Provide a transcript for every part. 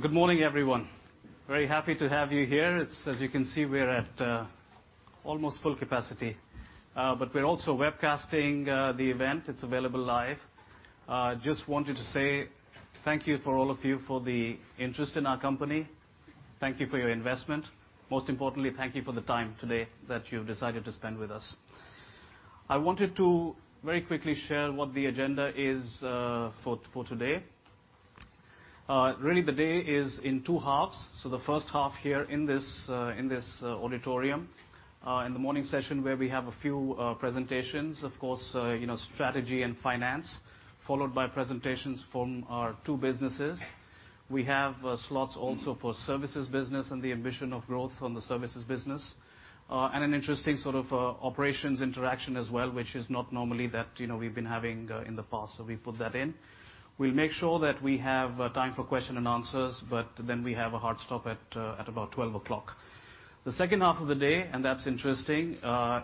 Good morning, everyone. Very happy to have you here. As you can see, we are at almost full capacity. We're also webcasting the event. It's available live. Just wanted to say thank you for all of you for the interest in our company. Thank you for your investment. Most importantly, thank you for the time today that you've decided to spend with us. I wanted to very quickly share what the agenda is for today. Really, the day is in two halves. The first half here in this auditorium, in the morning session where we have a few presentations. Of course, strategy and finance, followed by presentations from our two businesses. We have slots also for services business and the ambition of growth on the services business. An interesting sort of operations interaction as well, which is not normally that we've been having in the past. We put that in. We'll make sure that we have time for question and answers. We have a hard stop at about 12:00 P.M. The second half of the day, and that's interesting,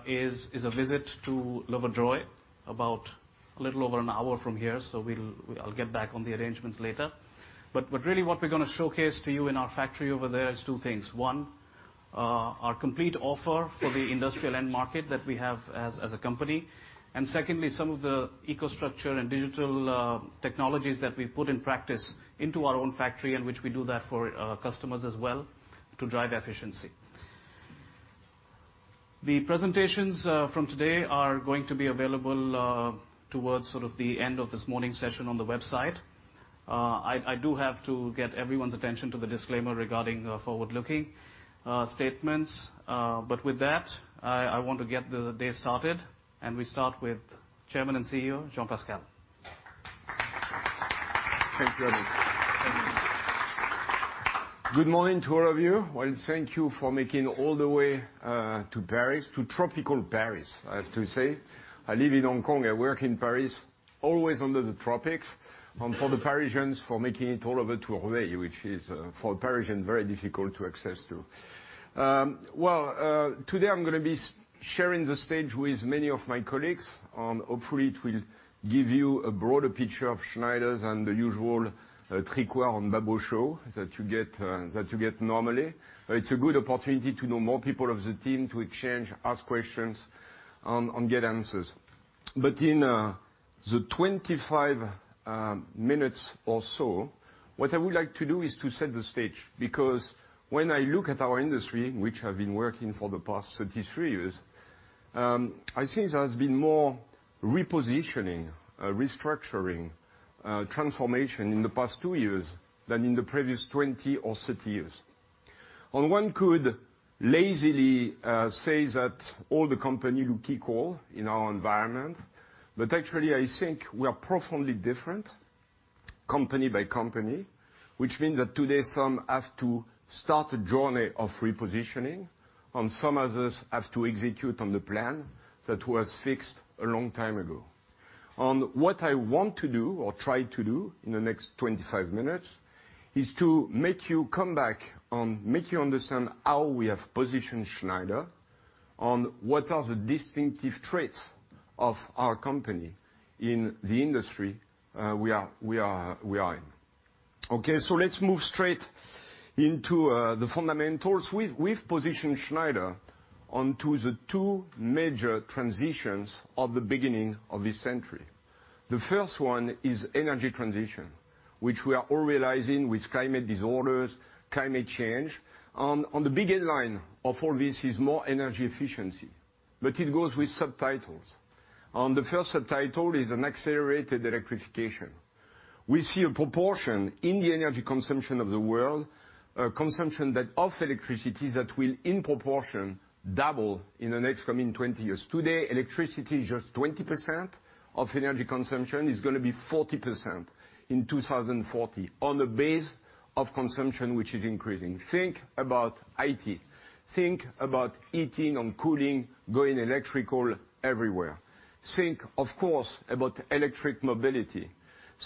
is a visit to Le Vaudreuil, about a little over an hour from here. I'll get back on the arrangements later. Really what we're going to showcase to you in our factory over there is two things. One, our complete offer for the industrial end market that we have as a company. Secondly, some of the EcoStruxure and digital technologies that we put in practice into our own factory and which we do that for our customers as well to drive efficiency. The presentations from today are going to be available towards the end of this morning session on the website. I do have to get everyone's attention to the disclaimer regarding forward-looking statements. With that, I want to get the day started, and we start with Chairman and CEO, Jean-Pascal. Thank you, Amit. Good morning to all of you. Thank you for making it all the way to Paris, to tropical Paris, I have to say. I live in Hong Kong, I work in Paris, always under the tropics, and for the Parisians for making it all the way to Le Vaudreuil, which is, for a Parisian, very difficult to access to. Today I'm going to be sharing the stage with many of my colleagues, and hopefully it will give you a broader picture of Schneider than the usual Tricoire and Babeau show that you get normally. It's a good opportunity to know more people of the team, to exchange, ask questions, and get answers. In the 25 minutes or so, what I would like to do is to set the stage, because when I look at our industry, which I have been working for the past 33 years, I think there has been more repositioning, restructuring, transformation in the past 2 years than in the previous 20 or 30 years. One could lazily say that all the companies look equal in our environment. Actually, I think we are profoundly different, company by company, which means that today some have to start a journey of repositioning, and some others have to execute on the plan that was fixed a long time ago. What I want to do or try to do in the next 25 minutes is to make you come back and make you understand how we have positioned Schneider and what are the distinctive traits of our company in the industry we are in. Let's move straight into the fundamentals. We've positioned Schneider onto the two major transitions of the beginning of this century. The first one is energy transition, which we are all realizing with climate disorders, climate change. The big headline of all this is more energy efficiency. It goes with subtitles. The first subtitle is an accelerated electrification. We see a proportion in the energy consumption of the world, a consumption that, of electricity, that will in proportion double in the next coming 20 years. Today, electricity is just 20% of energy consumption. It's going to be 40% in 2040 on the base of consumption, which is increasing. Think about IT. Think about heating and cooling going electrical everywhere. Think, of course, about electric mobility.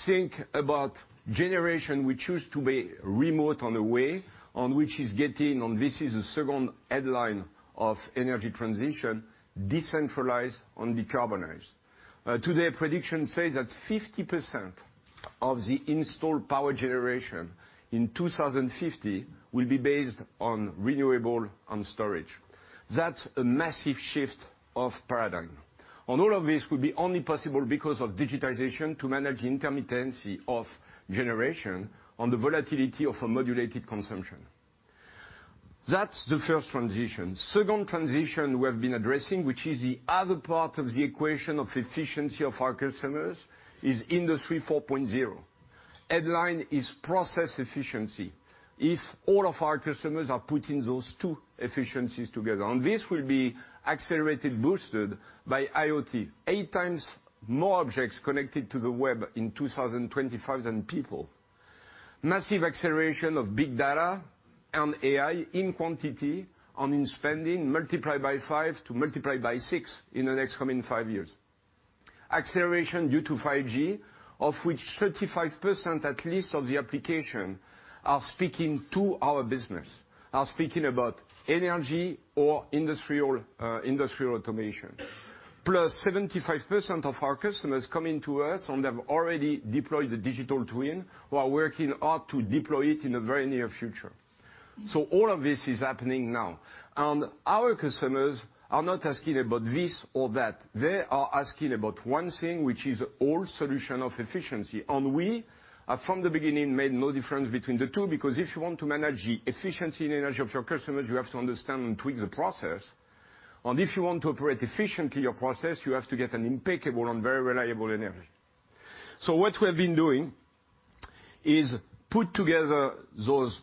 Think about generation which used to be remote on the way and which is getting, and this is the second headline of energy transition, decentralized and decarbonized. Today, predictions say that 50% of the installed power generation in 2050 will be based on renewable and storage. That's a massive shift of paradigm. All of this will be only possible because of digitization to manage the intermittency of generation on the volatility of a modulated consumption. That's the first transition. Second transition we have been addressing, which is the other part of the equation of efficiency of our customers, is Industry 4.0. Headline is process efficiency if all of our customers are putting those two efficiencies together. This will be accelerated, boosted by IoT. Eight times more objects connected to the web in 2020 than people. Massive acceleration of big data and AI in quantity and in spending, multiplied by five to multiplied by six in the next coming five years. Acceleration due to 5G, of which 35% at least of the application are speaking to our business, are speaking about energy or industrial automation. Plus 75% of our customers coming to us and have already deployed the digital twin, while working hard to deploy it in the very near future. All of this is happening now. Our customers are not asking about this or that. They are asking about one thing, which is all solution of efficiency. We have, from the beginning, made no difference between the two, because if you want to manage the efficiency and energy of your customers, you have to understand and tweak the process. If you want to operate efficiently your process, you have to get an impeccable and very reliable energy. What we have been doing is put together those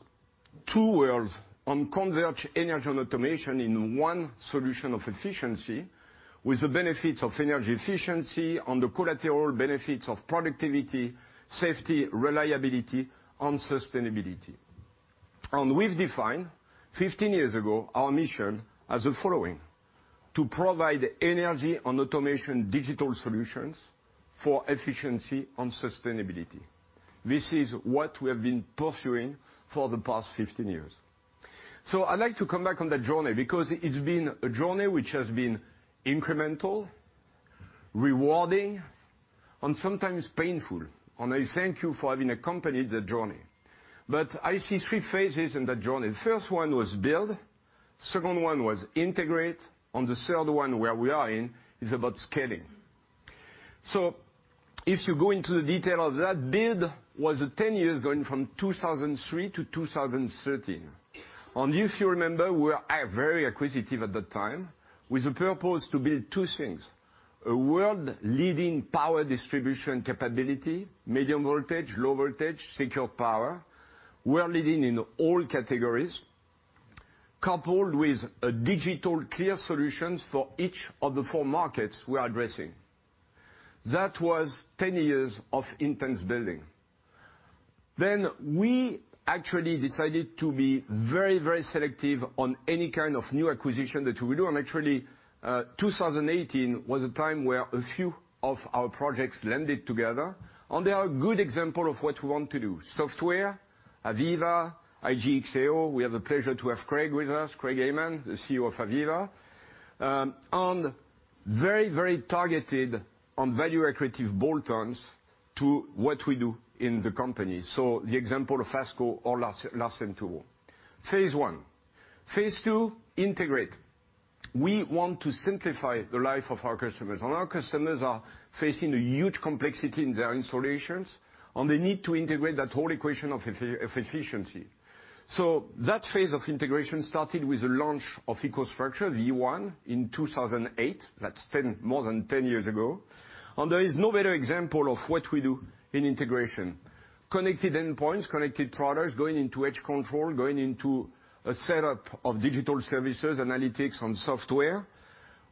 two worlds and converge energy and automation in one solution of efficiency, with the benefits of energy efficiency and the collateral benefits of productivity, safety, reliability, and sustainability. We've defined, 15 years ago, our mission as the following, to provide energy and automation digital solutions for efficiency and sustainability. This is what we have been pursuing for the past 15 years. I'd like to come back on that journey because it's been a journey which has been incremental, rewarding, and sometimes painful, and I thank you for having accompanied the journey. I see 3 phases in that journey. The first one was build, second one was integrate, and the third one, where we are in, is about scaling. If you go into the detail of that, build was the 10 years going from 2003 to 2013. If you remember, we were very acquisitive at that time, with the purpose to build 2 things, a world-leading power distribution capability, medium voltage, low voltage, secure power. We're leading in all categories, coupled with digital clear solutions for each of the 4 markets we are addressing. That was 10 years of intense building. We actually decided to be very, very selective on any kind of new acquisition that we do. Actually, 2018 was a time where a few of our projects landed together, and they are a good example of what we want to do. Software, AVEVA, IGE XAO. We have the pleasure to have Craig with us, Craig Hayman, the CEO of AVEVA, and very, very targeted on value-accretive bolt-ons to what we do in the company, so the example of ASCO or Larsen & Toubro. Phase 1. Phase 2, integrate. We want to simplify the life of our customers, and our customers are facing a huge complexity in their installations, and they need to integrate that whole equation of efficiency. That phase of integration started with the launch of EcoStruxure V1 in 2008. That's more than 10 years ago. There is no better example of what we do in integration. Connected endpoints, connected products, going into edge control, going into a set-up of digital services, analytics, and software,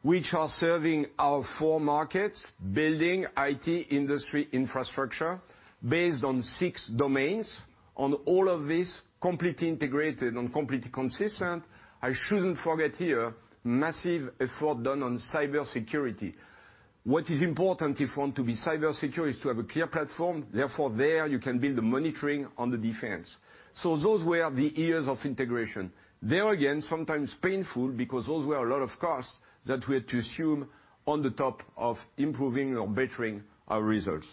which are serving our 4 markets, building, IT, industry, infrastructure, based on 6 domains, and all of this completely integrated and completely consistent. I shouldn't forget here, massive effort done on cybersecurity. What is important if you want to be cybersecure is to have a clear platform. Therefore, there, you can build the monitoring and the defense. Those were the years of integration. There again, sometimes painful, because those were a lot of costs that we had to assume on the top of improving or bettering our results.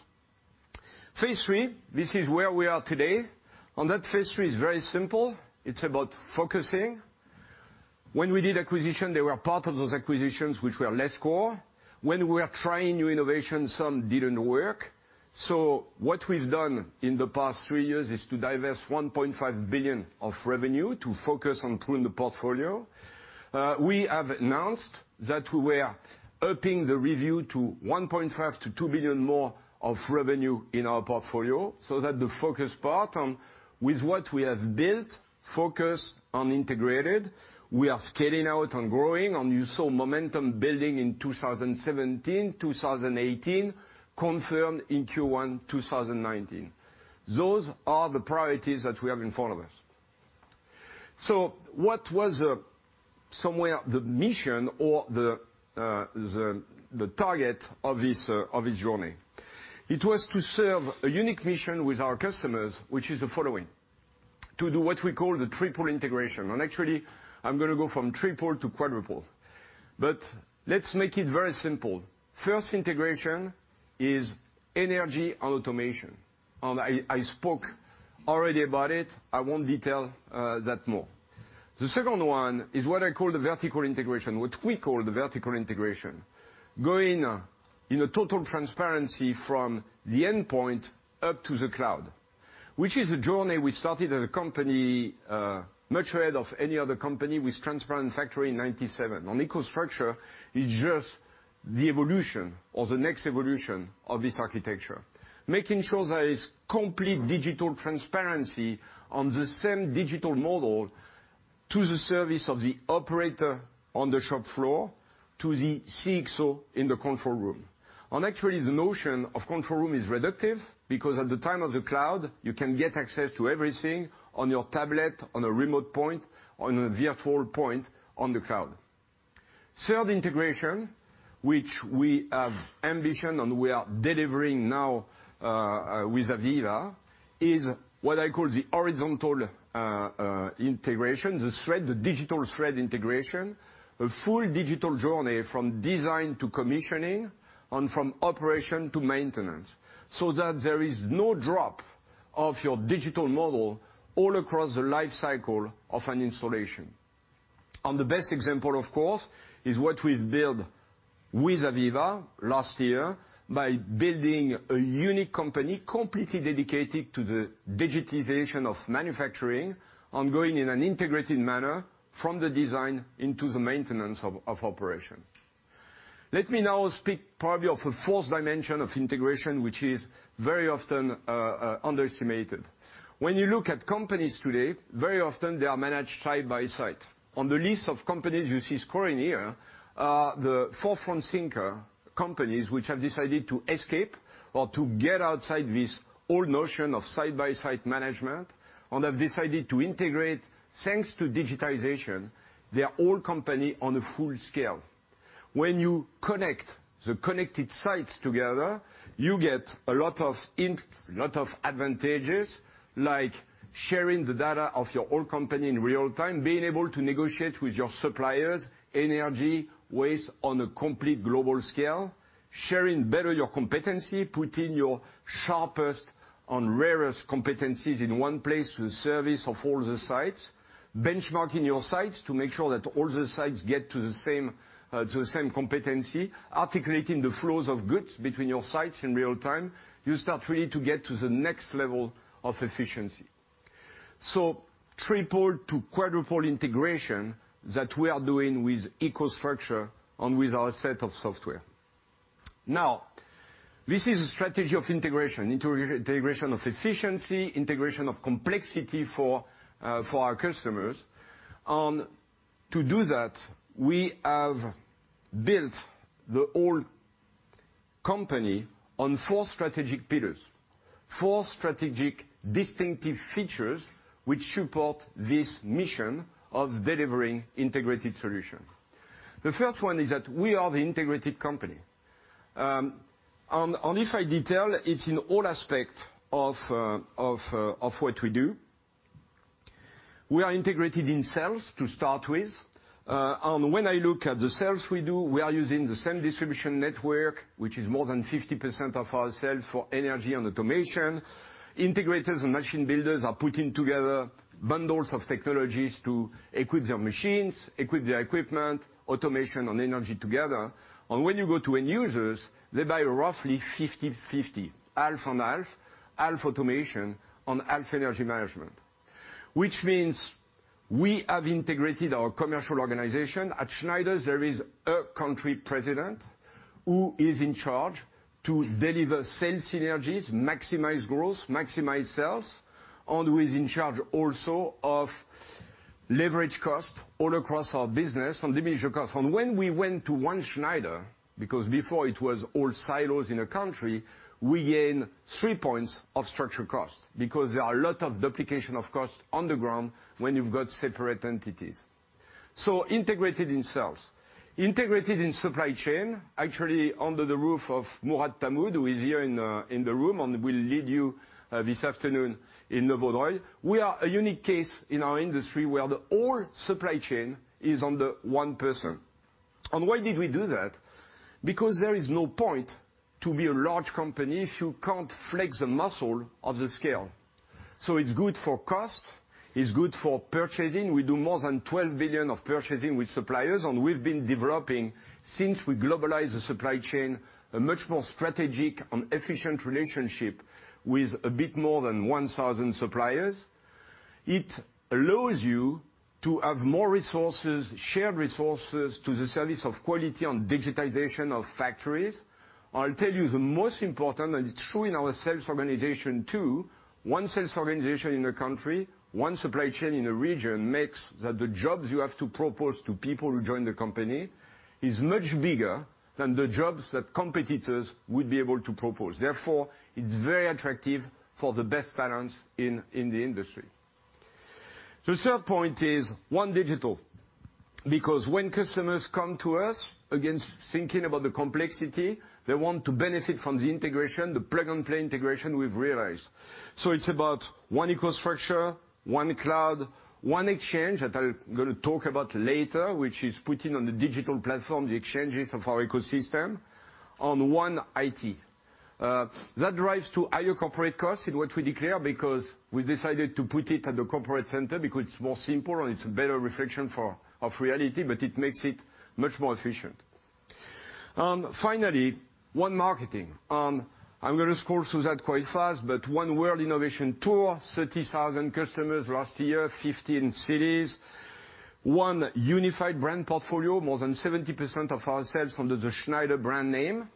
Phase 3, this is where we are today, and that phase 3 is very simple. It's about focusing. When we did acquisition, there were parts of those acquisitions which were less core. When we were trying new innovations, some didn't work. What we've done in the past three years is to divest 1.5 billion of revenue to focus on pruning the portfolio. We have announced that we are upping the review to 1.5 billion to 2 billion more of revenue in our portfolio, so that the focus part on with what we have built, focused, and integrated, we are scaling out and growing, and you saw momentum building in 2017, 2018, confirmed in Q1 2019. Those are the priorities that we have in front of us. What was somewhere the mission or the target of this journey? It was to serve a unique mission with our customers, which is the following, to do what we call the triple integration, and actually, I'm going to go from triple to quadruple. Let's make it very simple. First integration is energy and automation, and I spoke already about it. I won't detail that more. The second one is what I call the vertical integration, what we call the vertical integration, going in a total transparency from the endpoint up to the cloud, which is a journey we started as a company much ahead of any other company with Transparent Factory in 1997, and EcoStruxure is just the evolution or the next evolution of this architecture. Making sure there is complete digital transparency on the same digital model to the service of the operator on the shop floor to the CXO in the control room. Actually, the notion of control room is reductive, because at the time of the cloud, you can get access to everything on your tablet, on a remote point, on a VR4 point on the cloud. Third integration, which we have ambition and we are delivering now with AVEVA, is what I call the horizontal integration, the digital thread integration, a full digital journey from design to commissioning and from operation to maintenance, so that there is no drop of your digital model all across the life cycle of an installation. The best example, of course, is what we've built with AVEVA last year by building a unique company completely dedicated to the digitization of manufacturing, and going in an integrated manner from the design into the maintenance of operation. Let me now speak probably of a fourth dimension of integration, which is very often underestimated. When you look at companies today, very often they are managed site by site. On the list of companies you see scrolling here, the forefront thinker companies, which have decided to escape or to get outside this old notion of site-by-site management and have decided to integrate. Thanks to digitization, they are all company on a full scale. When you connect the connected sites together, you get a lot of advantages, like sharing the data of your whole company in real time, being able to negotiate with your suppliers, energy, waste on a complete global scale, sharing better your competency, putting your sharpest and rarest competencies in one place for the service of all the sites, benchmarking your sites to make sure that all the sites get to the same competency, articulating the flows of goods between your sites in real time. You start really to get to the next level of efficiency. Triple to quadruple integration that we are doing with EcoStruxure and with our set of software. This is a strategy of integration of efficiency, integration of complexity for our customers. To do that, we have built the whole company on four strategic pillars, four strategic distinctive features which support this mission of delivering integrated solution. The first one is that we are the integrated company. If I detail, it's in all aspect of what we do. We are integrated in sales, to start with. When I look at the sales we do, we are using the same distribution network, which is more than 50% of our sales for energy and automation. Integrators and machine builders are putting together bundles of technologies to equip their machines, equip their equipment, automation and energy together. When you go to end users, they buy roughly 50/50, half and half automation and half energy management, which means we have integrated our commercial organization. At Schneider, there is a country president who is in charge to deliver sales synergies, maximize growth, maximize sales, and who is in charge also of leverage cost all across our business and diminish your cost. When we went to one Schneider, because before it was all silos in a country, we gain three points of structural cost because there are a lot of duplication of cost on the ground when you've got separate entities. Integrated in sales. Integrated in supply chain, actually under the roof of Mourad Tamoud, who is here in the room and will lead you this afternoon in Le Vaudreuil. We are a unique case in our industry where the whole supply chain is under one person. Why did we do that? Because there is no point to be a large company if you can't flex the muscle of the scale. It's good for cost, it's good for purchasing. We do more than 12 billion of purchasing with suppliers, and we've been developing, since we globalized the supply chain, a much more strategic and efficient relationship with a bit more than 1,000 suppliers. It allows you to have more resources, shared resources to the service of quality and digitization of factories. I'll tell you the most important, and it's true in our sales organization, too. One sales organization in a country, one supply chain in a region makes that the jobs you have to propose to people who join the company is much bigger than the jobs that competitors would be able to propose. Therefore, it's very attractive for the best talents in the industry. The third point is one digital, because when customers come to us, again, thinking about the complexity, they want to benefit from the integration, the plug-and-play integration we've realized. It's about one EcoStruxure, one cloud, one exchange, that I'm going to talk about later, which is putting on the digital platform the exchanges of our ecosystem, and one IT. That drives to higher corporate costs in what we declare because we decided to put it at the corporate center because it's more simple and it's a better reflection of reality, but it makes it much more efficient. Finally, one marketing, I am going to scroll through that quite fast, but one World Innovation Tour, 30,000 customers last year, 15 cities, one unified brand portfolio, more than 70% of our sales under the Schneider brand name,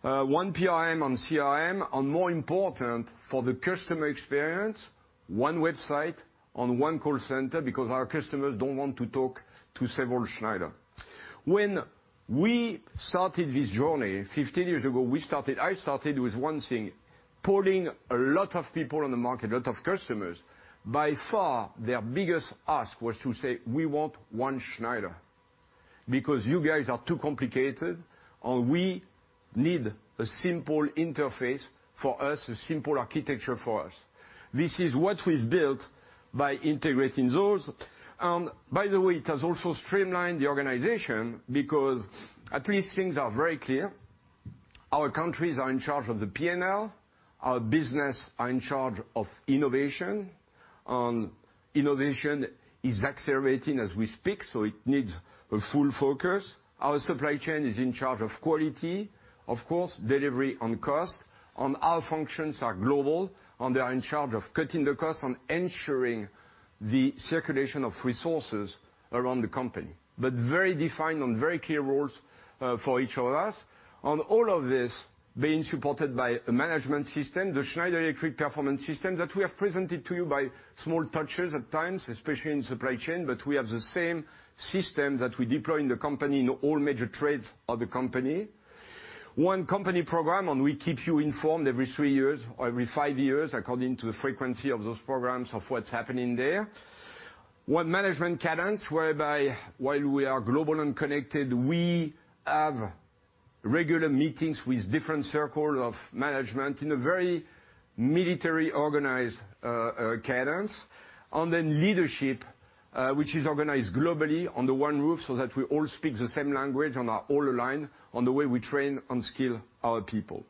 one PRM and CRM, and more important for the customer experience, one website and one call center because our customers don't want to talk to several Schneider. When we started this journey 15 years ago, I started with one thing. Polling a lot of people on the market, a lot of customers, by far, their biggest ask was to say, "We want one Schneider, because you guys are too complicated, and we need a simple interface for us, a simple architecture for us." This is what we built by integrating those. By the way, it has also streamlined the organization because at least things are very clear. Our countries are in charge of the P&L, our business are in charge of innovation. Innovation is accelerating as we speak, it needs a full focus. Our supply chain is in charge of quality, of course, delivery on cost. Our functions are global, and they are in charge of cutting the cost and ensuring the circulation of resources around the company. But very defined and very clear roles for each of us. All of this being supported by a management system, the Schneider Electric Performance System that we have presented to you by small touches at times, especially in supply chain, but we have the same system that we deploy in the company, in all major trades of the company. One company program, and we keep you informed every three years or every five years according to the frequency of those programs of what's happening there. One management cadence, whereby, while we are global and connected, we have regular meetings with different circle of management in a very military organized cadence. Leadership, which is organized globally under one roof so that we all speak the same language and are all aligned on the way we train and skill our people.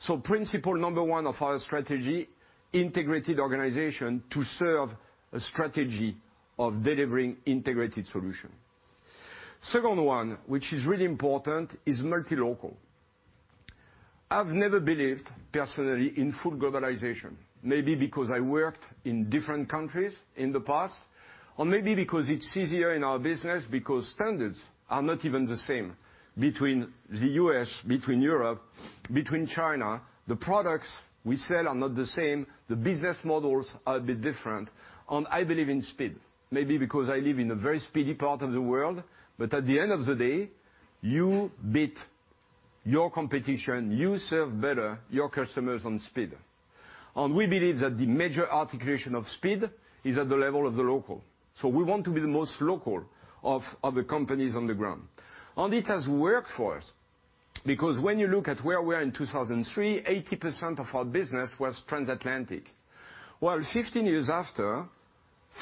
So principle number one of our strategy, integrated organization to serve a strategy of delivering integrated solution. Second one, which is really important, is multi-local. I've never believed personally in full globalization. Maybe because I worked in different countries in the past, or maybe because it's easier in our business because standards are not even the same between the U.S., between Europe, between China. The products we sell are not the same. The business models are a bit different. I believe in speed. Maybe because I live in a very speedy part of the world. But at the end of the day, you beat your competition, you serve better your customers on speed. We believe that the major articulation of speed is at the level of the local. So we want to be the most local of the companies on the ground. And it has worked for us because when you look at where we are in 2003, 80% of our business was trans-Atlantic. While 15 years after,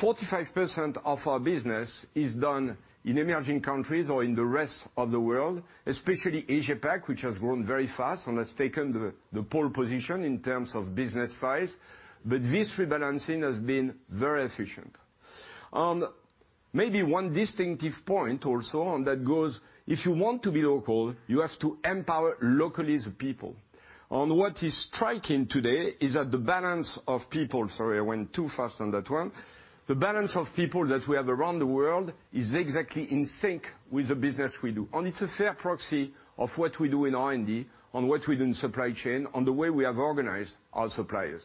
45% of our business is done in emerging countries or in the rest of the world, especially Asia-Pac, which has grown very fast and has taken the pole position in terms of business size. But this rebalancing has been very efficient. Maybe one distinctive point also, that goes, if you want to be local, you have to empower locally the people. What is striking today is that the balance of people, sorry, I went too fast on that one. The balance of people that we have around the world is exactly in sync with the business we do. It's a fair proxy of what we do in R&D, on what we do in supply chain, on the way we have organized our suppliers.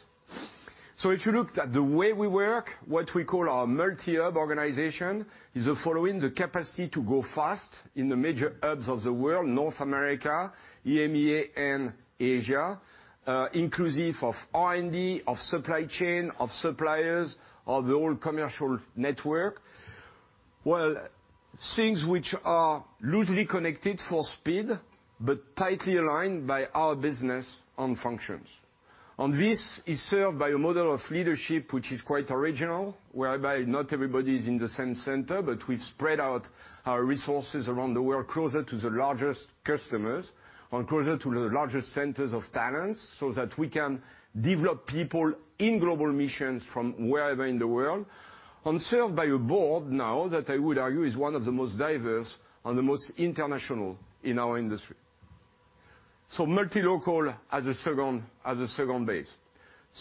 If you look at the way we work, what we call our multi-hub organization is the following. The capacity to go fast in the major hubs of the world, North America, EMEA, and Asia, inclusive of R&D, of supply chain, of suppliers, of the whole commercial network. Things which are loosely connected for speed, but tightly aligned by our business and functions. This is served by a model of leadership, which is quite original, whereby not everybody is in the same center, but we spread out our resources around the world closer to the largest customers and closer to the largest centers of talents, so that we can develop people in global missions from wherever in the world. Served by a board now that I would argue is one of the most diverse and the most international in our industry. Multi-local as a second base.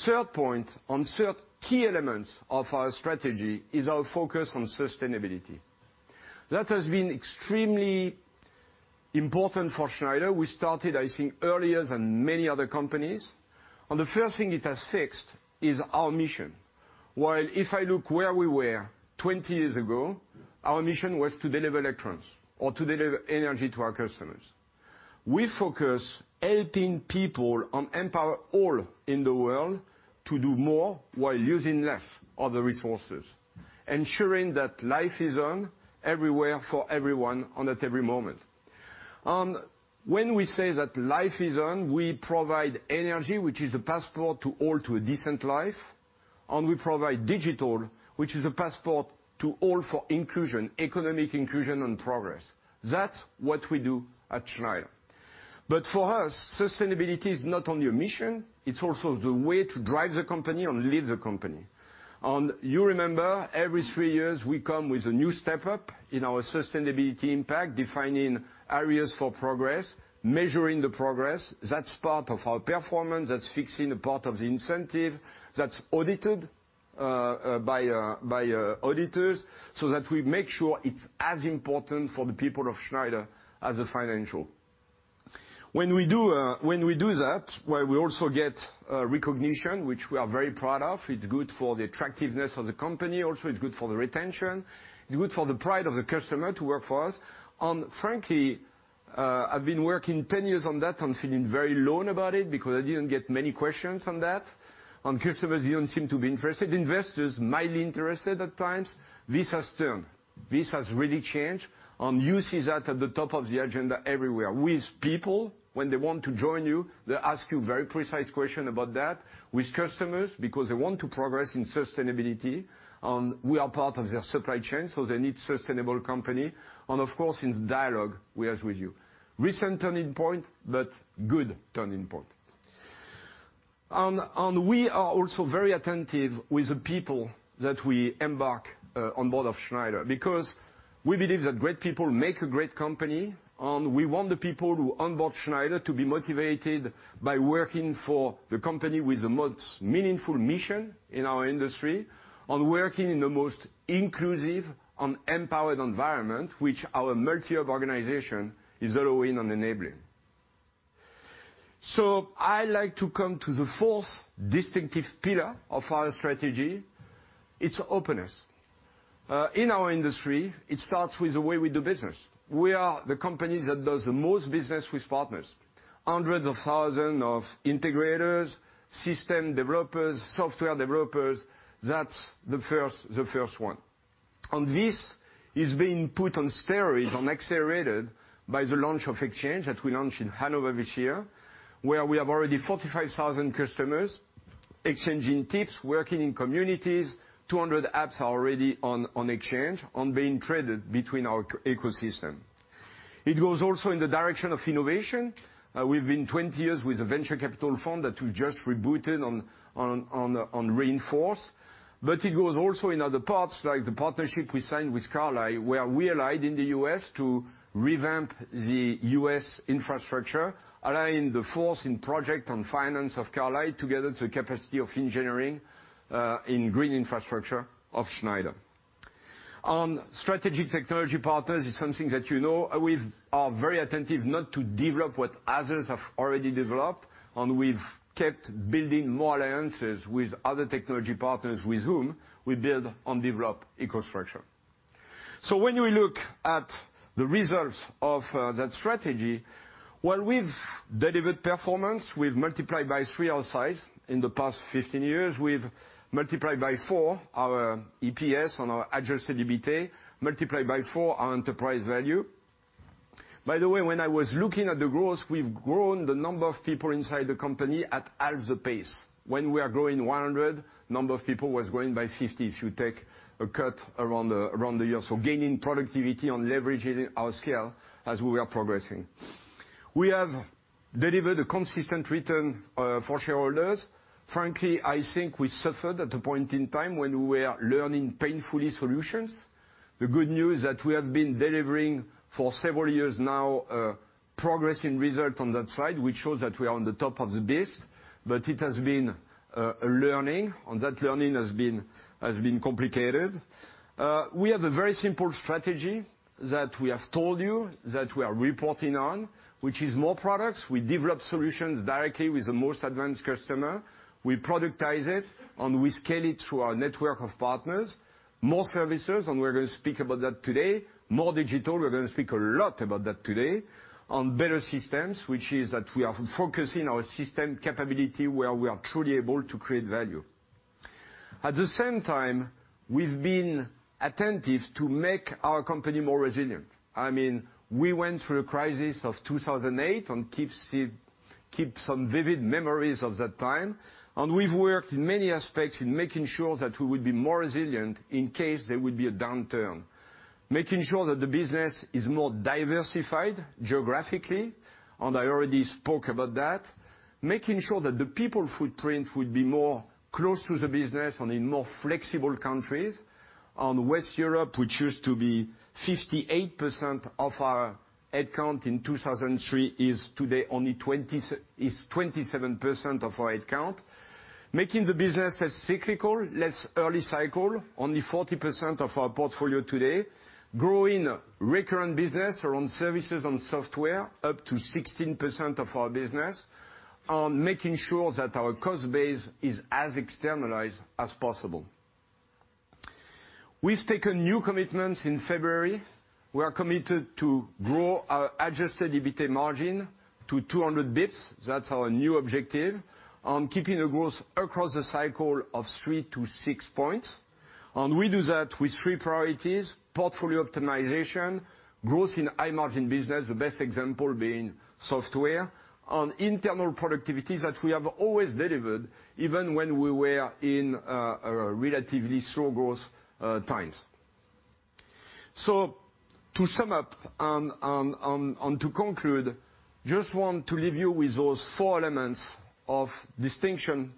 Third point and third key element of our strategy is our focus on sustainability. That has been extremely important for Schneider. We started, I think, earlier than many other companies. The first thing it has fixed is our mission. While if I look where we were 20 years ago, our mission was to deliver electrons or to deliver energy to our customers. We focus helping people and empower all in the world to do more while using less of the resources, ensuring that life is on everywhere for everyone and at every moment. When we say that life is on, we provide energy, which is a passport to all to a decent life. We provide digital, which is a passport to all for inclusion, economic inclusion, and progress. That's what we do at Schneider. For us, sustainability is not only a mission, it's also the way to drive the company and lead the company. You remember, every three years, we come with a new step-up in our sustainability impact, defining areas for progress, measuring the progress. That's part of our performance. That's fixed in a part of the incentive. That's audited by auditors so that we make sure it's as important for the people of Schneider as the financial. When we do that, we also get recognition, which we are very proud of. It's good for the attractiveness of the company, also it's good for the retention, it's good for the pride of the customer to work for us. Frankly, I've been working 10 years on that. I'm feeling very alone about it, because I didn't get many questions on that. Customers didn't seem to be interested. Investors, mildly interested at times. This has turned. This has really changed, and you see that at the top of the agenda everywhere. With people, when they want to join you, they ask you very precise question about that. With customers, because they want to progress in sustainability, and we are part of their supply chain, so they need sustainable company. Of course, in the dialogue we have with you. Recent turning point, but good turning point. We are also very attentive with the people that we embark on board of Schneider, because we believe that great people make a great company, and we want the people who onboard Schneider to be motivated by working for the company with the most meaningful mission in our industry, on working in the most inclusive and empowered environment, which our multi-hub organization is allowing and enabling. I like to come to the fourth distinctive pillar of our strategy. It's openness. In our industry, it starts with the way we do business. We are the company that does the most business with partners. Hundreds of thousand of integrators, system developers, software developers. That's the first one. This is being put on steroids, on accelerated by the launch of Exchange that we launched in Hanover this year, where we have already 45,000 customers exchanging tips, working in communities, 200 apps are already on Exchange and being traded between our ecosystem. It goes also in the direction of innovation. We've been 20 years with a venture capital fund that we just rebooted and reinforced. It goes also in other parts, like the partnership we signed with Carlyle, where we allied in the U.S. to revamp the U.S. infrastructure, align the force in project and finance of Carlyle together with capacity of engineering in green infrastructure of Schneider. Strategy technology partners is something that you know we are very attentive not to develop what others have already developed, and we've kept building more alliances with other technology partners with whom we build and develop EcoStruxure. When you look at the results of that strategy, while we've delivered performance, we've multiplied by three our size in the past 15 years. We've multiplied by four our EPS and our Adjusted EBITA, multiplied by four our enterprise value. By the way, when I was looking at the growth, we've grown the number of people inside the company at half the pace. When we are growing 100, number of people was growing by 50, if you take a cut around the year. Gaining productivity and leveraging our scale as we are progressing. We have delivered a consistent return for shareholders. Frankly, I think we suffered at the point in time when we were learning painfully solutions. The good news that we have been delivering for several years now, progress in results on that side, which shows that we are on the top of this. It has been a learning, and that learning has been complicated. We have a very simple strategy that we have told you, that we are reporting on, which is more products. We develop solutions directly with the most advanced customer. We productize it, and we scale it through our network of partners. More services, and we're going to speak about that today. More digital, we're going to speak a lot about that today. Better systems, which is that we are focusing our system capability where we are truly able to create value. At the same time, we've been attentive to make our company more resilient. I mean, we went through a crisis of 2008 and keep some vivid memories of that time. We've worked many aspects in making sure that we would be more resilient in case there would be a downturn. Making sure that the business is more diversified geographically, I already spoke about that. Making sure that the people footprint would be more close to the business and in more flexible countries. West Europe, which used to be 58% of our head count in 2003, is today only 27% of our head count. Making the business as cyclical, less early cycle, only 40% of our portfolio today. Growing recurrent business around services and software, up to 16% of our business. Making sure that our cost base is as externalized as possible. We've taken new commitments in February. We are committed to grow our adjusted EBITA margin to 200 basis points. That's our new objective. Keeping the growth across the cycle of three to six points. We do that with three priorities. Portfolio optimization, growth in high-margin business, the best example being software, internal productivity that we have always delivered, even when we were in relatively slow growth times. To sum up and to conclude, just want to leave you with those four elements of distinction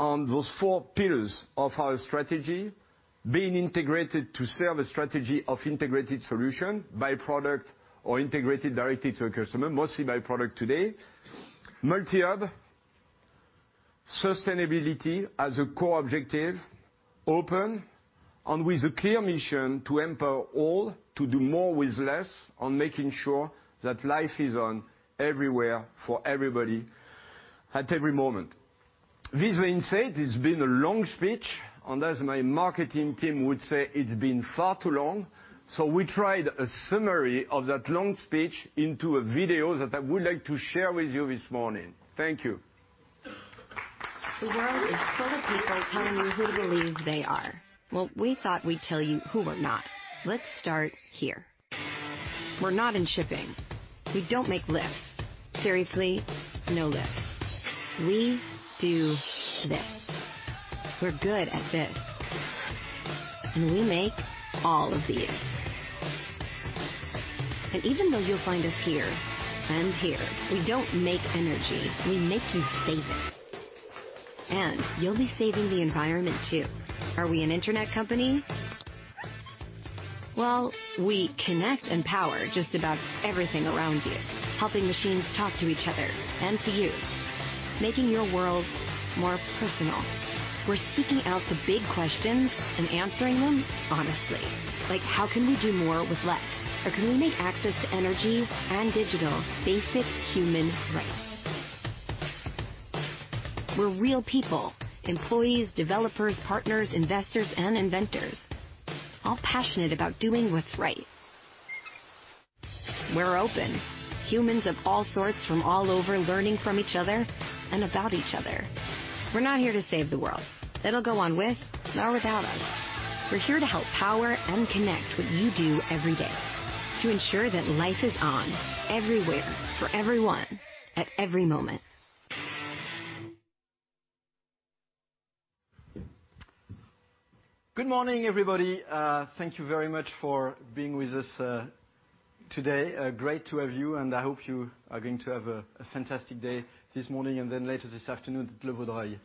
and those four pillars of our strategy. Being integrated to serve a strategy of integrated solution by product or integrated directly to a customer, mostly by product today. Multi-hubSustainability as a core objective, open and with a clear mission to empower all to do more with less, making sure that life is on everywhere for everybody, at every moment. This being said, it's been a long speech, and as my marketing team would say, it's been far too long. We tried a summary of that long speech into a video that I would like to share with you this morning. Thank you. The world is full of people telling you who to believe they are. We thought we'd tell you who we're not. Let's start here. We're not in shipping. We don't make lists. Seriously, no lists. We do this. We're good at this. We make all of these. Even though you'll find us here and here, we don't make energy, we make you save it. You'll be saving the environment, too. Are we an internet company? We connect and power just about everything around you, helping machines talk to each other and to you, making your world more personal. We're seeking out the big questions and answering them honestly. Like, how can we do more with less? Can we make access to energy and digital basic human rights? We're real people, employees, developers, partners, investors, and inventors, all passionate about doing what's right. We're open. Humans of all sorts from all over, learning from each other and about each other. We're not here to save the world. It'll go on with or without us. We're here to help power and connect what you do every day to ensure that life is on everywhere, for everyone, at every moment. Good morning, everybody. Thank you very much for being with us today. Great to have you, I hope you are going to have a fantastic day this morning and then later this afternoon at Le Vaudreuil.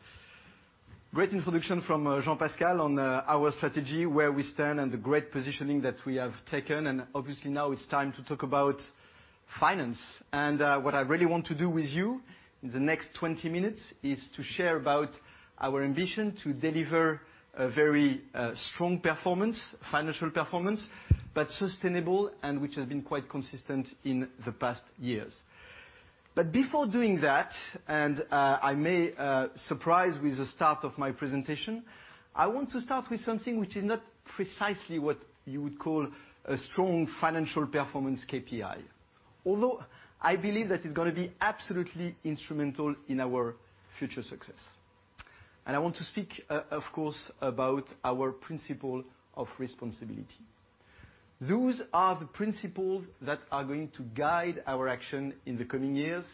Great introduction from Jean-Pascal on our strategy, where we stand, the great positioning that we have taken, obviously now it's time to talk about finance. What I really want to do with you in the next 20 minutes is to share about our ambition to deliver a very strong performance, financial performance, sustainable and which has been quite consistent in the past years. Before doing that, I may surprise with the start of my presentation, I want to start with something which is not precisely what you would call a strong financial performance KPI. I believe that it's going to be absolutely instrumental in our future success. I want to speak, of course, about our principle of responsibility. Those are the principles that are going to guide our action in the coming years,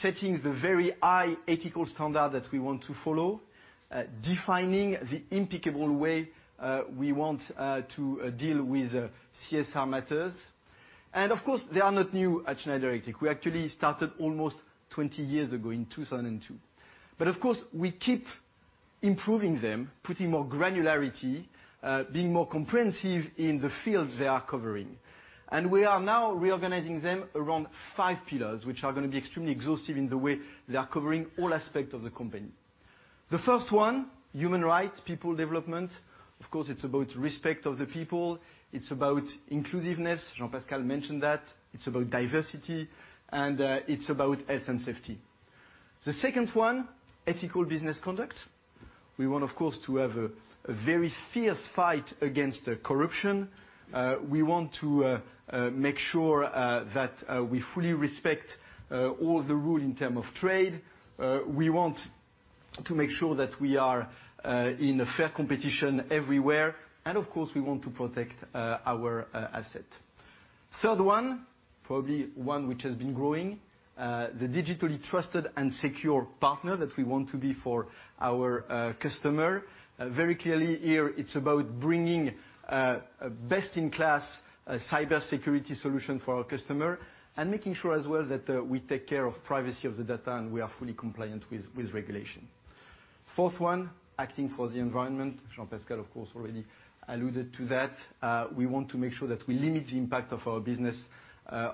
setting the very high ethical standard that we want to follow, defining the impeccable way we want to deal with CSR matters. Of course, they are not new at Schneider Electric. We actually started almost 20 years ago in 2002. Of course, we keep improving them, putting more granularity, being more comprehensive in the field they are covering. We are now reorganizing them around five pillars, which are going to be extremely exhaustive in the way they are covering all aspect of the company. The first one, human rights, people development. Of course, it's about respect of the people. It's about inclusiveness. Jean-Pascal mentioned that. It's about diversity and it's about health and safety. The second one, ethical business conduct. We want, of course, to have a very fierce fight against corruption. We want to make sure that we fully respect all the rule in term of trade. We want to make sure that we are in a fair competition everywhere, of course, we want to protect our asset. Third one, probably one which has been growing, the digitally trusted and secure partner that we want to be for our customer. Very clearly here, it's about bringing a best-in-class cybersecurity solution for our customer and making sure as well that we take care of privacy of the data and we are fully compliant with regulation. Fourth one, acting for the environment. Jean-Pascal, of course, already alluded to that. We want to make sure that we limit the impact of our business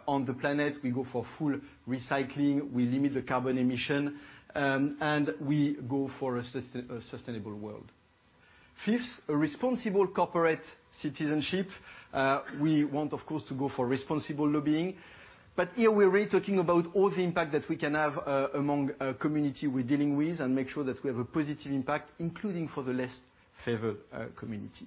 on the planet. We go for full recycling. We limit the carbon emission, we go for a sustainable world. Fifth, a responsible corporate citizenship. We want, of course, to go for responsible lobbying. Here, we're really talking about all the impact that we can have among a community we're dealing with and make sure that we have a positive impact, including for the less favored community.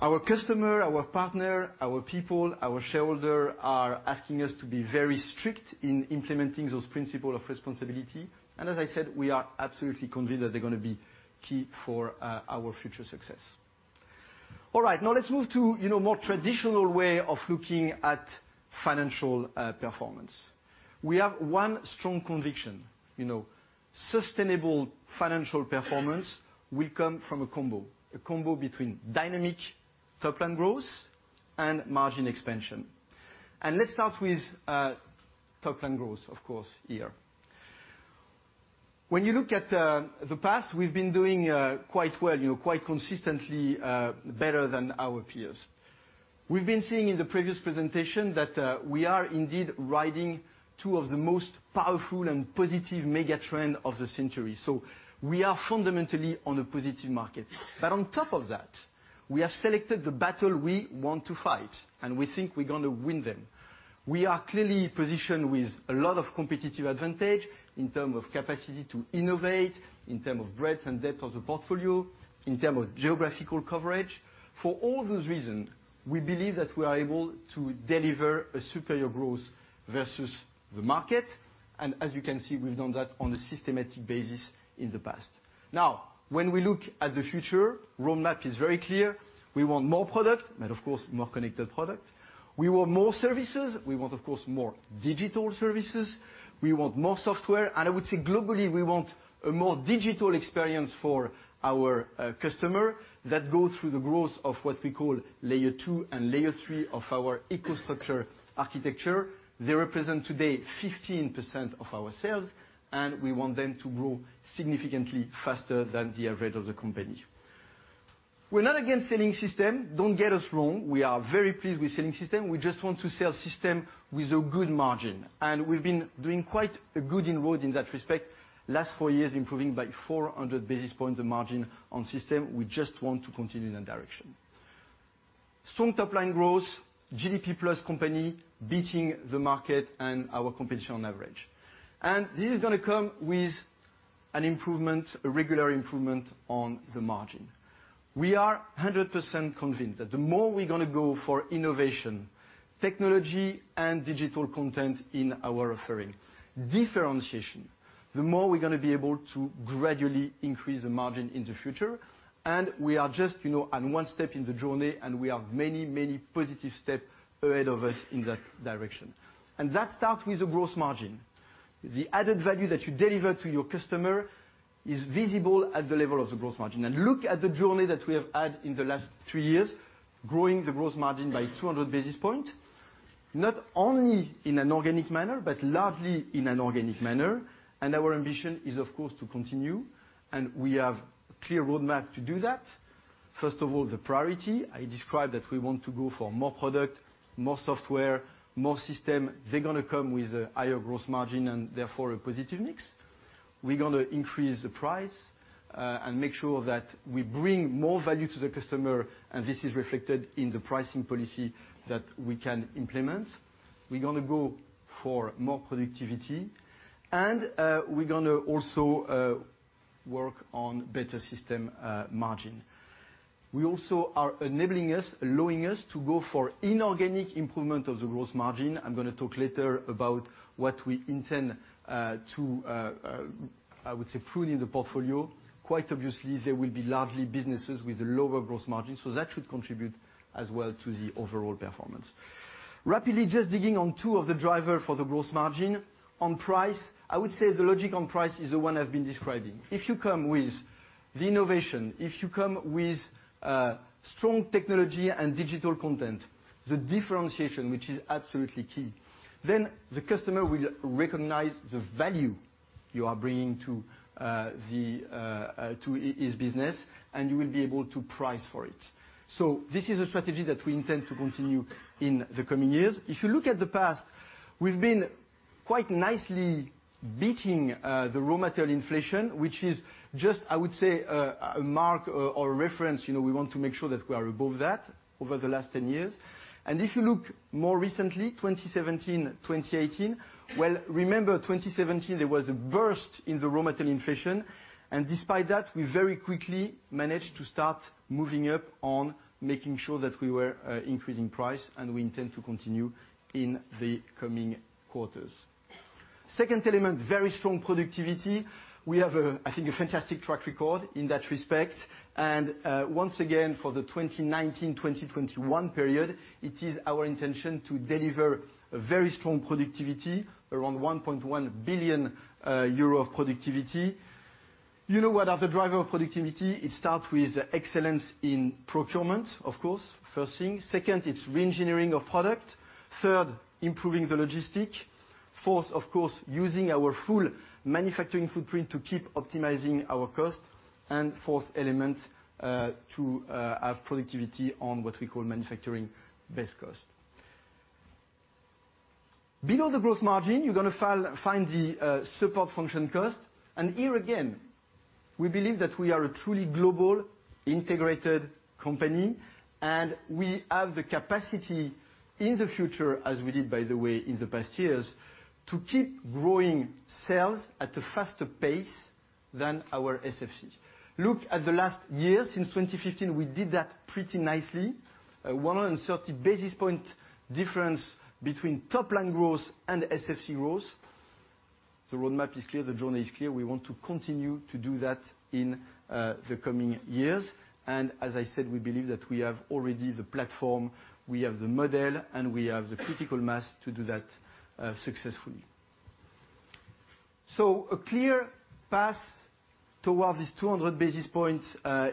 Our customer, our partner, our people, our shareholder are asking us to be very strict in implementing those principle of responsibility. As I said, we are absolutely convinced that they're going to be key for our future success. All right. Now let's move to a more traditional way of looking at financial performance. We have one strong conviction. Sustainable financial performance will come from a combo, a combo between dynamic top-line growth and margin expansion. Let's start with top-line growth, of course, here. When you look at the past, we've been doing quite well, quite consistently better than our peers. We've been seeing in the previous presentation that we are indeed riding two of the most powerful and positive mega trend of the century. We are fundamentally on a positive market. On top of that, we have selected the battle we want to fight, and we think we're going to win them. We are clearly positioned with a lot of competitive advantage in terms of capacity to innovate, in terms of breadth and depth of the portfolio, in terms of geographical coverage. For all those reasons, we believe that we are able to deliver a superior growth versus the market, and as you can see, we've done that on a systematic basis in the past. When we look at the future, roadmap is very clear. We want more product, and of course, more connected product. We want more services. We want, of course, more digital services. We want more software. I would say globally, we want a more digital experience for our customer that goes through the growth of what we call layer 2 and layer 3 of our EcoStruxure architecture. They represent today 15% of our sales. We want them to grow significantly faster than the average of the company. We're not against selling system. Don't get us wrong. We are very pleased with selling system. We just want to sell system with a good margin, and we've been doing quite good inroads in that respect. Last four years improving by 400 basis points of margin on system. We just want to continue in that direction. Strong top-line growth, GDP plus company, beating the market and our competition on average. This is going to come with an improvement, a regular improvement on the margin. We are 100% convinced that the more we going to go for innovation, technology, and digital content in our offering, differentiation, the more we're going to be able to gradually increase the margin in the future. We are just, you know, on one step in the journey, and we have many, many positive step ahead of us in that direction. That starts with the gross margin. The added value that you deliver to your customer is visible at the level of the gross margin. Look at the journey that we have had in the last three years, growing the gross margin by 200 basis points, not only in an organic manner, but largely in an organic manner. Our ambition is, of course, to continue, and we have clear roadmap to do that. First of all, the priority. I described that we want to go for more product, more software, more system. They're going to come with a higher growth margin and therefore a positive mix. We're going to increase the price and make sure that we bring more value to the customer, and this is reflected in the pricing policy that we can implement. We're going to go for more productivity, and we're going to also work on better system margin. We also are enabling us, allowing us to go for inorganic improvement of the growth margin. I'm going to talk later about what we intend to I would say prune in the portfolio. Quite obviously, there will be largely businesses with lower growth margin, so that should contribute as well to the overall performance. Rapidly just digging on two of the driver for the growth margin. On price, I would say the logic on price is the one I've been describing. If you come with the innovation, if you come with strong technology and digital content, the differentiation, which is absolutely key, then the customer will recognize the value you are bringing to the to his business, and you will be able to price for it. This is a strategy that we intend to continue in the coming years. If you look at the past, we've been quite nicely beating the raw material inflation, which is just, I would say, a mark or a reference. You know, we want to make sure that we are above that over the last 10 years. If you look more recently, 2017, 2018, well, remember 2017, there was a burst in the raw material inflation, despite that, we very quickly managed to start moving up on making sure that we were increasing price, and we intend to continue in the coming quarters. Second element, very strong productivity. We have a, I think, a fantastic track record in that respect. Once again, for the 2019/2021 period, it is our intention to deliver a very strong productivity around 1.1 billion euro of productivity. You know what are the driver of productivity? It starts with excellence in procurement, of course, first thing. Second, it's reengineering of product. Third, improving the logistic. Fourth, of course, using our full manufacturing footprint to keep optimizing our cost. Fourth element to have productivity on what we call manufacturing base cost. Below the growth margin, you're going to find the support function cost. Here again, we believe that we are a truly global, integrated company, and we have the capacity in the future, as we did, by the way, in the past years, to keep growing sales at a faster pace than our SFC. Look at the last year. Since 2015, we did that pretty nicely, 130 basis point difference between top line growth and SFC growth. The roadmap is clear, the journey is clear. We want to continue to do that in the coming years, and as I said, we believe that we have already the platform, we have the model, and we have the critical mass to do that successfully. A clear path toward this 200 basis point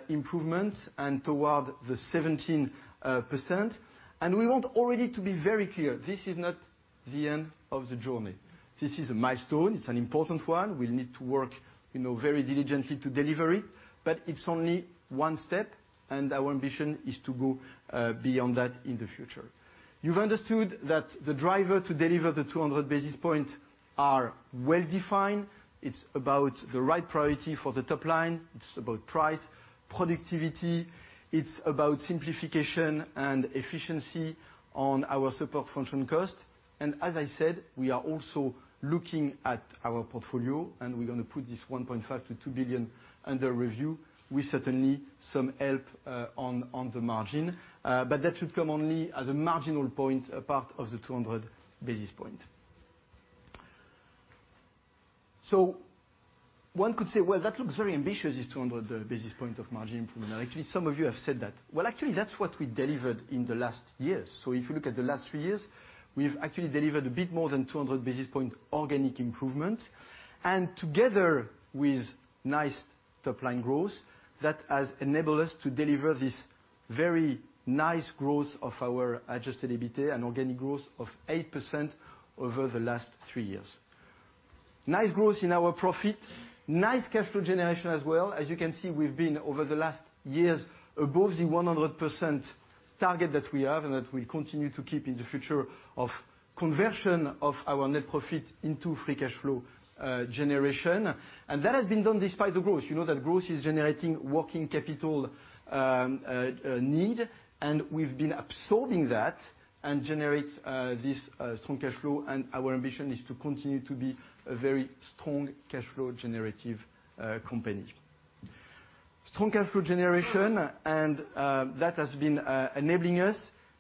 improvement and toward the 17%. We want already to be very clear, this is not the end of the journey. This is a milestone. It's an important one. We need to work very diligently to deliver it, but it's only one step, our ambition is to go beyond that in the future. You've understood that the driver to deliver the 200 basis point are well-defined. It's about the right priority for the top line. It's about price, productivity. It's about simplification and efficiency on our support function cost. As I said, we are also looking at our portfolio, and we're going to put this 1.5 billion-2 billion under review. We certainly some help on the margin. That should come only as a marginal point, a part of the 200 basis point. One could say, "Well, that looks very ambitious, this 200 basis point of margin improvement." Actually, some of you have said that. Well, actually, that's what we delivered in the last years. If you look at the last three years, we've actually delivered a bit more than 200 basis point organic improvement. Together with nice top-line growth, that has enabled us to deliver this very nice growth of our Adjusted EBITA and organic growth of 8% over the last three years. Nice growth in our profit. Nice cash flow generation as well. You can see, we've been, over the last years, above the 100% target that we have and that we'll continue to keep in the future, of conversion of our net profit into free cash flow generation. That has been done despite the growth. You know that growth is generating working capital need, we've been absorbing that and generate this strong cash flow, our ambition is to continue to be a very strong cash flow generative company. Strong cash flow generation, that has been enabling us,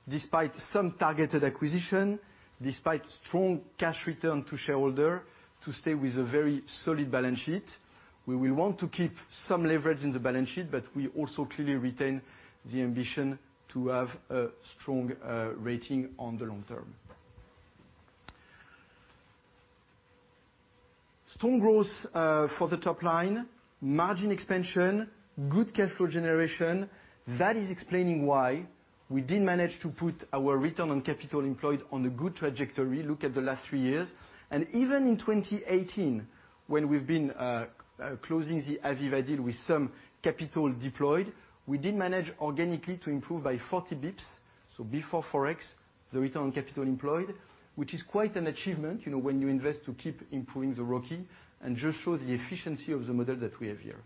despite some targeted acquisition, despite strong cash return to shareholder, to stay with a very solid balance sheet. We will want to keep some leverage in the balance sheet, we also clearly retain the ambition to have a strong rating on the long term. Strong growth for the top line, margin expansion, good cash flow generation. That is explaining why we did manage to put our return on capital employed on a good trajectory. Look at the last three years. Even in 2018, when we've been closing the AVEVA deal with some capital deployed, we did manage organically to improve by 40 basis points. Before Forex, the return on capital employed, which is quite an achievement, when you invest to keep improving the ROCE and just show the efficiency of the model that we have here.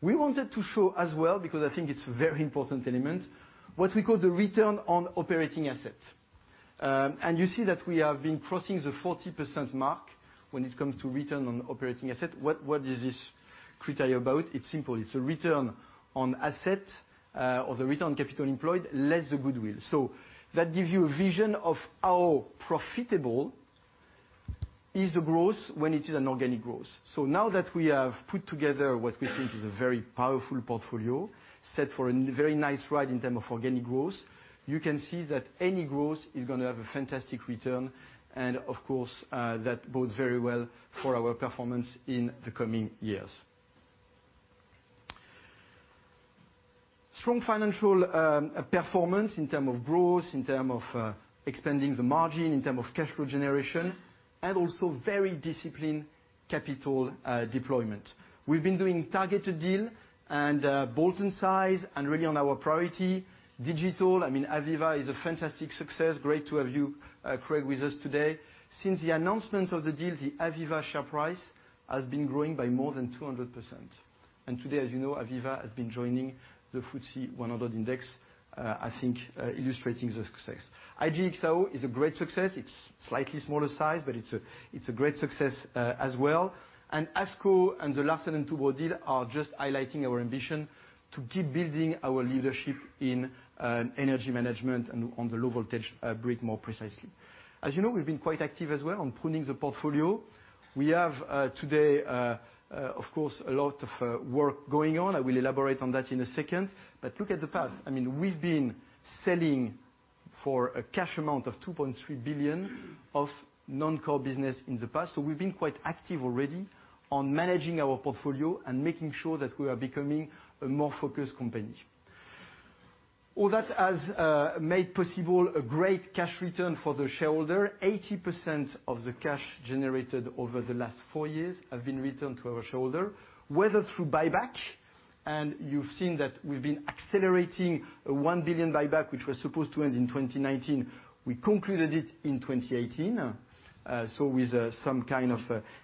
We wanted to show as well, because I think it's a very important element, what we call the return on operating asset. You see that we have been crossing the 40% mark when it comes to return on operating asset. What is this criteria about? It's simple. It's a return on asset, or the return on capital employed, less the goodwill. That gives you a vision of how profitable is the growth when it is an organic growth. Now that we have put together what we think is a very powerful portfolio, set for a very nice ride in terms of organic growth, you can see that any growth is going to have a fantastic return, and of course, that bodes very well for our performance in the coming years. Strong financial performance in terms of growth, in terms of expanding the margin, in terms of cash flow generation, and also very disciplined capital deployment. We've been doing targeted deal and build in size and really on our priority. Digital, AVEVA is a fantastic success. Great to have you, Craig, with us today. Since the announcement of the deal, the AVEVA share price has been growing by more than 200%. Today, as you know, AVEVA has been joining the FTSE 100 index, I think illustrating the success. IGE+XAO is a great success. It's slightly smaller size, it's a great success as well. ASCO and the Larsen & Toubro deal are just highlighting our ambition to keep building our leadership in energy management and on the low voltage grid more precisely. As you know, we've been quite active as well on pruning the portfolio. We have, today, of course, a lot of work going on. I will elaborate on that in a second. Look at the past. We've been selling for a cash amount of 2.3 billion of non-core business in the past. We've been quite active already on managing our portfolio and making sure that we are becoming a more focused company. All that has made possible a great cash return for the shareholder. 80% of the cash generated over the last four years have been returned to our shareholder, whether through buyback, you've seen that we've been accelerating a 1 billion buyback, which was supposed to end in 2019. We concluded it in 2018, with some kind of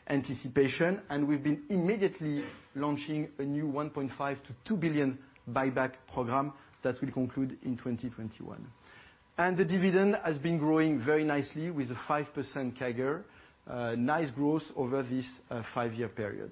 anticipation. We've been immediately launching a new 1.5 billion-2 billion buyback program that will conclude in 2021. The dividend has been growing very nicely, with a 5% CAGR. Nice growth over this five-year period.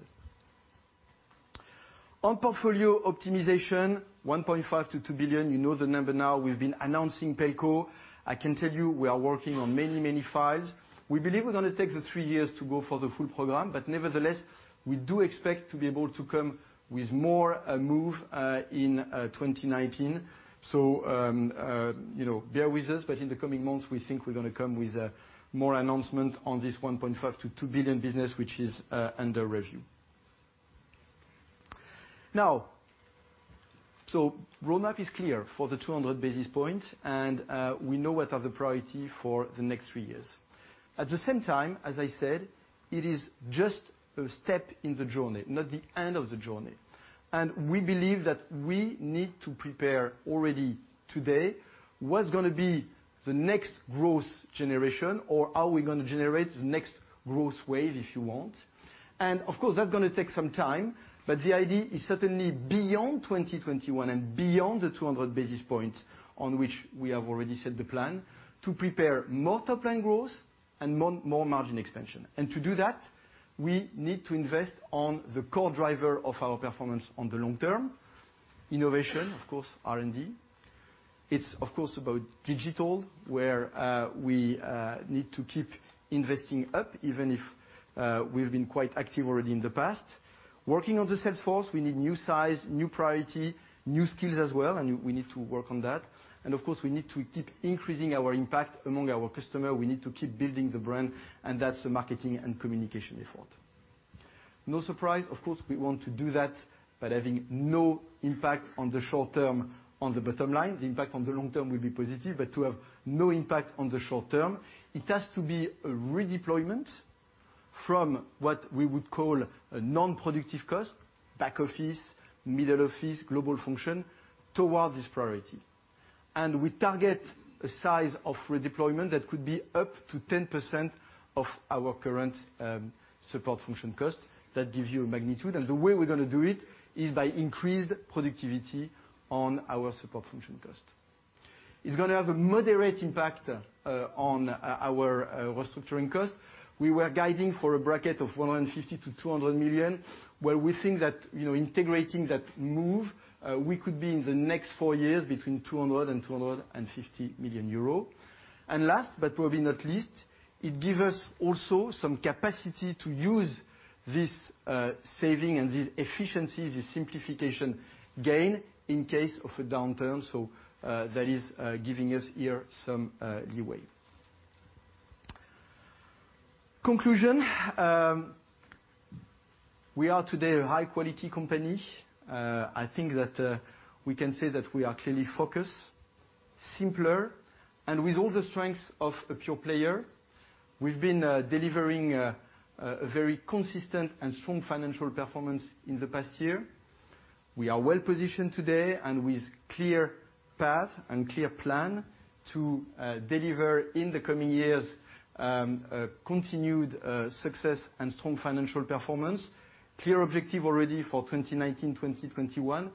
On portfolio optimization, 1.5 billion-2 billion, you know the number now. We've been announcing Pelco. I can tell you we are working on many files. We believe we're going to take the three years to go for the full program. Nevertheless, we do expect to be able to come with more move in 2019. Bear with us, in the coming months, we think we're going to come with more announcement on this 1.5 billion-2 billion business, which is under review. Roadmap is clear for the 200 basis points, we know what are the priority for the next three years. At the same time, as I said, it is just a step in the journey, not the end of the journey. We believe that we need to prepare already today what's going to be the next growth generation, or how we're going to generate the next growth wave, if you want. Of course, that's going to take some time, the idea is certainly beyond 2021 and beyond the 200 basis points on which we have already set the plan to prepare more top-line growth and more margin expansion. To do that, we need to invest on the core driver of our performance on the long term, innovation, of course, R&D. It's, of course, about digital, where we need to keep investing up, even if we've been quite active already in the past. Working on the sales force, we need new size, new priority, new skills as well, and we need to work on that. Of course, we need to keep increasing our impact among our customer. We need to keep building the brand, and that's the marketing and communication effort. No surprise, of course, we want to do that by having no impact on the short term on the bottom line. The impact on the long term will be positive, to have no impact on the short term, it has to be a redeployment from what we would call a non-productive cost, back office, middle office, global function, toward this priority. We target a size of redeployment that could be up to 10% of our current support function cost. That gives you a magnitude, the way we're going to do it is by increased productivity on our support function cost. It's going to have a moderate impact on our restructuring cost. We were guiding for a bracket of 150 million-200 million, where we think that integrating that move, we could be, in the next four years, between 200 million euros and 250 million euros. Last, but probably not least, it give us also some capacity to use this saving and this efficiency, this simplification gain in case of a downturn. That is giving us here some leeway. Conclusion, we are today a high-quality company. I think that we can say that we are clearly focused, simpler, and with all the strengths of a pure player. We've been delivering a very consistent and strong financial performance in the past year. We are well-positioned today, with clear path and clear plan to deliver in the coming years, continued success and strong financial performance. Clear objective already for 2019, 2021,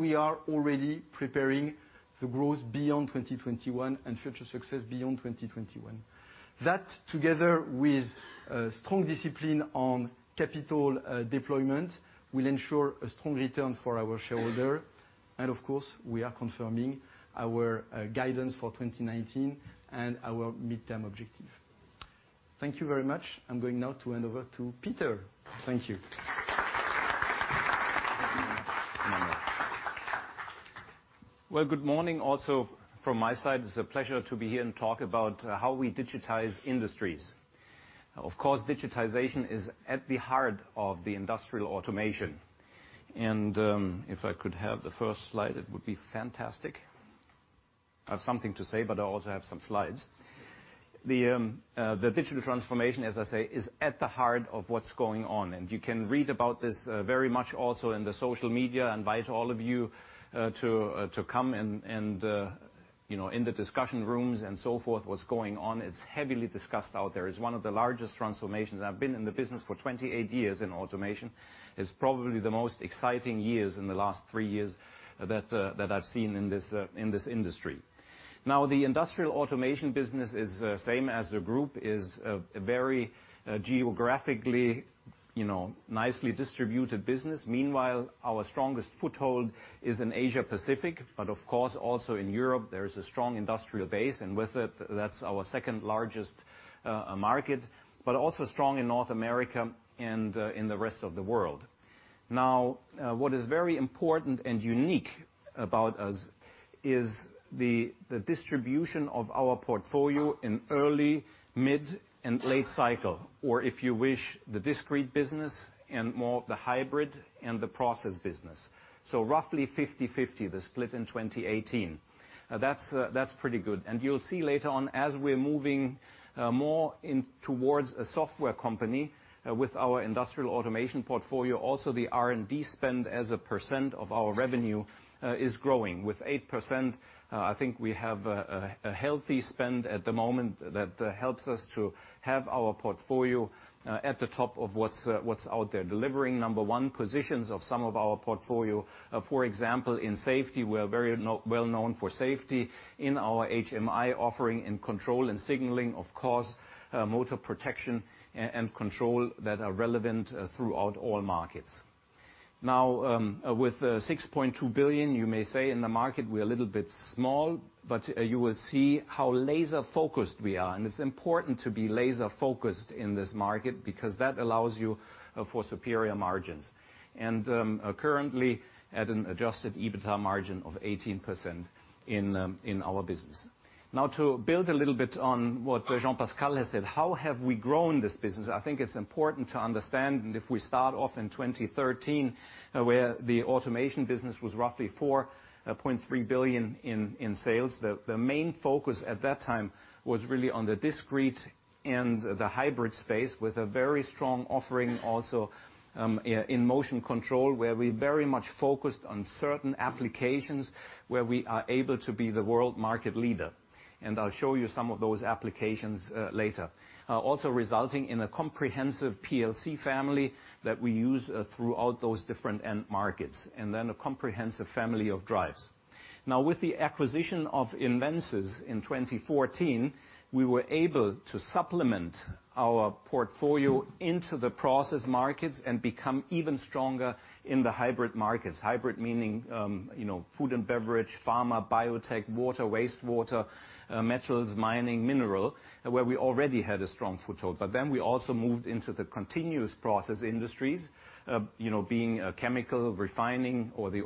we are already preparing the growth beyond 2021 and future success beyond 2021. That, together with strong discipline on capital deployment, will ensure a strong return for our shareholder. Of course, we are confirming our guidance for 2019 and our midterm objective. Thank you very much. I'm going now to hand over to Peter. Thank you. Well, good morning also from my side. It's a pleasure to be here and talk about how we digitize industries. Of course, digitization is at the heart of the industrial automation. If I could have the first slide, it would be fantastic. I have something to say, but I also have some slides. The digital transformation, as I say, is at the heart of what's going on, and you can read about this very much also in the social media. I invite all of you to come in the discussion rooms and so forth, what's going on. It's heavily discussed out there. It's one of the largest transformations. I've been in the business for 28 years in automation. It's probably the most exciting years in the last three years that I've seen in this industry. The industrial automation business is the same as the group. It's a very geographically nicely distributed business. Meanwhile, our strongest foothold is in Asia Pacific, also in Europe, there is a strong industrial base, and with it, that's our second-largest market, also strong in North America and in the rest of the world. What is very important and unique about us is the distribution of our portfolio in early, mid, and late cycle, or if you wish, the discrete business and more the hybrid and the process business. Roughly 50/50, the split in 2018. That's pretty good. You'll see later on, as we're moving more towards a software company with our industrial automation portfolio, also the R&D spend as a percent of our revenue is growing. With 8%, I think we have a healthy spend at the moment that helps us to have our portfolio at the top of what's out there, delivering number one positions of some of our portfolio. For example, in safety, we are very well known for safety in our HMI offering in control and signaling, of course, motor protection and control that are relevant throughout all markets. With 6.2 billion, you may say in the market we're a little bit small, you will see how laser focused we are. It's important to be laser focused in this market because that allows you for superior margins. Currently, at an Adjusted EBITA margin of 18% in our business. To build a little bit on what Jean-Pascal has said, how have we grown this business? I think it's important to understand. If we start off in 2013, where the automation business was roughly 4.3 billion in sales. The main focus at that time was really on the discrete and the hybrid space, with a very strong offering also in motion control, where we very much focused on certain applications, where we are able to be the world market leader. I'll show you some of those applications later. Also resulting in a comprehensive PLC family that we use throughout those different end markets, and then a comprehensive family of drives. With the acquisition of Invensys in 2014, we were able to supplement our portfolio into the process markets and become even stronger in the hybrid markets. Hybrid meaning, food and beverage, pharma, biotech, water, wastewater, metals, mining, mineral, where we already had a strong foothold. We also moved into the continuous process industries, being chemical refining or the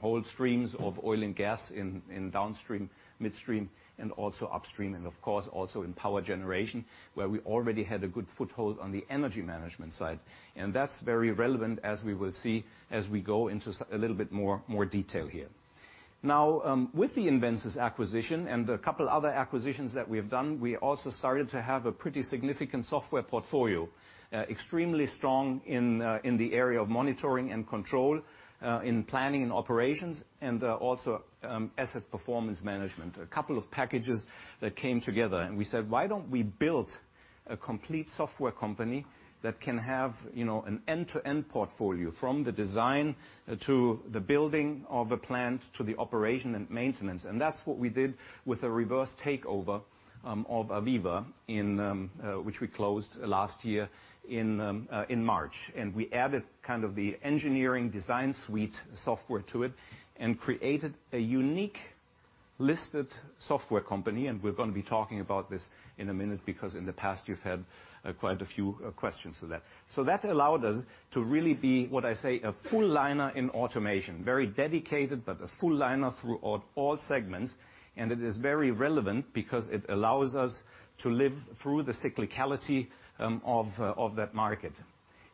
whole streams of oil and gas in downstream, midstream, and also upstream. Also in power generation, where we already had a good foothold on the energy management side. That's very relevant as we will see as we go into a little bit more detail here. With the Invensys acquisition and a couple other acquisitions that we've done, we also started to have a pretty significant software portfolio. Extremely strong in the area of monitoring and control, in planning and operations, and also asset performance management. A couple of packages that came together, we said, "Why don't we build a complete software company that can have an end-to-end portfolio from the design to the building of a plant to the operation and maintenance?" That's what we did with a reverse takeover of AVEVA, which we closed last year in March. We added kind of the engineering design suite software to it and created a unique listed software company. We're going to be talking about this in a minute because in the past you've had quite a few questions of that. That allowed us to really be, what I say, a full liner in automation. Very dedicated, but a full liner throughout all segments. It is very relevant because it allows us to live through the cyclicality of that market.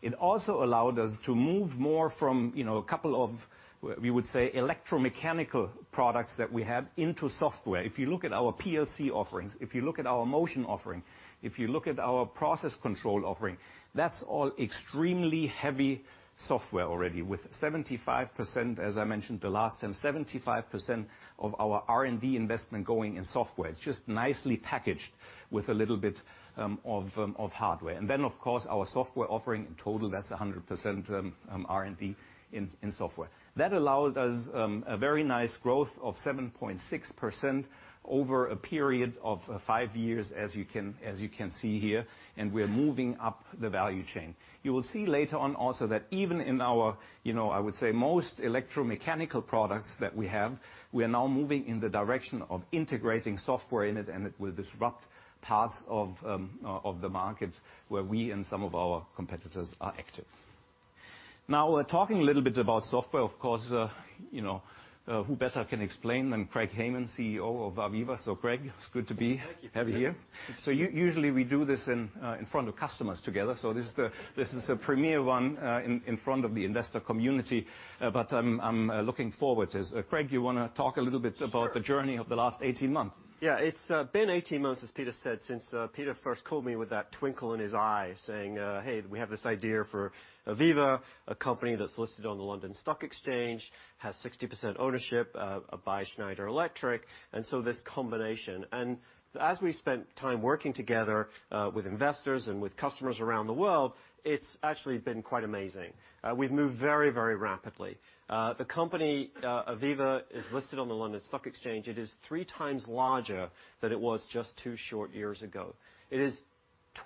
It also allowed us to move more from a couple of, we would say, electromechanical products that we have into software. If you look at our PLC offerings, if you look at our motion offering, if you look at our process control offering, that's all extremely heavy software already, with 75%, as I mentioned the last time, 75% of our R&D investment going in software. It's just nicely packaged with a little bit of hardware. Of course, our software offering in total, that's 100% R&D in software. That allowed us a very nice growth of 7.6% over a period of five years, as you can see here. We're moving up the value chain. You will see later on also that even in our, I would say, most electromechanical products that we have, we are now moving in the direction of integrating software in it will disrupt parts of the market where we and some of our competitors are active. We're talking a little bit about software, of course, who better can explain than Craig Hayman, CEO of AVEVA. Thank you have you here. Usually we do this in front of customers together. This is a premier one in front of the investor community. I'm looking forward. Craig, you want to talk a little bit about Sure the journey of the last 18 months? Yeah. It's been 18 months, as Peter said, since Peter first called me with that twinkle in his eye saying, "Hey, we have this idea for AVEVA, a company that's listed on the London Stock Exchange, has 60% ownership by Schneider Electric." This combination. As we spent time working together, with investors and with customers around the world, it's actually been quite amazing. We've moved very, very rapidly. The company, AVEVA, is listed on the London Stock Exchange. It is 3 times larger than it was just two short years ago. It is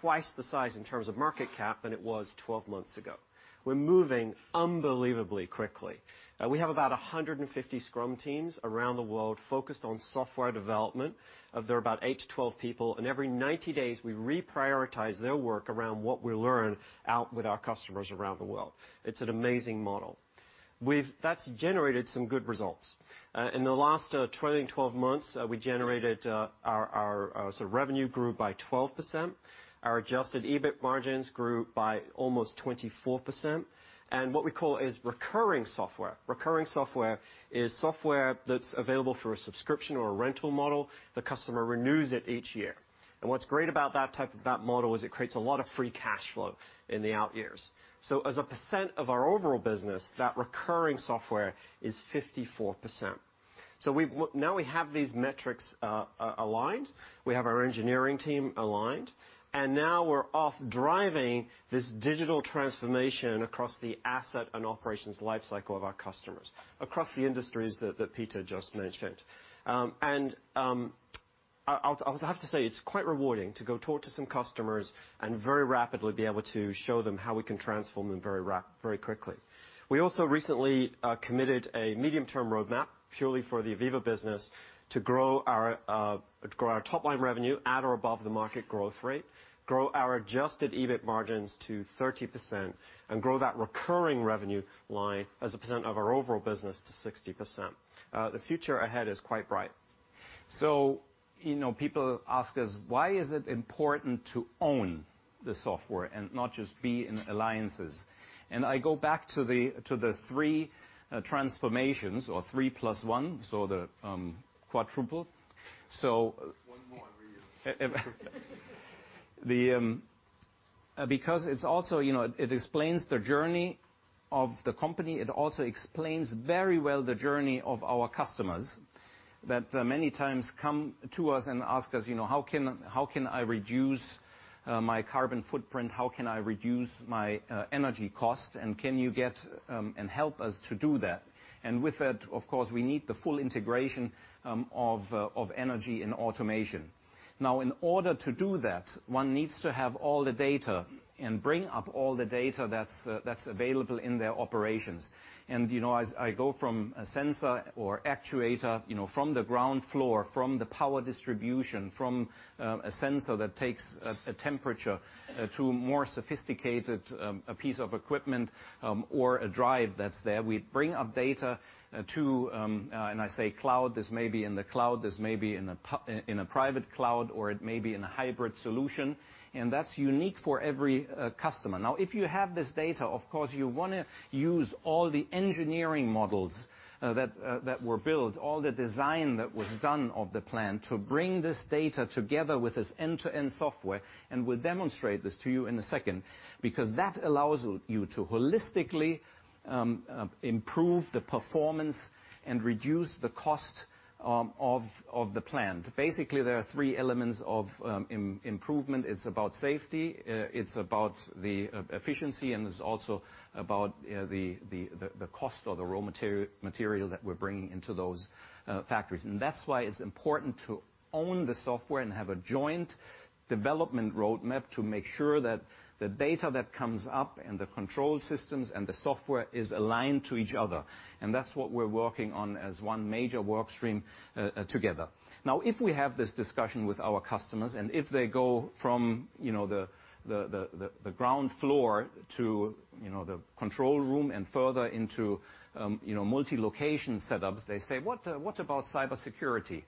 2 times the size in terms of market cap than it was 12 months ago. We're moving unbelievably quickly. We have about 150 scrum teams around the world focused on software development. There are about eight to 12 people. Every 90 days, we reprioritize their work around what we learn out with our customers around the world. It's an amazing model. That's generated some good results. In the last 2,012 months, we generated our sort of revenue grew by 12%. Our adjusted EBIT margins grew by almost 24%. What we call is recurring software. Recurring software is software that's available through a subscription or a rental model. The customer renews it each year. What's great about that type of that model is it creates a lot of free cash flow in the out years. As a percent of our overall business, that recurring software is 54%. Now we have these metrics aligned. We have our engineering team aligned. Now we're off driving this digital transformation across the asset and operations life cycle of our customers, across the industries that Peter just mentioned. I have to say it's quite rewarding to go talk to some customers and very rapidly be able to show them how we can transform them very quickly. We also recently committed a medium-term roadmap purely for the AVEVA business to grow our top-line revenue at or above the market growth rate, grow our adjusted EBIT margins to 30%, and grow that recurring revenue line as a percent of our overall business to 60%. The future ahead is quite bright. People ask us why is it important to own the software and not just be in alliances? I go back to the three transformations or three plus one, so the quadruple. One more. It explains the journey of the company. It also explains very well the journey of our customers, that many times come to us and ask us, "How can I reduce my carbon footprint? How can I reduce my energy cost, and can you get and help us to do that?" With that, of course, we need the full integration of energy and automation. In order to do that, one needs to have all the data and bring up all the data that's available in their operations. As I go from a sensor or actuator from the ground floor, from the power distribution, from a sensor that takes a temperature to more sophisticated, a piece of equipment, or a drive that's there. We bring up data to, and I say cloud, this may be in the cloud, this may be in a private cloud, or it may be in a hybrid solution. That's unique for every customer. If you have this data, of course, you want to use all the engineering models that were built, all the design that was done of the plan to bring this data together with this end-to-end software, and we'll demonstrate this to you in a second, because that allows you to holistically improve the performance and reduce the cost of the plant. Basically, there are 3 elements of improvement. It's about safety, it's about the efficiency, and it's also about the cost of the raw material that we're bringing into those factories. That's why it's important to own the software and have a joint development roadmap to make sure that the data that comes up and the control systems and the software is aligned to each other. That's what we're working on as one major work stream together. If we have this discussion with our customers, if they go from the ground floor to the control room and further into multi-location setups, they say, "What about cybersecurity?"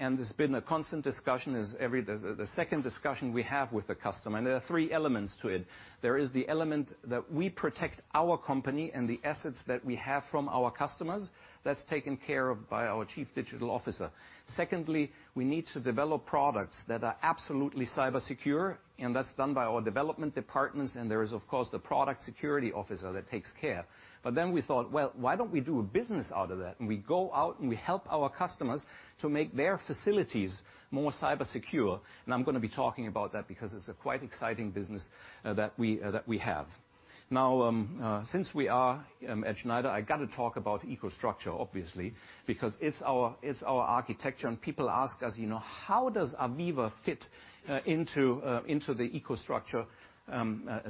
It's been a constant discussion. The second discussion we have with the customer, there are three elements to it. There is the element that we protect our company and the assets that we have from our customers. That's taken care of by our chief digital officer. Secondly, we need to develop products that are absolutely cybersecure, that's done by our development departments, there is, of course, the product security officer that takes care. We thought, "Well, why don't we do a business out of that?" We go out and we help our customers to make their facilities more cybersecure. I'm going to be talking about that because it's a quite exciting business that we have. Since we are at Schneider, I got to talk about EcoStruxure, obviously, because it's our architecture, people ask us, "How does AVEVA fit into the EcoStruxure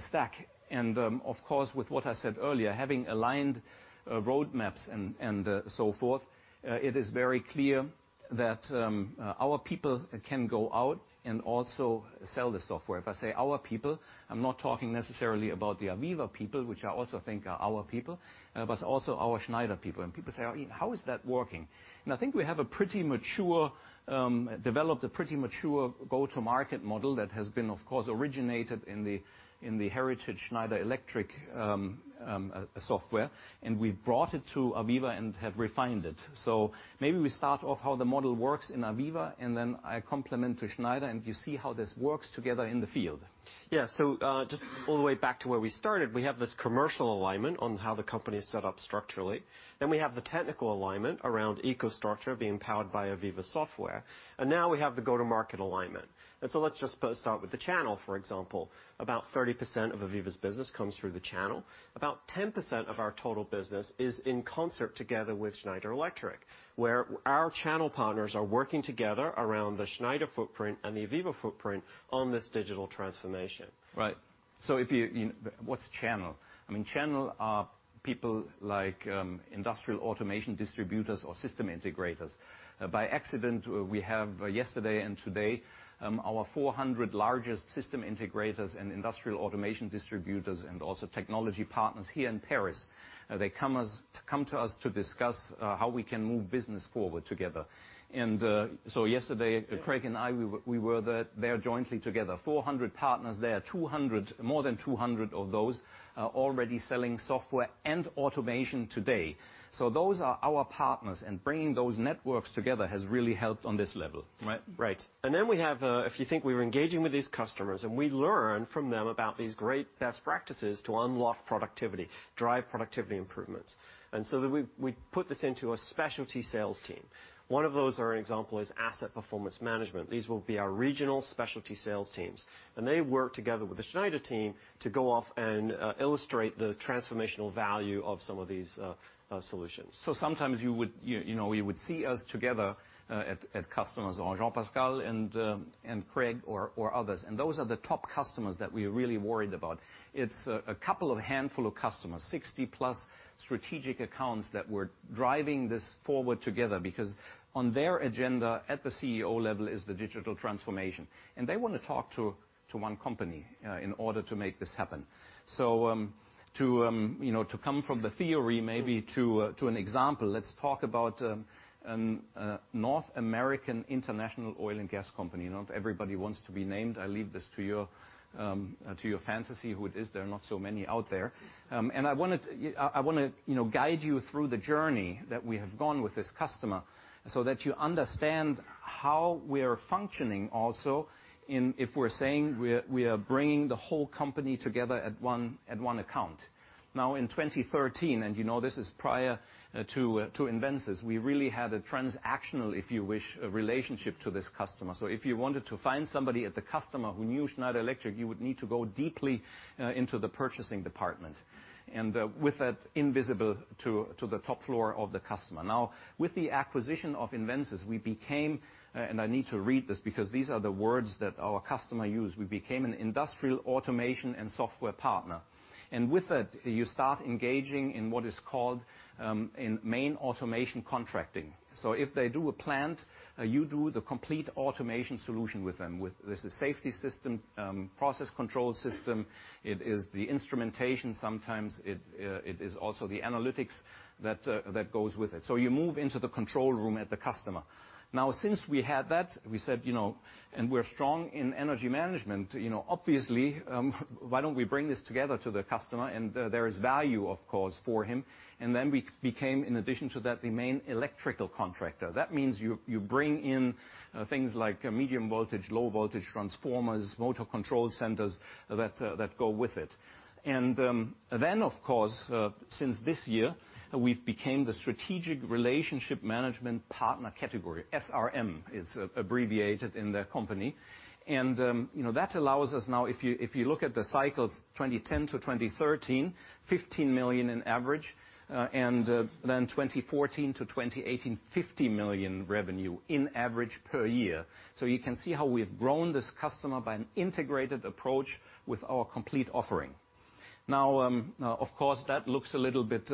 stack?" Of course, with what I said earlier, having aligned roadmaps and so forth, it is very clear that our people can go out and also sell the software. If I say our people, I'm not talking necessarily about the AVEVA people, which I also think are our people, but also our Schneider people. People say, "How is that working?" I think we developed a pretty mature go-to-market model that has been, of course, originated in the heritage Schneider Electric software, we've brought it to AVEVA and have refined it. Maybe we start off how the model works in AVEVA, I complement to Schneider, you see how this works together in the field. Yeah. Just all the way back to where we started, we have this commercial alignment on how the company is set up structurally. We have the technical alignment around EcoStruxure being powered by AVEVA software, now we have the go-to-market alignment. Let's just start with the channel, for example. About 30% of AVEVA's business comes through the channel. About 10% of our total business is in concert together with Schneider Electric, where our channel partners are working together around the Schneider footprint and the AVEVA footprint on this digital transformation. Right. What's channel? I mean, channel are people like industrial automation distributors or system integrators. By accident, we have, yesterday and today, our 400 largest system integrators and industrial automation distributors and also technology partners here in Paris. They come to us to discuss how we can move business forward together. Yesterday, Craig and I, we were there jointly together, 400 partners there. More than 200 of those are already selling software and automation today. Those are our partners, bringing those networks together has really helped on this level. Right. Then we have, if you think, we're engaging with these customers, we learn from them about these great best practices to unlock productivity, drive productivity improvements. We put this into a specialty sales team. One of those, for example, is asset performance management. These will be our regional specialty sales teams, they work together with the Schneider team to go off and illustrate the transformational value of some of these solutions. Sometimes you would see us together, at customers, Jean-Pascal and Craig or others, those are the top customers that we are really worried about. It's a couple of handful of customers, 60-plus strategic accounts that we're driving this forward together because on their agenda at the CEO level is the digital transformation. They want to talk to one company, in order to make this happen. To come from the theory maybe to an example, let's talk about North American International Oil and Gas Company. Not everybody wants to be named. I leave this to your fantasy who it is. There are not so many out there. I want to guide you through the journey that we have gone with this customer so that you understand how we're functioning also if we're saying we are bringing the whole company together at one account. In 2013, you know this is prior to Invensys, we really had a transactional, if you wish, relationship to this customer. If you wanted to find somebody at the customer who knew Schneider Electric, you would need to go deeply into the purchasing department and with that, invisible to the top floor of the customer. With the acquisition of Invensys, we became, I need to read this because these are the words that our customer used, we became an industrial automation and software partner. With that, you start engaging in what is called main automation contracting. If they do a plant, you do the complete automation solution with them, with the safety system, process control system. It is the instrumentation. Sometimes it is also the analytics that goes with it. You move into the control room at the customer. Since we had that, we said, we're strong in energy management, obviously, why don't we bring this together to the customer? There is value, of course, for him. We became, in addition to that, the main electrical contractor. That means you bring in things like medium voltage, low voltage transformers, motor control centers that go with it. Of course, since this year, we've became the strategic relationship management partner category. SRM is abbreviated in the company. That allows us now, if you look at the cycles 2010 to 2013, 15 million in average, then 2014 to 2018, 50 million revenue in average per year. You can see how we've grown this customer by an integrated approach with our complete offering. Of course, that looks a little bit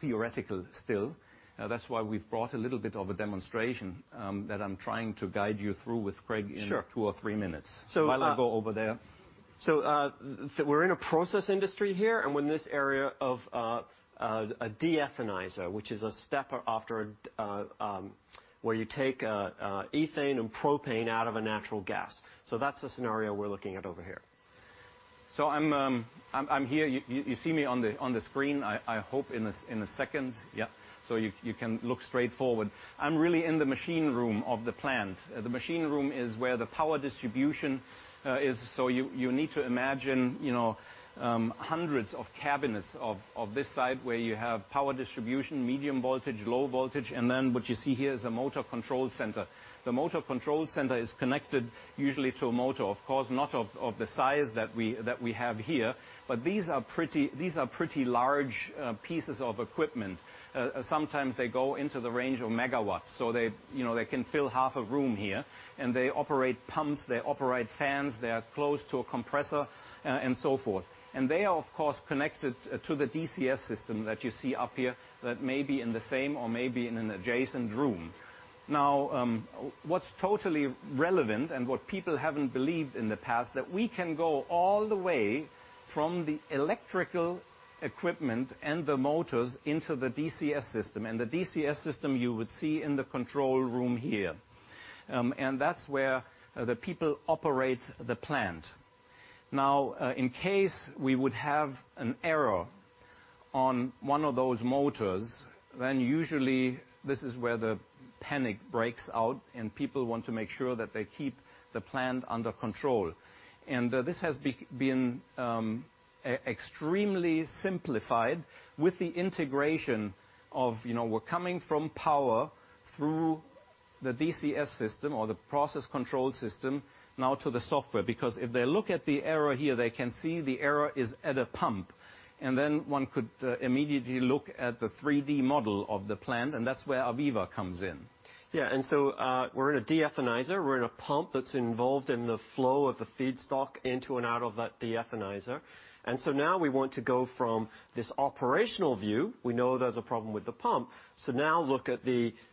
theoretical still. That's why we've brought a little bit of a demonstration, that I'm trying to guide you through with Craig. Sure In two or three minutes. So- Why don't we go over there? We're in a process industry here, and we're in this area of a de-ethanizer, which is a step where you take ethane and propane out of a natural gas. That's the scenario we're looking at over here. I'm here. You see me on the screen, I hope, in a second. You can look straight forward. I'm really in the machine room of the plant. The machine room is where the power distribution is. You need to imagine hundreds of cabinets of this side where you have power distribution, medium voltage, low voltage, and then what you see here is a motor control center. The motor control center is connected usually to a motor. Of course, not of the size that we have here, but these are pretty large pieces of equipment. Sometimes they go into the range of megawatts, so they can fill half a room here, and they operate pumps, they operate fans, they are close to a compressor, and so forth. They are, of course, connected to the DCS system that you see up here that may be in the same or may be in an adjacent room. What's totally relevant and what people haven't believed in the past, that we can go all the way from the electrical equipment and the motors into the DCS system, and the DCS system you would see in the control room here. That's where the people operate the plant. In case we would have an error on one of those motors, then usually this is where the panic breaks out and people want to make sure that they keep the plant under control. This has been extremely simplified with the integration of, we're coming from power through the DCS system or the process control system now to the software. If they look at the error here, they can see the error is at a pump, and then one could immediately look at the 3D model of the plant, and that's where AVEVA comes in. We're in a deethanizer, we're in a pump that's involved in the flow of the feedstock into and out of that deethanizer. Now we want to go from this operational view, we know there's a problem with the pump, so now look at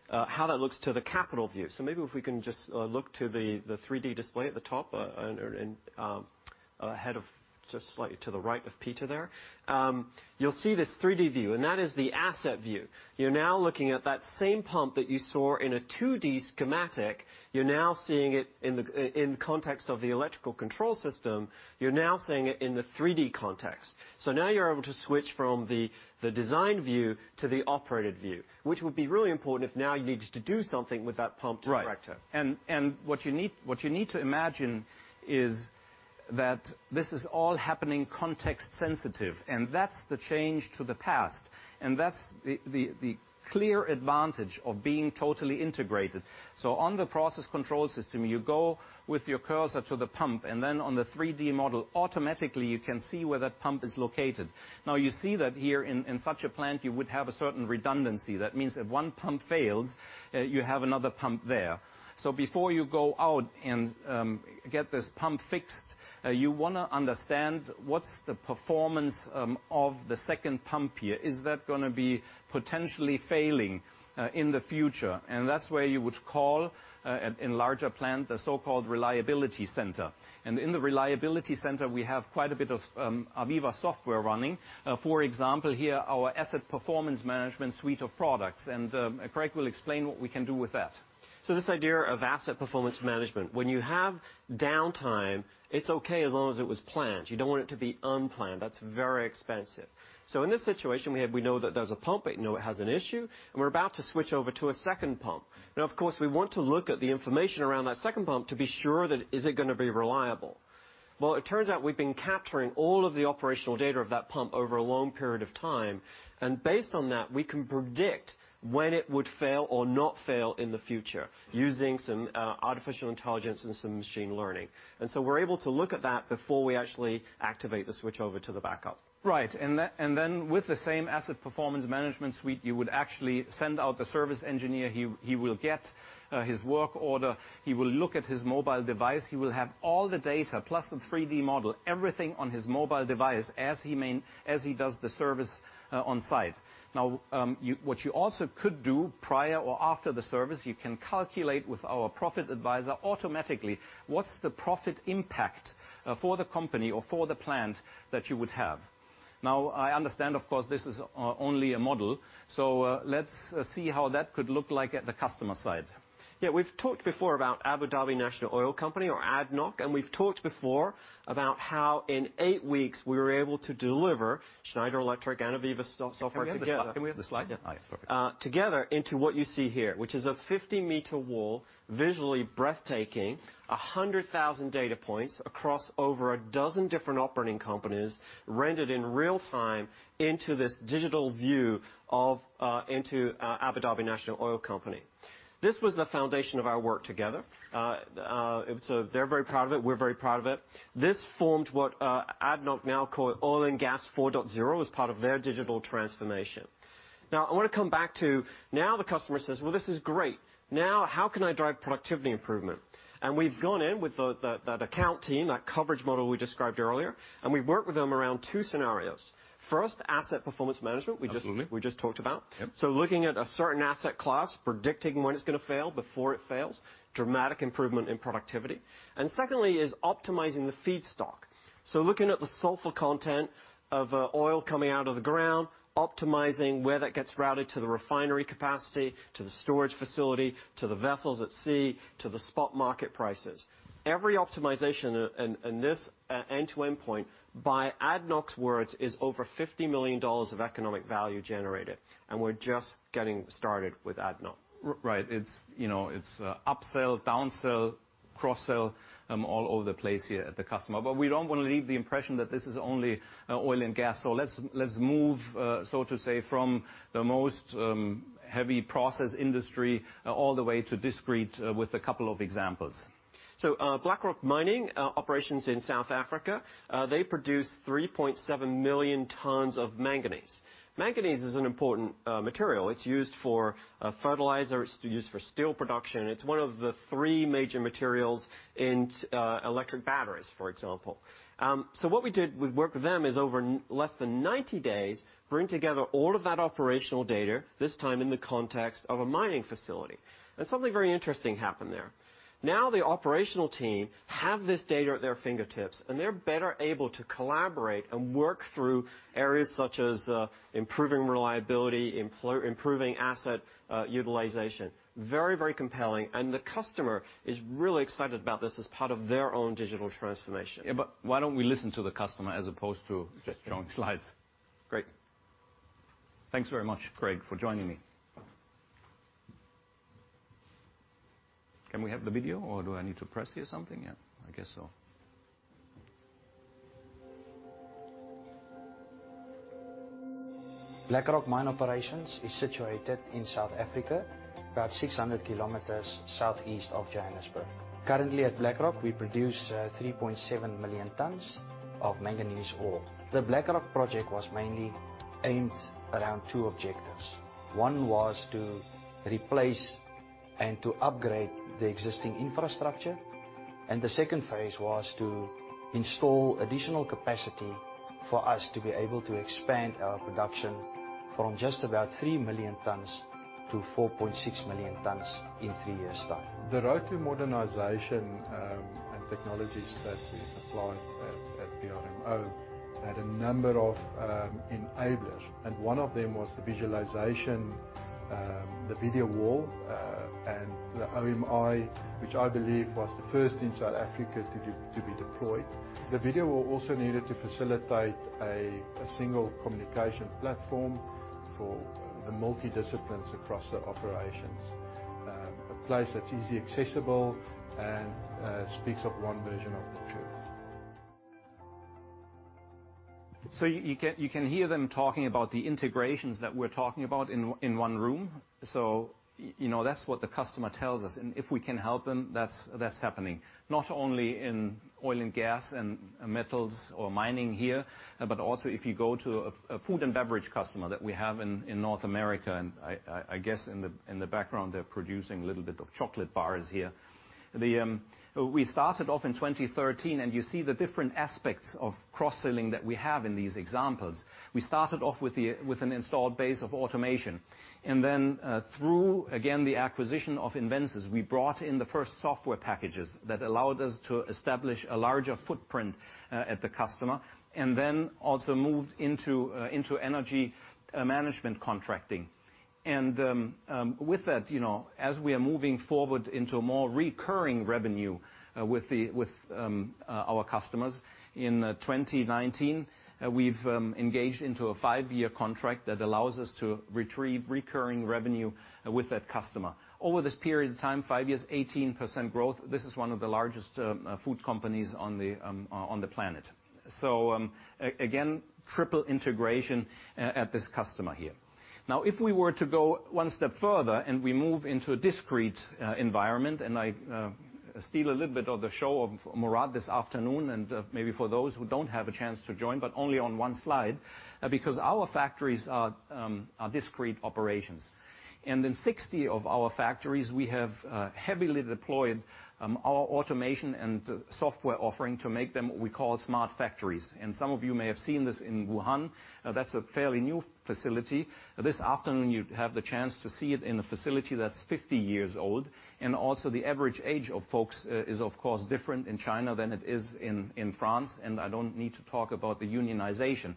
how that looks to the capital view. Maybe if we can just look to the 3D display at the top, ahead of just slightly to the right of Peter there. You'll see this 3D view, and that is the asset view. You're now looking at that same pump that you saw in a 2D schematic. You're now seeing it in context of the electrical control system. You're now seeing it in the 3D context. Now you're able to switch from the design view to the operated view. Which would be really important if now you needed to do something with that pump to correct it. What you need to imagine is that this is all happening context-sensitive, that's the change to the past, that's the clear advantage of being totally integrated. On the process control system, you go with your cursor to the pump, on the 3D model, automatically you can see where that pump is located. You see that here in such a plant, you would have a certain redundancy. That means, if one pump fails, you have another pump there. Before you go out and get this pump fixed, you want to understand what's the performance of the second pump here. Is that going to be potentially failing in the future? That's where you would call, in larger plant, the so-called reliability center. In the reliability center, we have quite a bit of AVEVA software running. For example, here, our asset performance management suite of products, Craig will explain what we can do with that. This idea of asset performance management, when you have downtime, it's okay as long as it was planned. You don't want it to be unplanned. That's very expensive. In this situation, we know that there's a pump, we know it has an issue, we're about to switch over to a second pump. Of course, we want to look at the information around that second pump to be sure that is it going to be reliable. It turns out we've been capturing all of the operational data of that pump over a long period of time, based on that, we can predict when it would fail or not fail in the future using some artificial intelligence and some machine learning. We're able to look at that before we actually activate the switch over to the backup. Right. With the same asset performance management suite, you would actually send out the service engineer. He will get his work order. He will look at his mobile device. He will have all the data plus the 3D model, everything on his mobile device as he does the service on site. What you also could do prior or after the service, you can calculate with our profit advisor automatically what's the profit impact for the company or for the plant that you would have. I understand, of course, this is only a model. Let's see how that could look like at the customer side. We've talked before about Abu Dhabi National Oil Company, or ADNOC, and we've talked before about how in eight weeks we were able to deliver Schneider Electric and AVEVA software together- Can we have the slide? Yeah. Nice. Okay. Together into what you see here, which is a 50-meter wall, visually breathtaking, 100,000 data points across over a dozen different operating companies, rendered in real time into this digital view of Abu Dhabi National Oil Company. This was the foundation of our work together. They're very proud of it. We're very proud of it. This formed what ADNOC now call Oil and Gas 4.0 as part of their digital transformation. I want to come back to the customer says, "Well, this is great. How can I drive productivity improvement?" We've gone in with that account team, that coverage model we described earlier, and we've worked with them around two scenarios. First, asset performance management- Absolutely we just talked about. Yep. Looking at a certain asset class, predicting when it's going to fail before it fails, dramatic improvement in productivity. Secondly is optimizing the feedstock. Looking at the sulfur content of oil coming out of the ground, optimizing where that gets routed to the refinery capacity, to the storage facility, to the vessels at sea, to the spot market prices. Every optimization in this end-to-end point, by ADNOC's words, is over EUR 50 million of economic value generated. We're just getting started with ADNOC. Right. It's upsell, downsell, cross-sell all over the place here at the customer. We don't want to leave the impression that this is only oil and gas. Let's move, so to say, from the most heavy process industry all the way to discrete with a couple of examples. Black Rock Mine Operations in South Africa, they produce 3.7 million tons of manganese. Manganese is an important material. It's used for fertilizer. It's used for steel production. It's one of the three major materials in electric batteries, for example. What we did with work with them is over less than 90 days, bring together all of that operational data, this time in the context of a mining facility. Something very interesting happened there. Now the operational team have this data at their fingertips, and they're better able to collaborate and work through areas such as improving reliability, improving asset utilization. Very compelling. The customer is really excited about this as part of their own digital transformation. Yeah, why don't we listen to the customer as opposed to just showing slides? Great. Thanks very much, Craig, for joining me. Can we have the video, or do I need to press here something? Yeah, I guess so. Black Rock Mine Operations is situated in South Africa, about 600 km southeast of Johannesburg. Currently at Black Rock, we produce 3.7 million tons of manganese ore. The Black project was mainly aimed around two objectives. One was to replace and to upgrade the existing infrastructure. The second phase was to install additional capacity for us to be able to expand our production from just about 3 million tons to 4.6 million tons in three years' time. The road to modernization and technologies that we applied at BRMO had a number of enablers, and one of them was the visualization, the video wall, and the OMI, which I believe was the first in South Africa to be deployed. The video wall also needed to facilitate a single communication platform for the multi-disciplines across the operations, a place that's easily accessible and speaks of one version of the truth. You can hear them talking about the integrations that we're talking about in one room. That's what the customer tells us. If we can help them, that's happening, not only in oil and gas and metals or mining here, but also if you go to a food and beverage customer that we have in North America, I guess in the background, they're producing a little bit of chocolate bars here. We started off in 2013, and you see the different aspects of cross-selling that we have in these examples. We started off with an installed base of automation. Then, through, again, the acquisition of Invensys, we brought in the first software packages that allowed us to establish a larger footprint at the customer, and then also moved into energy management contracting. With that, as we are moving forward into a more recurring revenue with our customers, in 2019, we've engaged into a five-year contract that allows us to retrieve recurring revenue with that customer. Over this period of time, five years, 18% growth. This is one of the largest food companies on the planet. Again, triple integration at this customer here. Now, if we were to go one step further and we move into a discrete environment, I steal a little bit of the show of Mourad this afternoon, and maybe for those who don't have a chance to join, but only on one slide, because our factories are discrete operations. In 60 of our factories, we have heavily deployed our automation and software offering to make them what we call smart factories. And some of you may have seen this in Wuhan. That's a fairly new facility. This afternoon, you have the chance to see it in a facility that's 50 years old, and also the average age of folks is, of course, different in China than it is in France, and I don't need to talk about the unionization.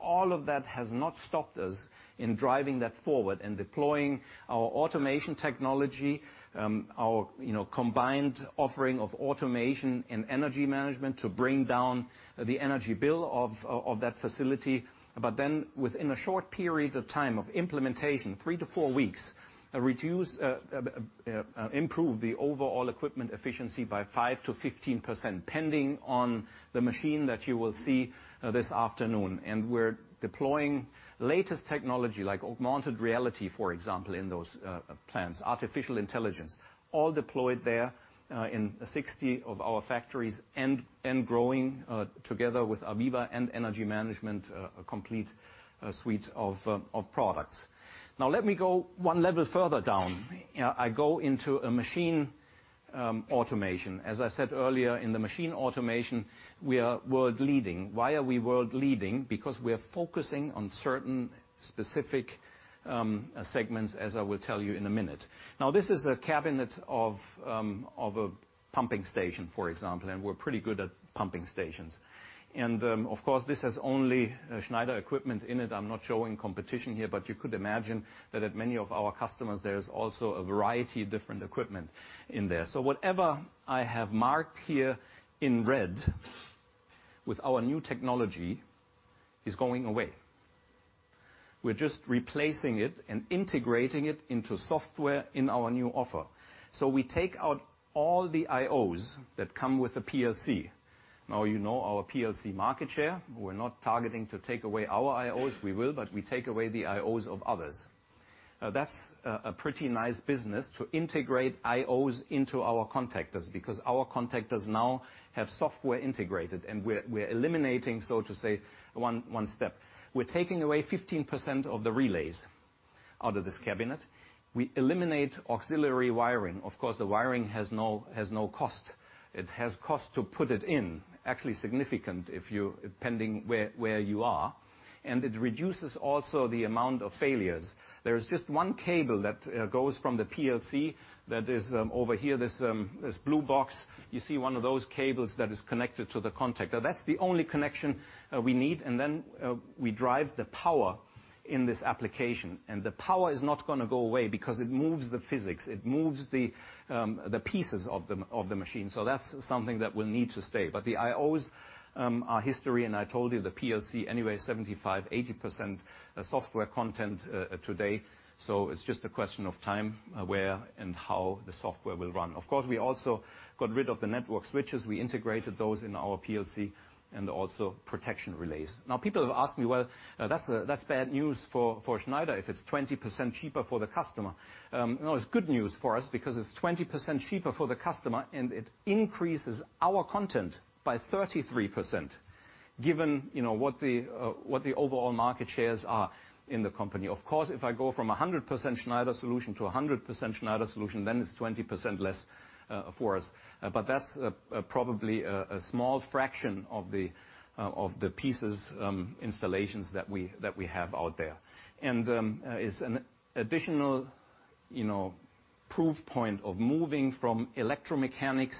All of that has not stopped us in driving that forward and deploying our automation technology, our combined offering of automation and energy management to bring down the energy bill of that facility. Then, within a short period of time of implementation, three to four weeks, improve the overall equipment efficiency by 5%-15%, pending on the machine that you will see this afternoon. We're deploying latest technology like augmented reality, for example, in those plants, artificial intelligence, all deployed there in 60 of our factories and growing, together with AVEVA and energy management, a complete suite of products. Let me go 1 level further down. I go into a machine automation. As I said earlier, in the machine automation, we are world leading. Why are we world leading? Because we are focusing on certain specific segments, as I will tell you in a minute. This is a cabinet of a pumping station, for example, and we're pretty good at pumping stations. Of course, this has only Schneider equipment in it. I'm not showing competition here, but you could imagine that at many of our customers, there is also a variety of different equipment in there. Whatever I have marked here in red with our new technology is going away. We're just replacing it and integrating it into software in our new offer. We take out all the I/Os that come with a PLC. You know our PLC market share. We're not targeting to take away our I/Os. We will, but we take away the I/Os of others. That's a pretty nice business to integrate I/Os into our contactors because our contactors now have software integrated, and we're eliminating, so to say, one step. We're taking away 15% of the relays out of this cabinet. We eliminate auxiliary wiring. Of course, the wiring has no cost. It has cost to put it in, actually significant depending where you are, and it reduces also the amount of failures. There is just one cable that goes from the PLC that is over here, this blue box. You see one of those cables that is connected to the contactor. That's the only connection we need, and then we drive the power in this application, and the power is not going to go away because it moves the physics. It moves the pieces of the machine. That's something that will need to stay. The I/Os, our history, and I told you, the PLC, anyway, 75%, 80% software content today. It's just a question of time, where, and how the software will run. Of course, we also got rid of the network switches. We integrated those in our PLC, and also protection relays. People have asked me, "Well, that's bad news for Schneider if it's 20% cheaper for the customer." No, it's good news for us because it's 20% cheaper for the customer and it increases our content by 33%, given what the overall market shares are in the company. Of course, if I go from 100% Schneider solution to 100% Schneider solution, then it's 20% less for us. That's probably a small fraction of the pieces, installations that we have out there. It's an additional proof point of moving from electromechanics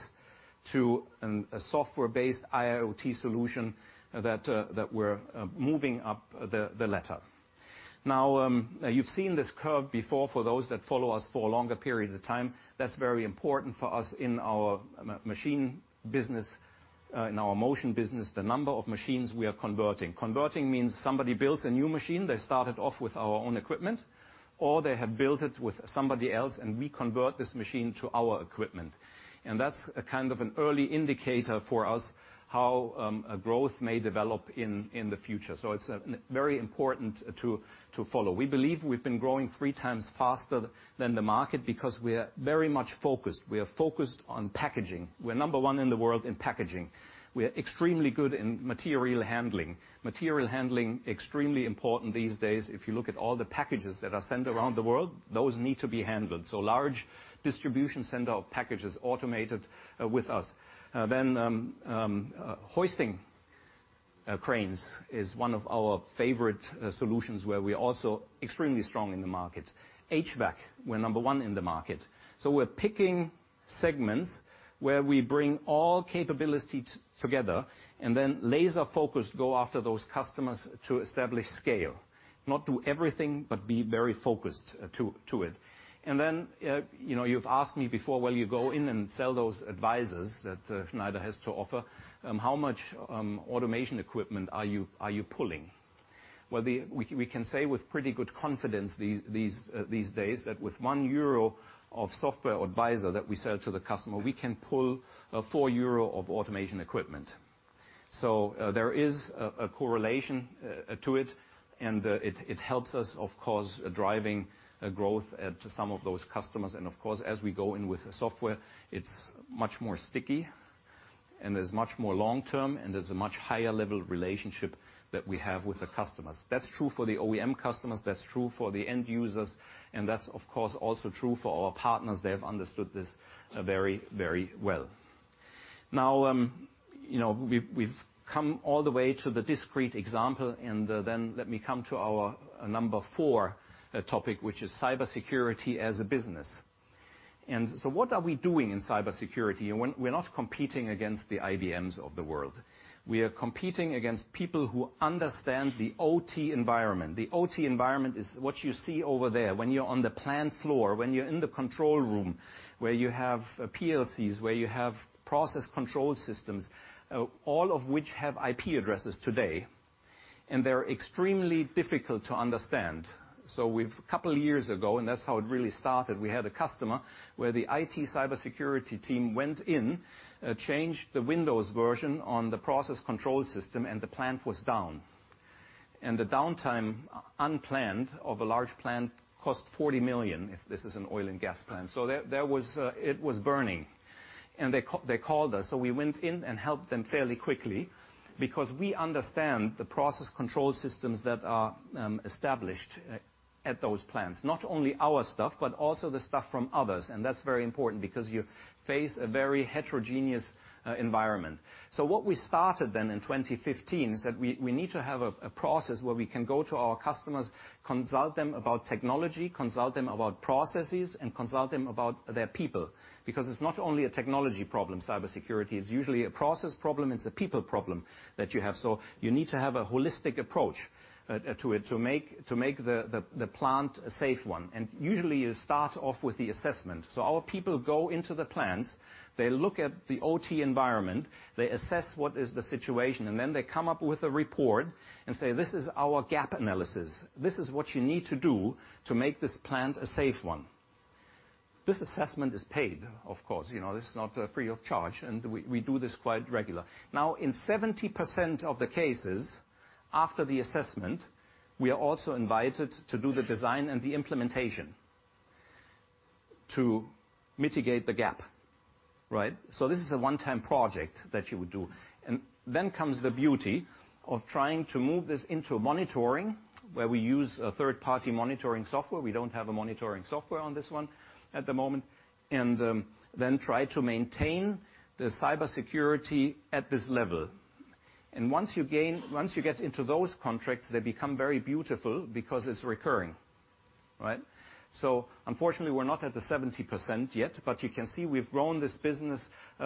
to a software-based IIoT solution that we're moving up the ladder. You've seen this curve before, for those that follow us for a longer period of time. That's very important for us in our machine business, in our motion business, the number of machines we are converting. Converting means somebody builds a new machine. They start it off with our own equipment, or they have built it with somebody else and we convert this machine to our equipment. That's an early indicator for us, how growth may develop in the future. It's very important to follow. We believe we've been growing three times faster than the market because we are very much focused. We are focused on packaging. We are number 1 in the world in packaging. We are extremely good in material handling. Material handling, extremely important these days. If you look at all the packages that are sent around the world, those need to be handled. Large distribution center packages automated with us. Then hoisting cranes is one of our favorite solutions where we're also extremely strong in the market. HVAC, we're number 1 in the market. We're picking segments where we bring all capabilities together and then laser-focused go after those customers to establish scale. Not do everything, but be very focused to it. You've asked me before, "Well, you go in and sell those advisors that Schneider has to offer. How much automation equipment are you pulling?" Well, we can say with pretty good confidence these days that with 1 euro of software advisor that we sell to the customer, we can pull 4 euro of automation equipment. There is a correlation to it, and it helps us, of course, driving growth to some of those customers. As we go in with software, it's much more sticky and is much more long-term, and there's a much higher level relationship that we have with the customers. That's true for the OEM customers, that's true for the end users, and that's of course, also true for our partners. They have understood this very well. We've come all the way to the discrete example, let me come to our number 4 topic, which is cybersecurity as a business. What are we doing in cybersecurity? We're not competing against the IBMs of the world. We are competing against people who understand the OT environment. The OT environment is what you see over there when you're on the plant floor, when you're in the control room, where you have PLCs, where you have process control systems, all of which have IP addresses today, and they're extremely difficult to understand. A couple of years ago, that's how it really started, we had a customer where the IT cybersecurity team went in, changed the Windows version on the process control system, the plant was down. The downtime, unplanned, of a large plant, cost 40 million, if this is an oil and gas plant. It was burning. They called us. We went in and helped them fairly quickly because we understand the process control systems that are established at those plants. Not only our stuff, but also the stuff from others. That's very important because you face a very heterogeneous environment. What we started then in 2015 is that we need to have a process where we can go to our customers, consult them about technology, consult them about processes, and consult them about their people. It's not only a technology problem, cybersecurity, it's usually a process problem. It's a people problem that you have. You need to have a holistic approach to it to make the plant a safe one. Usually, you start off with the assessment. Our people go into the plants, they look at the OT environment, they assess what is the situation, and then they come up with a report and say, "This is our gap analysis. This is what you need to do to make this plant a safe one." This assessment is paid, of course. This is not free of charge, and we do this quite regular. In 70% of the cases, after the assessment, we are also invited to do the design and the implementation to mitigate the gap. Right? This is a one-time project that you would do. Then comes the beauty of trying to move this into monitoring, where we use a third-party monitoring software. We don't have a monitoring software on this one at the moment. Then try to maintain the cybersecurity at this level. Once you get into those contracts, they become very beautiful because it's recurring. Right? Unfortunately, we're not at the 70% yet, but you can see we've grown this business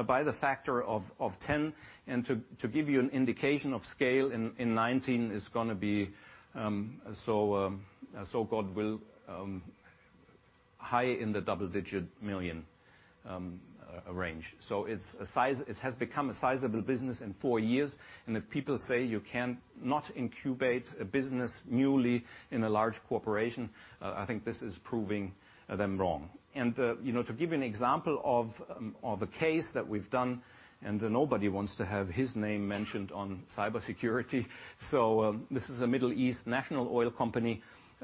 by the factor of 10. To give you an indication of scale, in 2019 it's going to be high in the double-digit million range. It has become a sizable business in four years, and if people say you cannot incubate a business newly in a large corporation, I think this is proving them wrong. To give you an example of a case that we've done, and nobody wants to have his name mentioned on cybersecurity. This is a Middle East national oil company.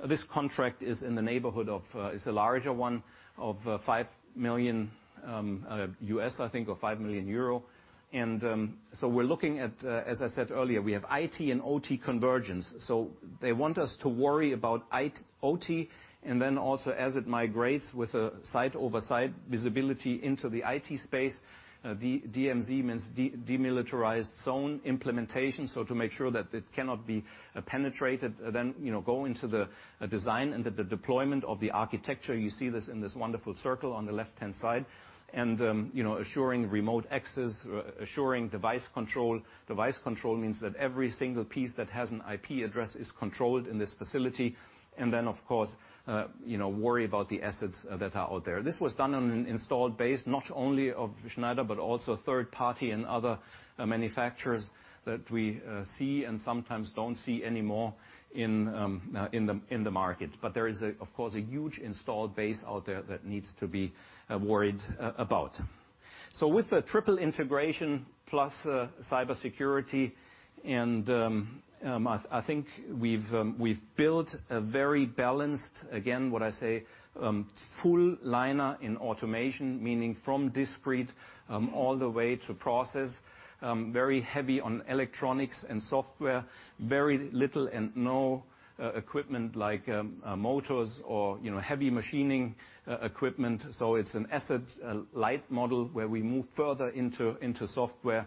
This contract is a larger one, of $5 million, I think, or 5 million euro. We're looking at, as I said earlier, we have IT and OT convergence. They want us to worry about OT, then also as it migrates with a site-over-site visibility into the IT space, the DMZ means demilitarized zone implementation, to make sure that it cannot be penetrated, then go into the design and the deployment of the architecture. You see this in this wonderful circle on the left-hand side. Assuring remote access, assuring device control. Device control means that every single piece that has an IP address is controlled in this facility. Then, of course, worry about the assets that are out there. This was done on an installed base not only of Schneider, but also third party and other manufacturers that we see and sometimes don't see anymore in the market. There is, of course, a huge installed base out there that needs to be worried about. With the triple integration plus cybersecurity, I think we've built a very balanced, again, what I say, full liner in automation, meaning from discrete all the way to process. Very heavy on electronics and software, very little and no equipment like motors or heavy machining equipment. It's an asset-light model where we move further into software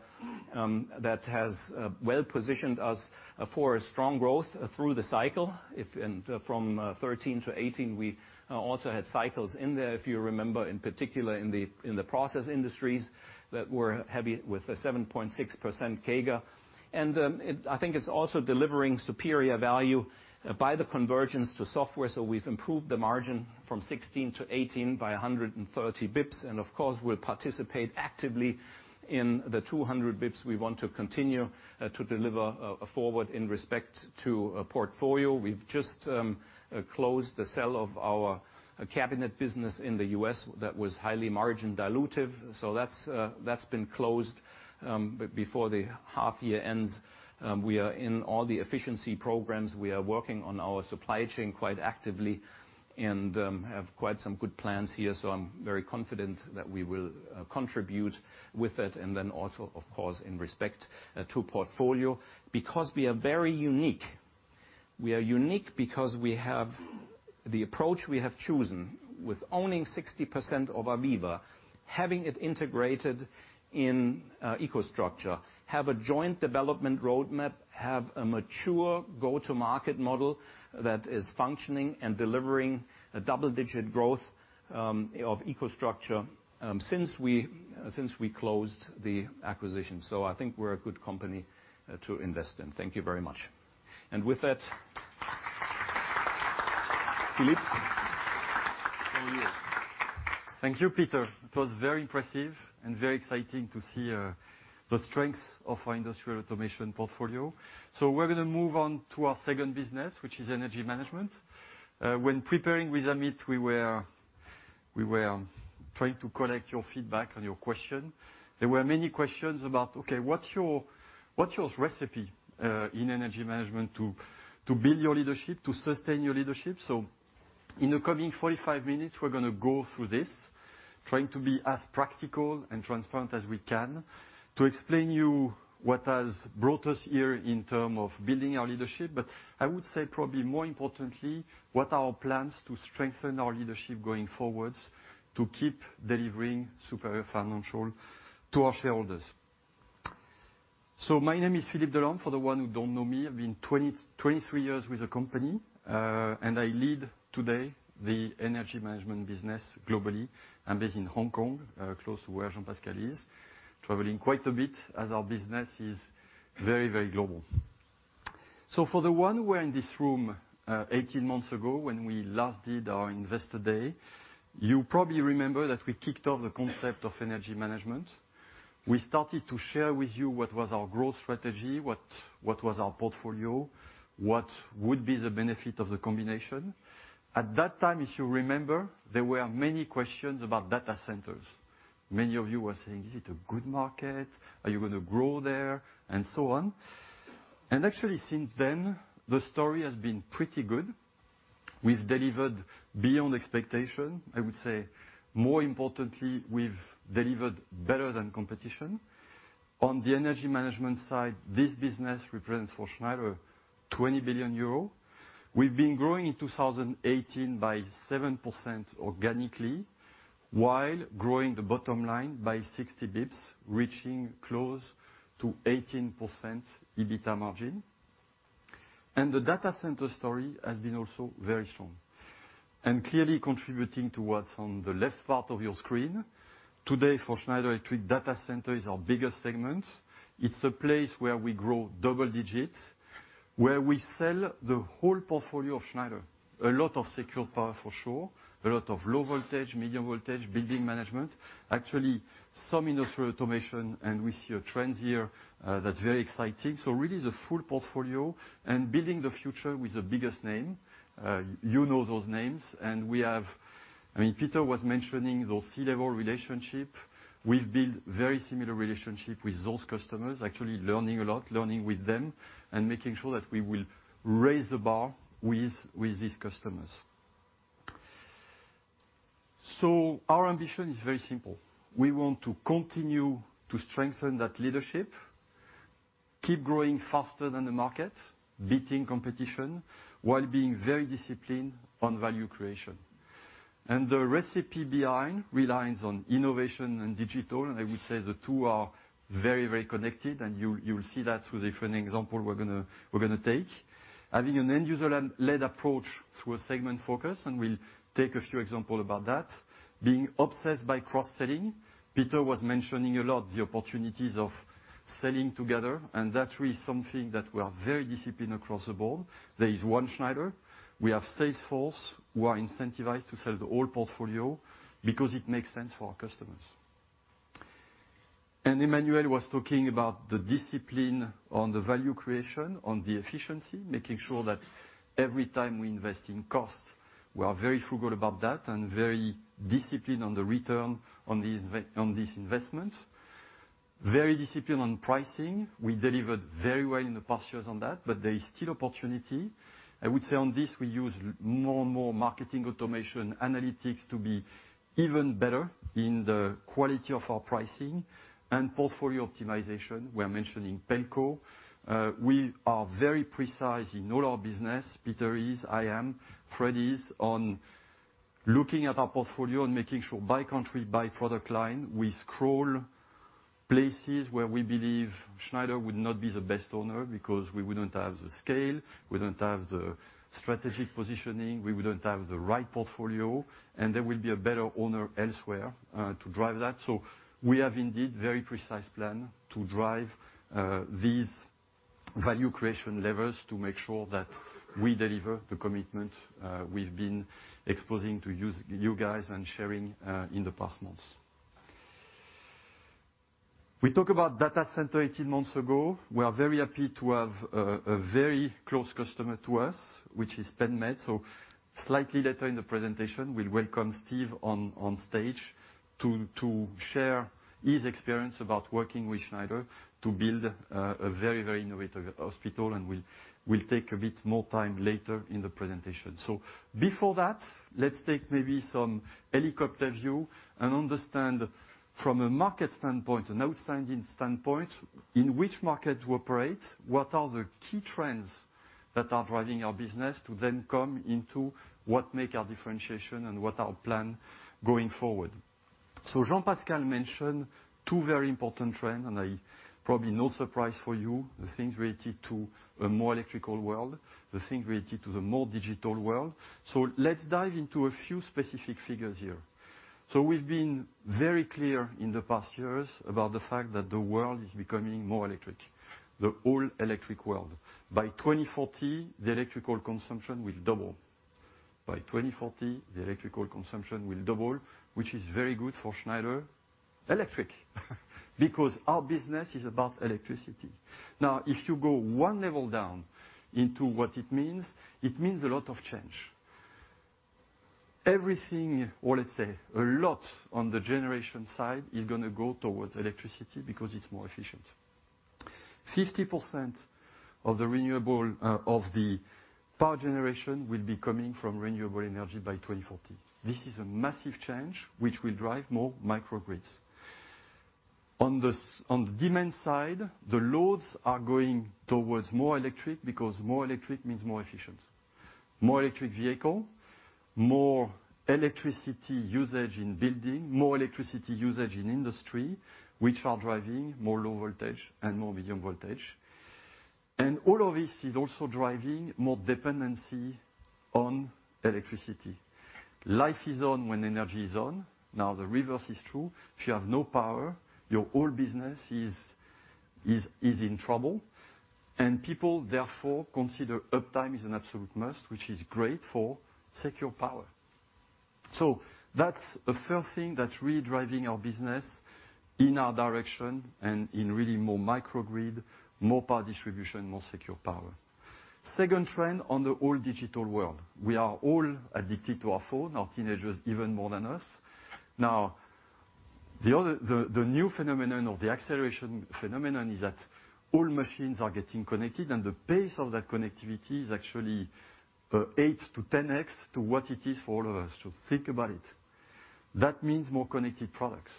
that has well-positioned us for a strong growth through the cycle. From 2013 to 2018, we also had cycles in there, if you remember, in particular in the process industries that were heavy with a 7.6% CAGR. I think it's also delivering superior value by the convergence to software, so we've improved the margin from 2016 to 2018 by 130 basis points, and of course, we'll participate actively in the 200 basis points. We want to continue to deliver forward in respect to portfolio. We've just closed the sale of our cabinet business in the U.S. that was highly margin dilutive. That's been closed before the half year ends. We are in all the efficiency programs. We are working on our supply chain quite actively and have quite some good plans here, so I'm very confident that we will contribute with it. Also, of course, in respect to portfolio, because we are very unique. We are unique because the approach we have chosen with owning 60% of AVEVA, having it integrated in EcoStruxure, have a joint development roadmap, have a mature go-to-market model that is functioning and delivering double-digit growth of EcoStruxure since we closed the acquisition. I think we're a good company to invest in. Thank you very much. With that Philippe. Thank you, Peter. It was very impressive and very exciting to see the strengths of our industrial automation portfolio. We're going to move on to our second business, which is energy management. When preparing with Amit, we were trying to collect your feedback on your question. There were many questions about, okay, what's your recipe in energy management to build your leadership, to sustain your leadership? In the coming 45 minutes, we're going to go through this, trying to be as practical and transparent as we can to explain to you what has brought us here in terms of building our leadership, but I would say probably more importantly, what are our plans to strengthen our leadership going forwards to keep delivering superior financial to our shareholders. My name is Philippe Delorme, for the one who don't know me. I've been 23 years with the company, I lead today the energy management business globally. I'm based in Hong Kong, close to where Jean-Pascal is, traveling quite a bit as our business is very global. For the one who were in this room 18 months ago when we last did our investor day, you probably remember that we kicked off the concept of energy management. We started to share with you what was our growth strategy, what was our portfolio, what would be the benefit of the combination. At that time, if you remember, there were many questions about data centers. Many of you were saying, "Is it a good market? Are you going to grow there?" and so on. Actually, since then, the story has been pretty good. We've delivered beyond expectation. I would say, more importantly, we've delivered better than competition. On the energy management side, this business represents for Schneider 20 billion euro. We've been growing in 2018 by 7% organically while growing the bottom line by 60 basis points, reaching close to 18% EBITDA margin. The data center story has been also very strong. Clearly contributing to what's on the left part of your screen, today for Schneider Electric, data center is our biggest segment. It's a place where we grow double digits, where we sell the whole portfolio of Schneider. A lot of secure power for sure, a lot of low voltage, medium voltage, building management. Actually, some industrial automation, and we see a trend here that's very exciting. Really, the full portfolio, and building the future with the biggest name. You know those names, Peter was mentioning those C-level relationship. We've built very similar relationship with those customers, actually learning a lot, learning with them, making sure that we will raise the bar with these customers. Our ambition is very simple. We want to continue to strengthen that leadership, keep growing faster than the market, beating competition, while being very disciplined on value creation. The recipe behind relies on innovation and digital, I would say the two are very connected, and you will see that through different example we're going to take. Having an end-user-led approach through a segment focus, we'll take a few example about that. Being obsessed by cross-selling. Peter was mentioning a lot the opportunities of selling together, that's really something that we are very disciplined across the board. There is one Schneider. We have salesforce who are incentivized to sell the whole portfolio because it makes sense for our customers. Emmanuel was talking about the discipline on the value creation, on the efficiency, making sure that every time we invest in cost, we are very frugal about that and very disciplined on the return on these investments. Very disciplined on pricing. We delivered very well in the past years on that, there is still opportunity. I would say on this, we use more and more marketing automation analytics to be even better in the quality of our pricing and portfolio optimization. We are mentioning Penn Medicine. We are very precise in all our business. Peter is, I am, Frédéric is, on looking at our portfolio and making sure by country, by product line, we scroll places where we believe Schneider would not be the best owner because we wouldn't have the scale, we wouldn't have the strategic positioning, we wouldn't have the right portfolio, and there will be a better owner elsewhere, to drive that. We have indeed very precise plan to drive these value creation levers to make sure that we deliver the commitment we've been exposing to you guys and sharing in the past months. We talk about data center 18 months ago. We are very happy to have a very close customer to us, which is Penmed. Slightly later in the presentation, we'll welcome Steve on stage to share his experience about working with Schneider to build a very innovative hospital. We'll take a bit more time later in the presentation. Before that, let's take maybe some helicopter view and understand from a market standpoint, an outstanding standpoint, in which market to operate, what are the key trends that are driving our business to come into what make our differentiation and what our plan going forward. Jean-Pascal mentioned two very important trend, and probably no surprise for you, the things related to a more electrical world, the thing related to the more digital world. Let's dive into a few specific figures here. We've been very clear in the past years about the fact that the world is becoming more electric, the all electric world. By 2040, the electrical consumption will double. By 2040, the electrical consumption will double, which is very good for Schneider Electric, because our business is about electricity. If you go one level down into what it means, it means a lot of change. Everything, or let's say a lot on the generation side, is going to go towards electricity because it's more efficient. 50% of the power generation will be coming from renewable energy by 2040. This is a massive change which will drive more microgrids. On the demand side, the loads are going towards more electric because more electric means more efficient. More electric vehicle, more electricity usage in building, more electricity usage in industry, which are driving more low voltage and more medium voltage. All of this is also driving more dependency on electricity. Life is on when energy is on. The reverse is true. If you have no power, your whole business is in trouble. People, therefore, consider uptime is an absolute must, which is great for secure power. That's the first thing that's really driving our business in our direction and in really more microgrid, more power distribution, more secure power. Second trend on the all digital world. We are all addicted to our phone, our teenagers even more than us. The new phenomenon or the acceleration phenomenon is that all machines are getting connected, and the pace of that connectivity is actually eight to 10x to what it is for all of us. Think about it. That means more connected products.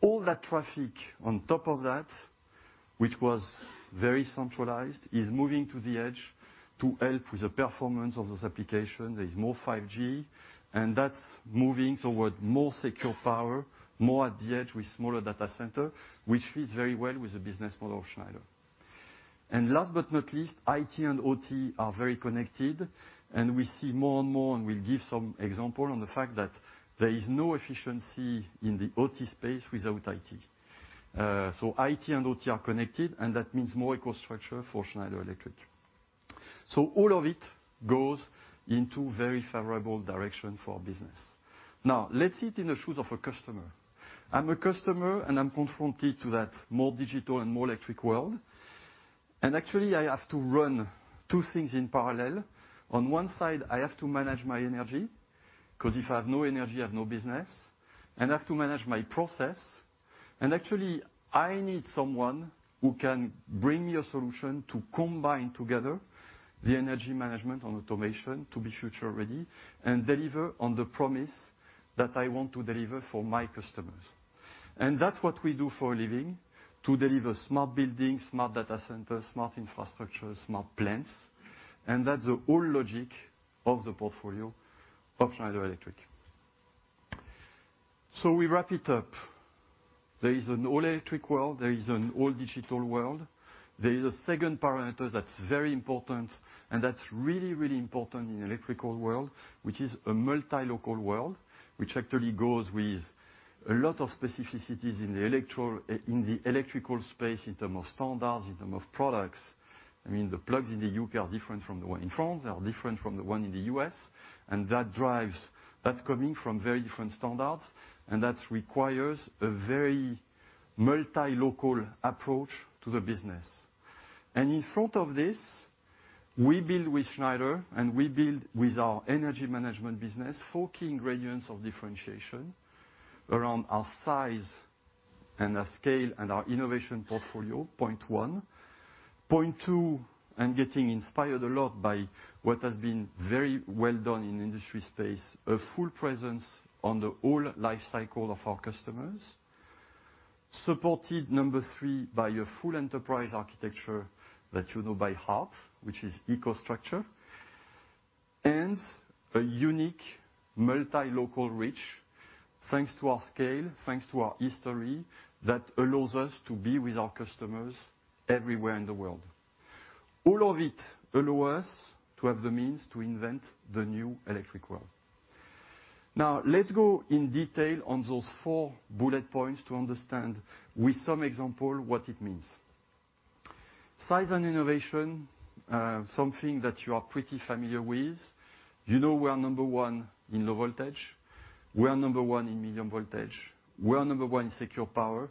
All that traffic on top of that, which was very centralized, is moving to the edge. To help with the performance of those applications, there is more 5G, and that's moving toward more secure power, more at the edge with smaller data center, which fits very well with the business model of Schneider. Last but not least, IT and OT are very connected, and we see more and more, and we'll give some example on the fact that there is no efficiency in the OT space without IT. IT and OT are connected, and that means more EcoStruxure for Schneider Electric. All of it goes into very favorable direction for business. Let's sit in the shoes of a customer. I'm a customer, and I'm confronted to that more digital and more electric world. Actually, I have to run two things in parallel. On one side, I have to manage my energy, because if I have no energy, I have no business. I have to manage my process. Actually, I need someone who can bring me a solution to combine together the Energy Management on automation to be future ready and deliver on the promise that I want to deliver for my customers. That's what we do for a living, to deliver smart buildings, smart data centers, smart infrastructure, smart plants. That's the whole logic of the portfolio of Schneider Electric. We wrap it up. There is an all electric world, there is an all digital world. There is a second parameter that's very important, and that's really, really important in electrical world, which is a multi-local world, which actually goes with a lot of specificities in the electrical space in terms of standards, in terms of products. I mean, the plugs in the U.K. are different from the one in France, are different from the one in the U.S. That's coming from very different standards, and that requires a very multi-local approach to the business. In front of this, we build with Schneider, and we build with our Energy Management business, four key ingredients of differentiation around our size and our scale and our innovation portfolio, Point 1. Point 2, and getting inspired a lot by what has been very well done in industry space, a full presence on the whole life cycle of our customers, supported, number 3, by a full enterprise architecture that you know by heart, which is EcoStruxure. A unique multi-local reach thanks to our scale, thanks to our history, that allows us to be with our customers everywhere in the world. All of it allow us to have the means to invent the new electric world. Now, let's go in detail on those four bullet points to understand with some example what it means. Size and innovation, something that you are pretty familiar with. You know we are number 1 in low voltage. We are number 1 in medium voltage. We are number 1 in secure power.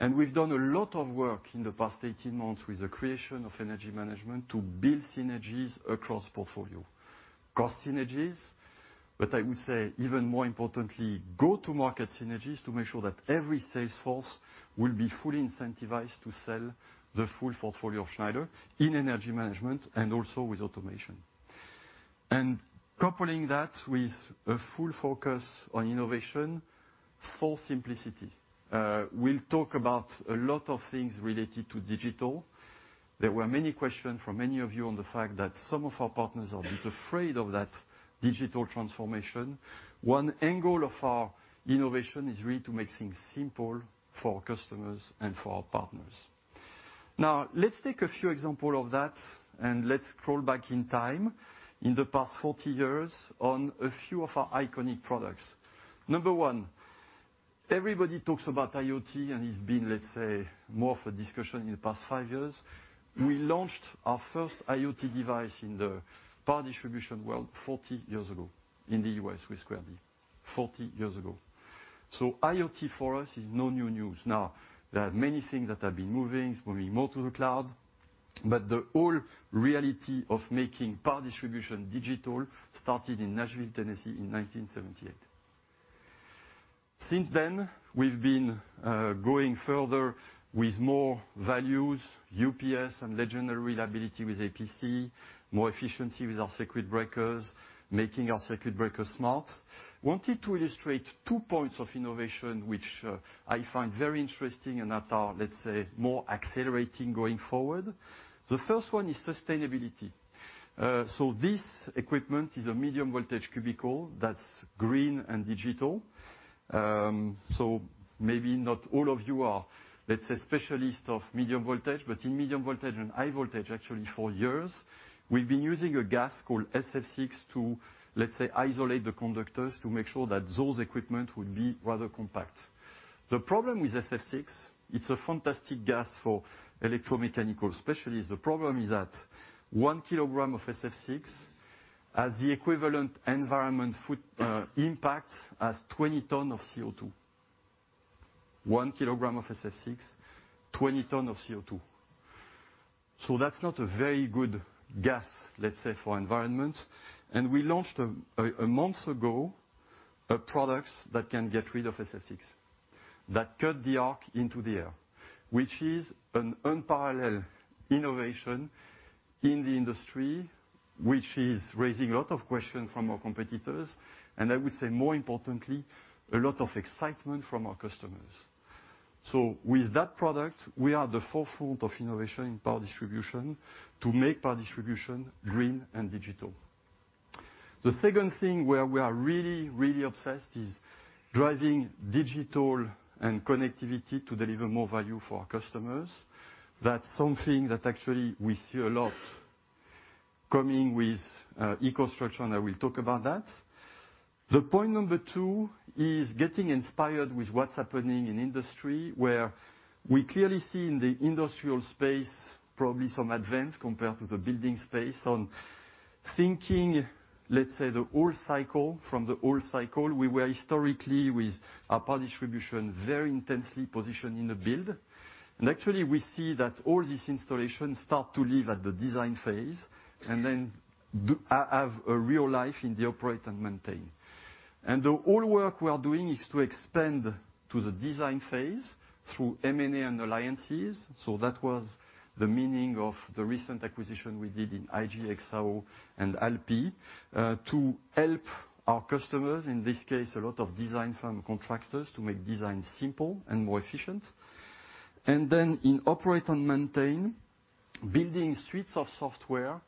We've done a lot of work in the past 18 months with the creation of Energy Management to build synergies across portfolio. Cost synergies, I would say even more importantly, go-to-market synergies to make sure that every sales force will be fully incentivized to sell the full portfolio of Schneider in Energy Management and also with automation. Coupling that with a full focus on innovation, full simplicity. We'll talk about a lot of things related to digital. There were many questions from many of you on the fact that some of our partners are a bit afraid of that digital transformation. One angle of our innovation is really to make things simple for our customers and for our partners. Now, let's take a few examples of that, and let's scroll back in time, in the past 40 years, on a few of our iconic products. Number 1, everybody talks about IoT and it's been, let's say, more of a discussion in the past five years. We launched our first IoT device in the power distribution world 40 years ago in the U.S. with Square D, 40 years ago. IoT for us is no new news. Now, there are many things that have been moving, it's moving more to the cloud. The whole reality of making power distribution digital started in Nashville, Tennessee in 1978. Since then, we've been going further with more values, UPS and legendary reliability with APC, more efficiency with our circuit breakers, making our circuit breakers smart. Wanted to illustrate 2 points of innovation, which I find very interesting and that are more accelerating going forward. The first one is sustainability. This equipment is a medium-voltage cubicle that's green and digital. Maybe not all of you are specialists of medium voltage, but in medium voltage and high voltage, actually for years, we've been using a gas called SF6 to isolate the conductors to make sure that those equipment would be rather compact. The problem with SF6, it's a fantastic gas for electromechanical specialists. The problem is that one kilogram of SF6 has the equivalent environment foot impact as 20 tons of CO2. One kilogram of SF6, 20 tons of CO2. That's not a very good gas for environment. We launched, one month ago, a product that can get rid of SF6, that cuts the arc into the air, which is an unparalleled innovation in the industry, which is raising a lot of questions from our competitors, and I would say more importantly, a lot of excitement from our customers. With that product, we are at the forefront of innovation in power distribution to make power distribution green and digital. The second thing where we are really obsessed is driving digital and connectivity to deliver more value for our customers. That's something that actually we see a lot coming with EcoStruxure, and I will talk about that. Point number 2 is getting inspired with what's happening in industry, where we clearly see in the industrial space probably some advance compared to the building space on thinking the whole cycle, from the whole cycle. We were historically, with our power distribution, very intensely positioned in the build. Actually, we see that all these installations start to live at the design phase and then have a real life in the operate and maintain. All the work we are doing is to expand to the design phase through M&A and alliances. That was the meaning of the recent acquisition we did in IGE+XAO and LK, to help our customers, in this case, a lot of design firm contractors, to make design simple and more efficient. Then in operate and maintain, building suites of software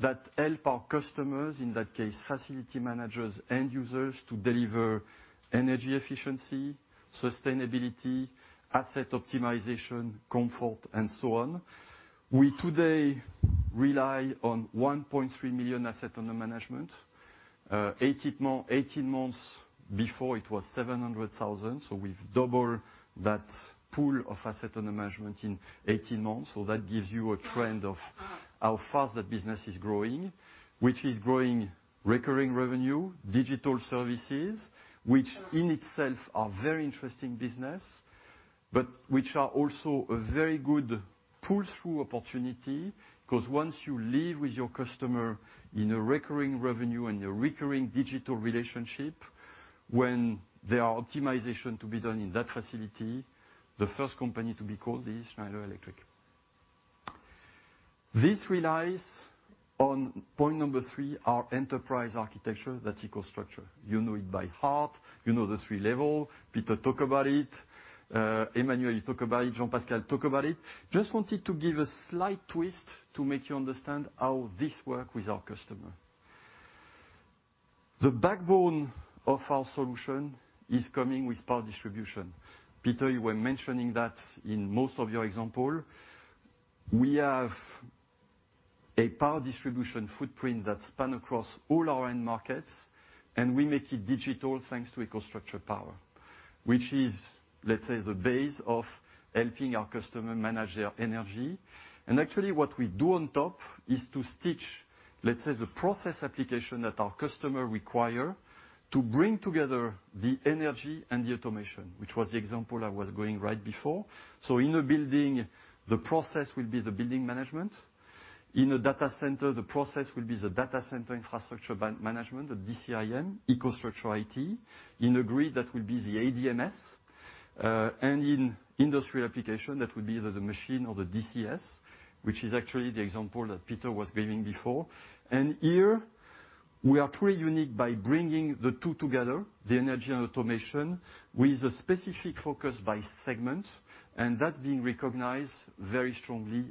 that help our customers, in that case, facility managers and users, to deliver energy efficiency, sustainability, asset optimization, comfort, and so on. We today rely on 1.3 million assets under management. 18 months before, it was 700,000. We've doubled that pool of assets under management in 18 months. That gives you a trend of how fast that business is growing, which is growing recurring revenue, digital services, which in itself are very interesting business, but which are also a very good pull-through opportunity. Because once you live with your customer in a recurring revenue and a recurring digital relationship, when there are optimization to be done in that facility, the first company to be called is Schneider Electric. This relies on point number 3, our enterprise architecture, that's EcoStruxure. You know it by heart. You know the level 3. Peter talk about it. Emmanuel talk about it. Jean-Pascal talk about it. Just wanted to give a slight twist to make you understand how this work with our customer. The backbone of our solution is coming with power distribution. Peter, you were mentioning that in most of your example. We have a power distribution footprint that span across all our end markets, and we make it digital, thanks to EcoStruxure power, which is, let's say, the base of helping our customer manage their energy. Actually, what we do on top is to stitch, let's say, the process application that our customer require to bring together the energy and the automation, which was the example I was giving right before. In a building, the process will be the building management. In a data center, the process will be the data center infrastructure management, the DCIM, EcoStruxure IT. In a grid, that will be the ADMS. In industry application, that would be the machine or the DCS, which is actually the example that Peter was giving before. Here, we are truly unique by bringing the two together, the energy and automation, with a specific focus by segment, and that's been recognized very strongly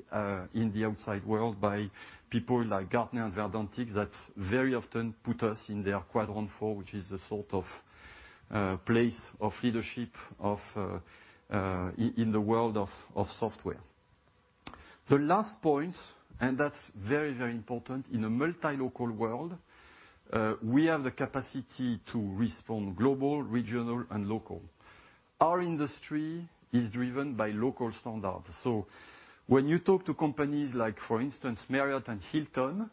in the outside world by people like Gartner and Verdantix, that very often put us in their quadrant 4, which is the sort of place of leadership in the world of software. The last point, that's very, very important, in a multi-local world, we have the capacity to respond global, regional, and local. Our industry is driven by local standards. When you talk to companies like, for instance, Marriott and Hilton,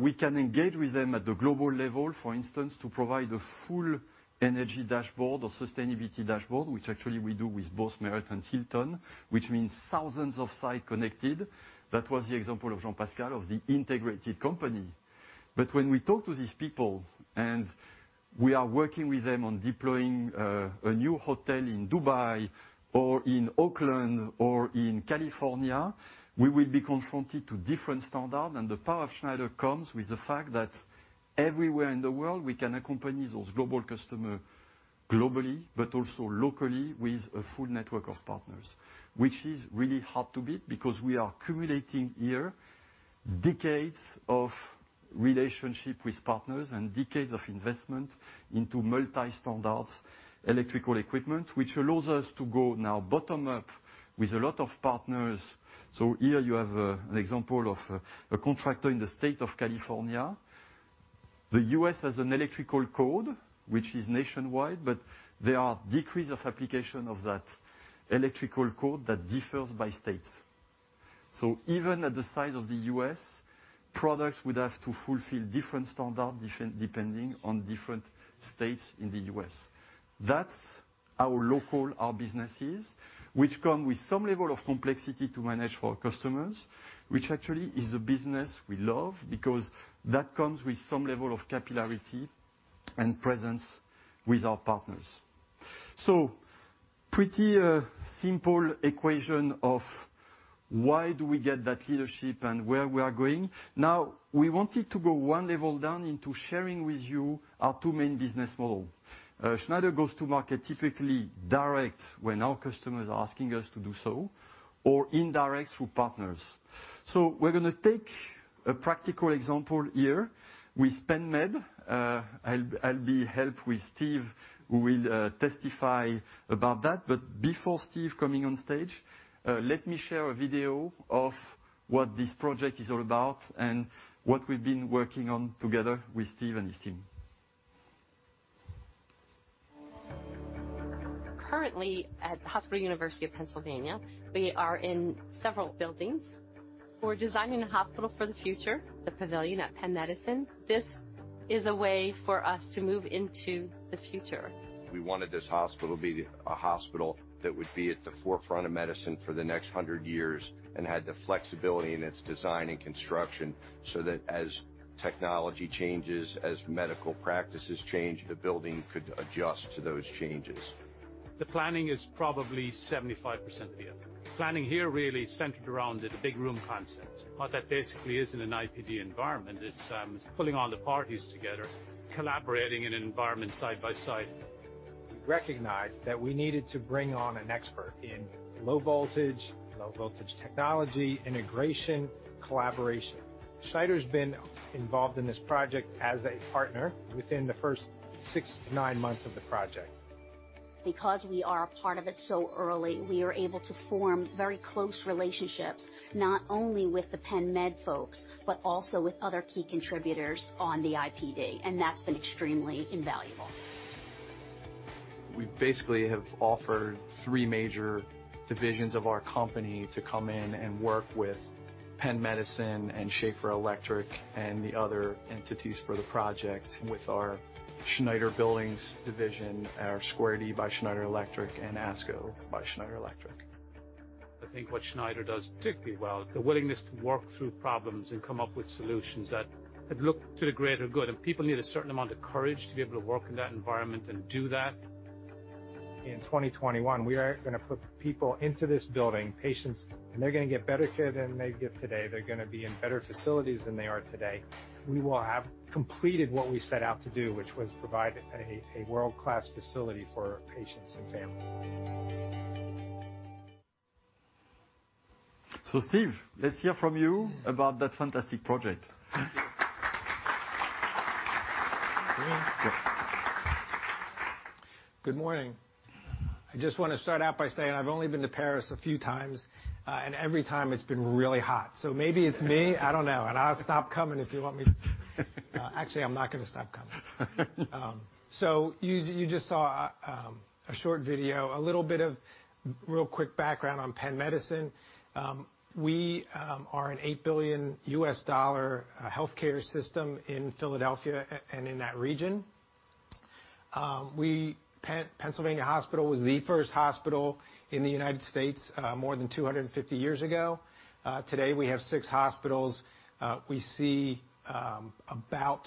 we can engage with them at the global level, for instance, to provide a full energy dashboard or sustainability dashboard, which actually we do with both Marriott and Hilton, which means thousands of site connected. That was the example of Jean-Pascal, of the integrated company. When we talk to these people, and we are working with them on deploying a new hotel in Dubai or in Oakland or in California, we will be confronted to different standard. The power of Schneider comes with the fact that everywhere in the world, we can accompany those global customer globally, but also locally with a full network of partners, which is really hard to beat because we are cumulating here decades of relationship with partners and decades of investment into multi-standards electrical equipment, which allows us to go now bottom up with a lot of partners. Here you have an example of a contractor in the state of California. The U.S. has an electrical code, which is nationwide, but there are degrees of application of that electrical code that differs by states. Even at the size of the U.S., products would have to fulfill different standard, depending on different states in the U.S. That's how local our business is, which come with some level of complexity to manage for our customers, which actually is a business we love because that comes with some level of capillarity and presence with our partners. Pretty simple equation of why do we get that leadership and where we are going? We wanted to go one level 1 down into sharing with you our two main business model. Schneider goes to market typically direct when our customer is asking us to do so, or indirect through partners. We're going to take a practical example here with Pe nn Medicine. I'll be helped with Steve, who will testify about that. Before Steve coming on stage, let me share a video of what this project is all about and what we've been working on together with Steve and his team. Currently at the Hospital University of Pennsylvania, we are in several buildings. We're designing a hospital for the future, the pavilion at Penn Medicine. This is a way for us to move into the future. We wanted this hospital to be a hospital that would be at the forefront of medicine for the next 100 years, had the flexibility in its design and construction, as technology changes, as medical practices change, the building could adjust to those changes. The planning is probably 75% via. Planning here really is centered around the big room concept. What that basically is in an IPD environment, it's pulling all the parties together, collaborating in an environment side by side. We recognized that we needed to bring on an expert in low voltage, low voltage technology, integration, collaboration. Schneider's been involved in this project as a partner within the first six to nine months of the project. Because we are a part of it so early, we are able to form very close relationships, not only with the Penn Medicine folks, but also with other key contributors on the IPD. That's been extremely invaluable. We basically have offered three major divisions of our company to come in and work with Penn Medicine and Schneider Electric and the other entities for the project with our Schneider Electric Buildings division, our Square D by Schneider Electric, and ASCO by Schneider Electric. I think what Schneider does particularly well, the willingness to work through problems and come up with solutions that look to the greater good. People need a certain amount of courage to be able to work in that environment and do that. In 2021, we are going to put people into this building, patients, and they're going to get better care than they get today. They're going to be in better facilities than they are today. We will have completed what we set out to do, which was provide a world-class facility for patients and family. Steve, let's hear from you about that fantastic project. Good morning. I just want to start out by saying I've only been to Paris a few times, and every time it's been really hot. Maybe it's me, I don't know. I'll stop coming if you want me to. Actually, I'm not going to stop coming. You just saw a short video, a little bit of real quick background on Penn Medicine. We are an $8 billion U.S. health care system in Philadelphia and in that region. Pennsylvania Hospital was the first hospital in the U.S., more than 250 years ago. Today, we have six hospitals. We see about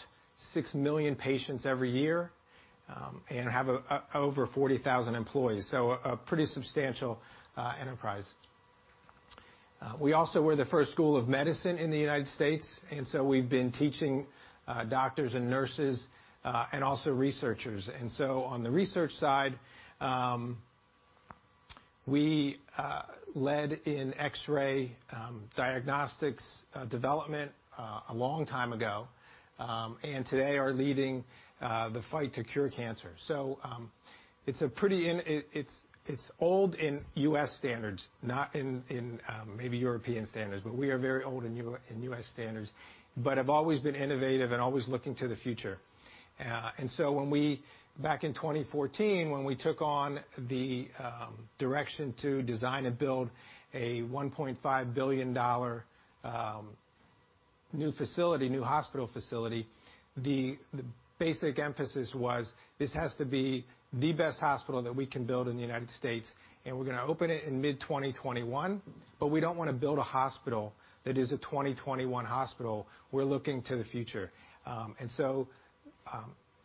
six million patients every year, and have over 40,000 employees, so a pretty substantial enterprise. We also were the first school of medicine in the U.S., and so we've been teaching doctors and nurses, and also researchers. On the research side, we led in X-ray diagnostics development a long time ago, and today are leading the fight to cure cancer. It's old in U.S. standards, not in maybe European standards, but we are very old in U.S. standards, but have always been innovative and always looking to the future. When we, back in 2014, when we took on the direction to design and build a $1.5 billion new hospital facility, the basic emphasis was this has to be the best hospital that we can build in the U.S., and we're going to open it in mid 2021, but we don't want to build a hospital that is a 2021 hospital. We're looking to the future.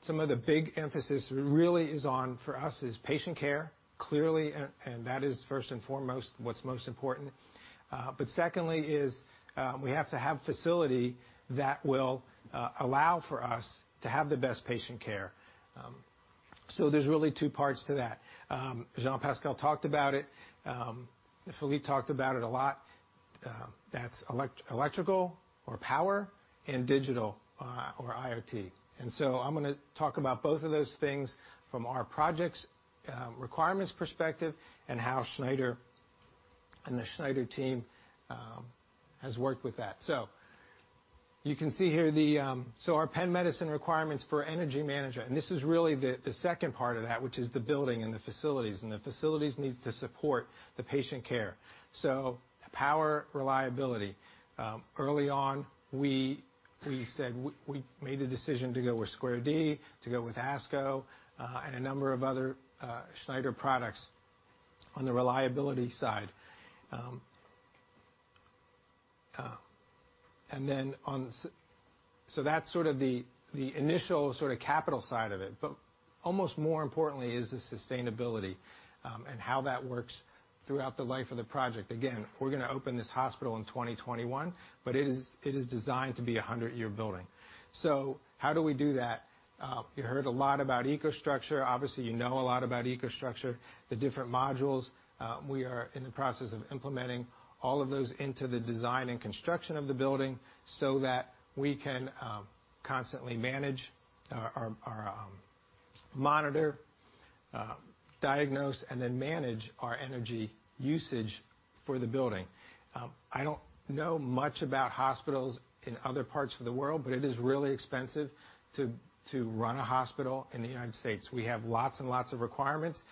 Some of the big emphasis really is on, for us, is patient care, clearly, and that is first and foremost what's most important. Secondly is, we have to have facility that will allow for us to have the best patient care. There's really two parts to that. Jean-Pascal talked about it. Philippe talked about it a lot. That's electrical or power, and digital or IoT. I'm going to talk about both of those things from our project's requirements perspective and how Schneider and the Schneider team has worked with that. You can see here, our Penn Medicine requirements for energy management, and this is really the second part of that, which is the building and the facilities, and the facilities needs to support the patient care. The power reliability. Early on, we made the decision to go with Square D, to go with ASCO, and a number of other Schneider products on the reliability side. That's sort of the initial capital side of it. Almost more importantly is the sustainability, and how that works throughout the life of the project. We're going to open this hospital in 2021, but it is designed to be a 100-year building. How do we do that? You heard a lot about EcoStruxure. Obviously, you know a lot about EcoStruxure, the different modules. We are in the process of implementing all of those into the design and construction of the building so that we can constantly manage our, monitor, diagnose, and then manage our energy usage for the building. I don't know much about hospitals in other parts of the world, it is really expensive to run a hospital in the U.S. We have lots and lots of requirements.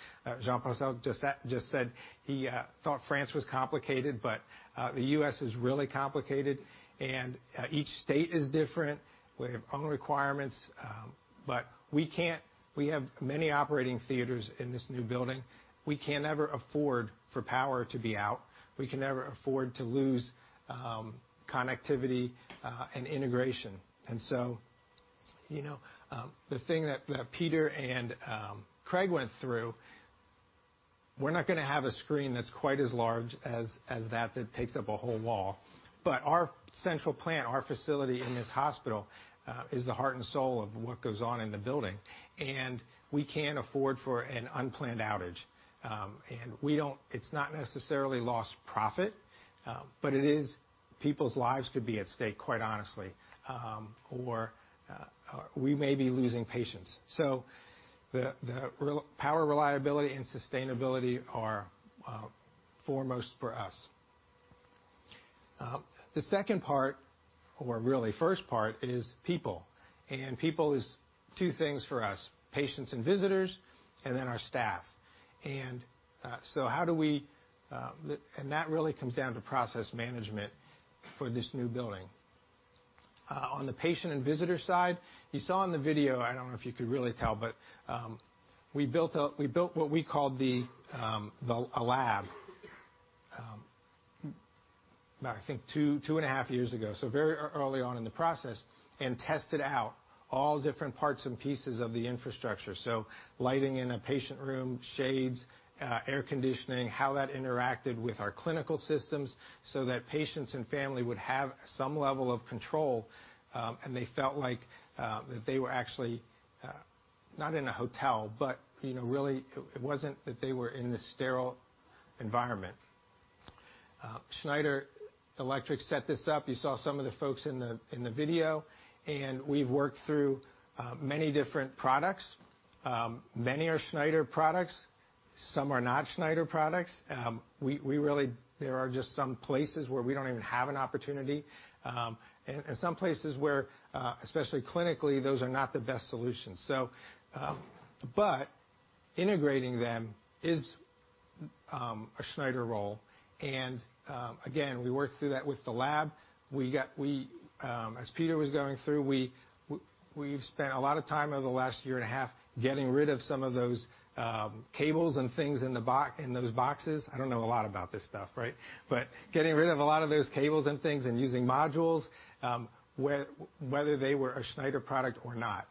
Jean-Pascal just said he thought France was complicated, but the U.S. is really complicated, and each state is different with their own requirements. We have many operating theaters in this new building. We can't ever afford for power to be out. We can never afford to lose connectivity and integration. The thing that Peter and Craig went through, we're not going to have a screen that's quite as large as that takes up a whole wall. Our central plant, our facility in this hospital, is the heart and soul of what goes on in the building, and we can't afford for an unplanned outage. It's not necessarily lost profit, it is people's lives could be at stake, quite honestly. We may be losing patients. The power reliability and sustainability are foremost for us. The second part, or really first part, is people. People is two things for us, patients and visitors, and then our staff. That really comes down to process management for this new building. On the patient and visitor side, you saw in the video, I don't know if you could really tell, but we built what we called a lab, I think two and a half years ago, very early on in the process, and tested out all different parts and pieces of the infrastructure. Lighting in a patient room, shades, air conditioning, how that interacted with our clinical systems so that patients and family would have some level of control, and they felt like they were actually, not in a hotel, but really it wasn't that they were in this sterile environment. Schneider Electric set this up. You saw some of the folks in the video. We've worked through many different products. Many are Schneider products. Some are not Schneider products. There are just some places where we don't even have an opportunity, and some places where, especially clinically, those are not the best solutions. Integrating them is a Schneider role, and again, we worked through that with the lab. As Peter was going through, we've spent a lot of time over the last year and a half getting rid of some of those cables and things in those boxes. I don't know a lot about this stuff, right? Getting rid of a lot of those cables and things and using modules, whether they were a Schneider product or not.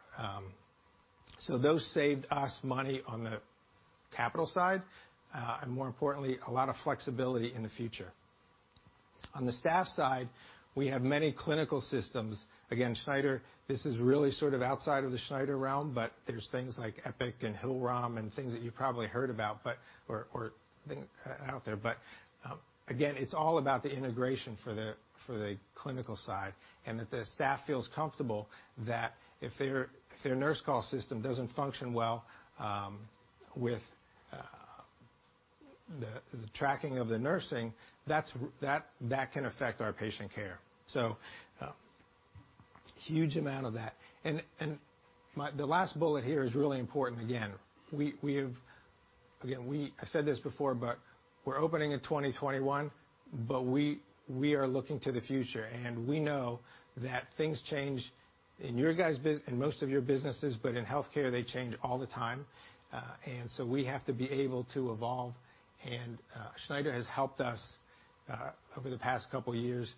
Those saved us money on the capital side. More importantly, a lot of flexibility in the future. On the staff side, we have many clinical systems. Again, Schneider, this is really sort of outside of the Schneider realm, but there's things like Epic and Hill-Rom and things that you've probably heard about out there. Again, it's all about the integration for the clinical side and that the staff feels comfortable that if their nurse call system doesn't function well with the tracking of the nursing, that can affect our patient care. A huge amount of that. The last bullet here is really important again. I said this before, but we're opening in 2021, but we are looking to the future, and we know that things change in most of your businesses, but in healthcare, they change all the time. We have to be able to evolve, and Schneider has helped us over the past couple of years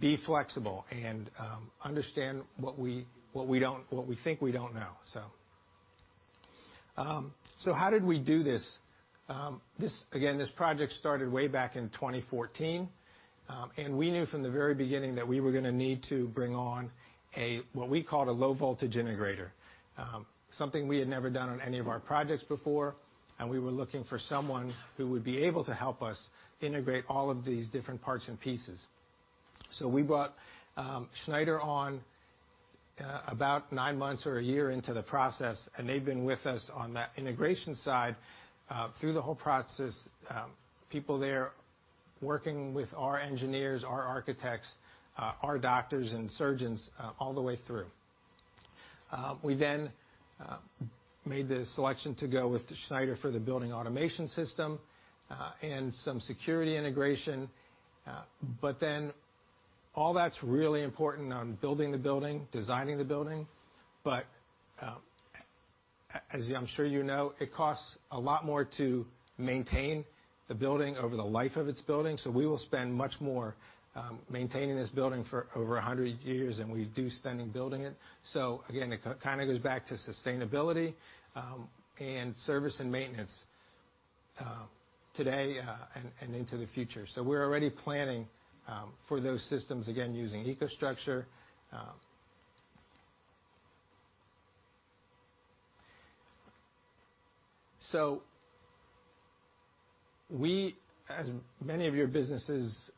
be flexible and understand what we think we don't know. How did we do this? Again, this project started way back in 2014. We knew from the very beginning that we were going to need to bring on what we called a low voltage integrator. Something we had never done on any of our projects before, and we were looking for someone who would be able to help us integrate all of these different parts and pieces. We brought Schneider on about nine months or a year into the process, and they've been with us on that integration side through the whole process. People there working with our engineers, our architects, our doctors, and surgeons all the way through. We made the selection to go with Schneider for the building automation system and some security integration. All that's really important on building the building, designing the building. As I'm sure you know, it costs a lot more to maintain the building over the life of its building. We will spend much more maintaining this building for over 100 years than we do spend in building it. Again, it goes back to sustainability and service and maintenance today and into the future. We're already planning for those systems, again, using EcoStruxure. We, as many of your businesses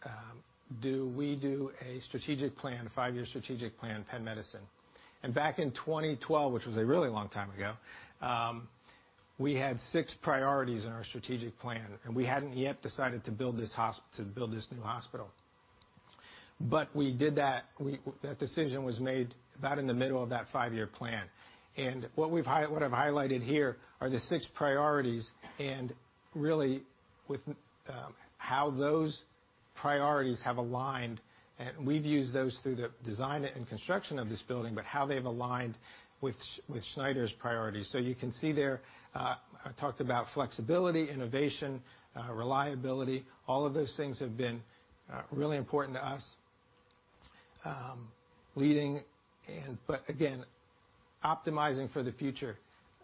do, we do a five-year strategic plan, Penn Medicine. Back in 2012, which was a really long time ago, we had six priorities in our strategic plan, and we hadn't yet decided to build this new hospital. We did that. That decision was made about in the middle of that five-year plan. What I've highlighted here are the six priorities and really with how those priorities have aligned. We've used those through the design and construction of this building, but how they've aligned with Schneider's priorities. You can see there, I talked about flexibility, innovation, reliability. All of those things have been really important to us. Leading and optimizing for the future.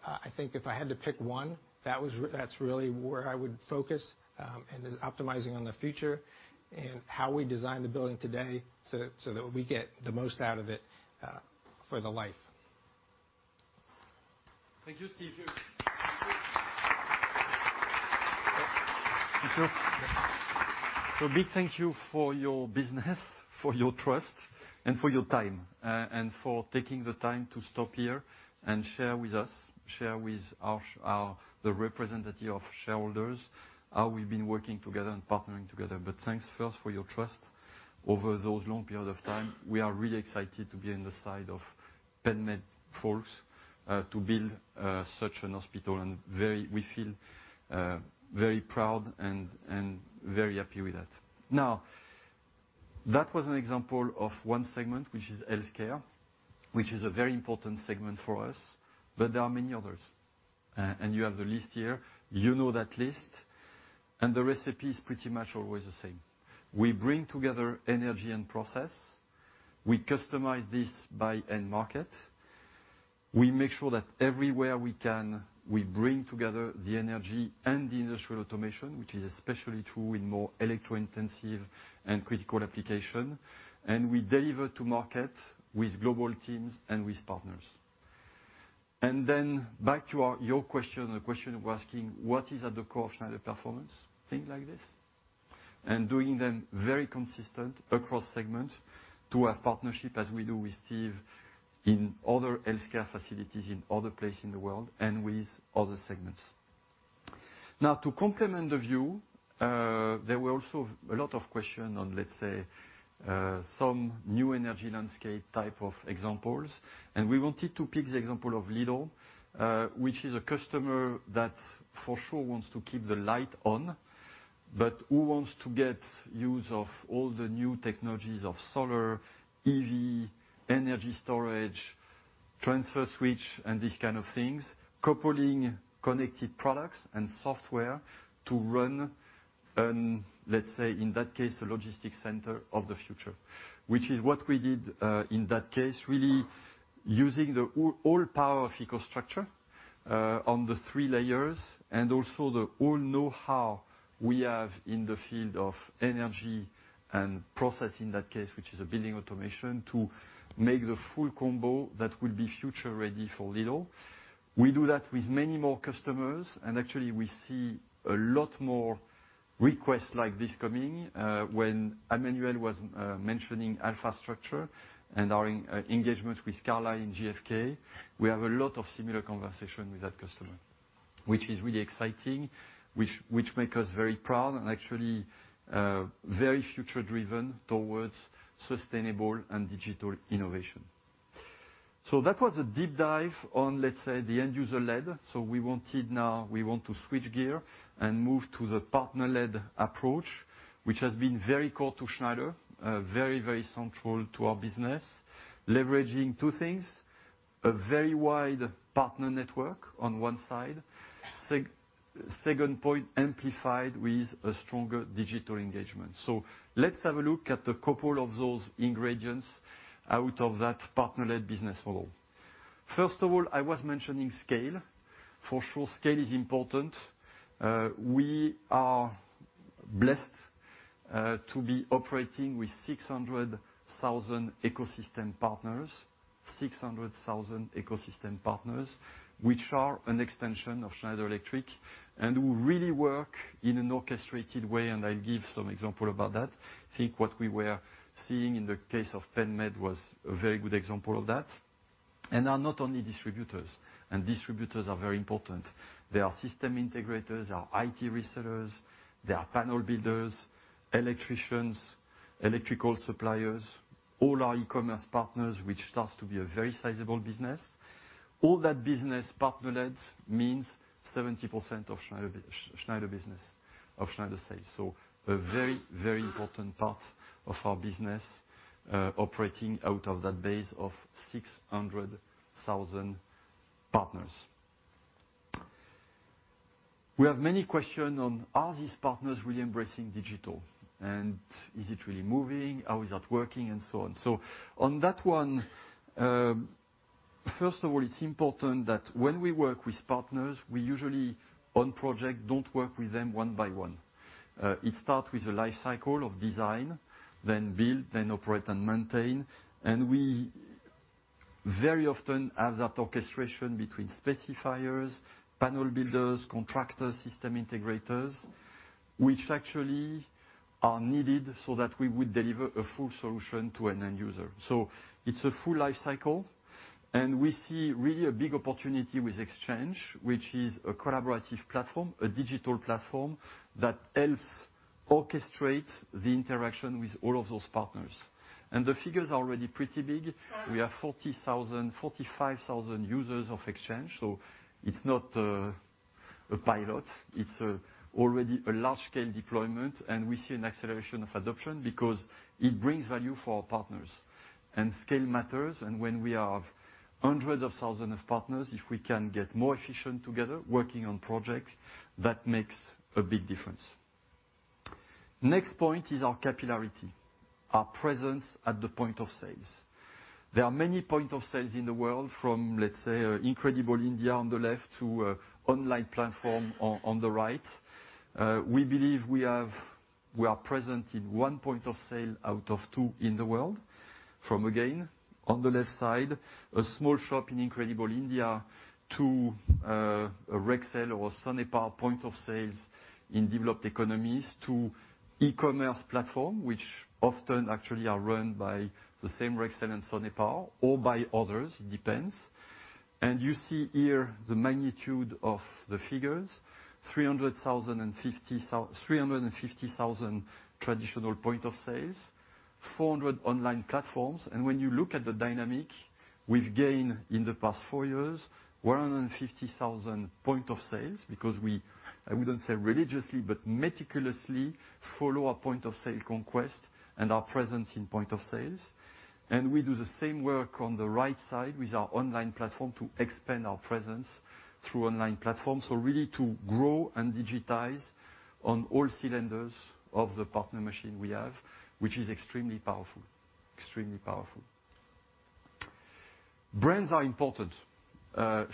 I think if I had to pick one, that's really where I would focus, and then optimizing on the future and how we design the building today so that we get the most out of it for the life. Thank you, Steve. Big thank you for your business, for your trust, and for your time, and for taking the time to stop here and share with us, share with the representative of shareholders, how we've been working together and partnering together. Thanks first for your trust over those long period of time. We are really excited to be on the side of Penn Med folks to build such a hospital. We feel very proud and very happy with that. That was an example of one segment, which is healthcare, which is a very important segment for us, but there are many others. You have the list here. You know that list, the recipe is pretty much always the same. We bring together energy and process. We customize this by end market. We make sure that everywhere we can, we bring together the energy and the industrial automation, which is especially true in more electro-intensive and critical application. We deliver to market with global teams and with partners. Back to your question, the question was asking what is at the core of Schneider performance? Things like this. Doing them very consistent across segments to have partnership as we do with Steve in other healthcare facilities in other places in the world and with other segments. To complement the view, there were also a lot of question on, let's say, some new energy landscape type of examples. We wanted to pick the example of Lidl, which is a customer that for sure wants to keep the light on, but who wants to get use of all the new technologies of solar, EV, energy storage, transfer switch, and these kind of things, coupling connected products and software to run an, let's say, in that case, a logistics center of the future. Which is what we did, in that case, really using the all power of EcoStruxure on the three layers and also the all know-how we have in the field of energy and process, in that case, which is a building automation, to make the full combo that will be future-ready for Lidl. Actually, we see a lot more requests like this coming. When Emmanuel was mentioning AlphaStruxure and our engagement with Carlyle and GfK, we have a lot of similar conversation with that customer, which is really exciting, which make us very proud and actually very future-driven towards sustainable and digital innovation. That was a deep dive on, let's say, the end-user led. We wanted now, we want to switch gear and move to the partner-led approach, which has been very core to Schneider, very central to our business, leveraging two things, a very wide partner network on one side. Second point, amplified with a stronger digital engagement. Let's have a look at a couple of those ingredients out of that partner-led business model. First of all, I was mentioning scale. For sure, scale is important. We are blessed to be operating with 600,000 ecosystem partners, which are an extension of Schneider Electric and who really work in an orchestrated way, and I'll give some example about that. I think what we were seeing in the case of Penn Medicine was a very good example of that. They are not only distributors, and distributors are very important. They are system integrators, they are IT resellers, they are panel builders, electricians, electrical suppliers, all our e-commerce partners, which starts to be a very sizable business. All that business, partner-led, means 70% of Schneider sales. A very important part of our business, operating out of that base of 600,000 partners. We have many questions on, are these partners really embracing digital, and is it really moving? How is that working and so on. On that one, first of all, it's important that when we work with partners, we usually, on project, don't work with them one by one. It starts with a life cycle of design, then build, then operate and maintain. We very often have that orchestration between specifiers, panel builders, contractors, system integrators, which actually are needed so that we would deliver a full solution to an end user. It's a full life cycle, and we see really a big opportunity with Exchange, which is a collaborative platform, a digital platform that helps orchestrate the interaction with all of those partners. The figures are already pretty big. We have 45,000 users of Exchange, so it's not a pilot. It's already a large-scale deployment, and we see an acceleration of adoption because it brings value for our partners. Scale matters, when we have hundreds of thousands of partners, if we can get more efficient together working on projects, that makes a big difference. Our capillarity, our presence at the point of sales. There are many point of sales in the world from, let's say, Incredible India on the left to a online platform on the right. We believe we are present in one point of sale out of two in the world. From, again, on the left side, a small shop in Incredible India to a Rexel or Sonepar point of sales in developed economies to e-commerce platform, which often actually are run by the same Rexel and Sonepar or by others, it depends. You see here the magnitude of the figures, 350,000 traditional point of sales, 400 online platforms. When you look at the dynamic, we've gained in the past four years, 150,000 point of sales because we, I wouldn't say religiously, but meticulously follow our point of sale conquest and our presence in point of sales. We do the same work on the right side with our online platform to expand our presence through online platforms. Really to grow and digitize on all cylinders of the partner machine we have, which is extremely powerful. Brands are important.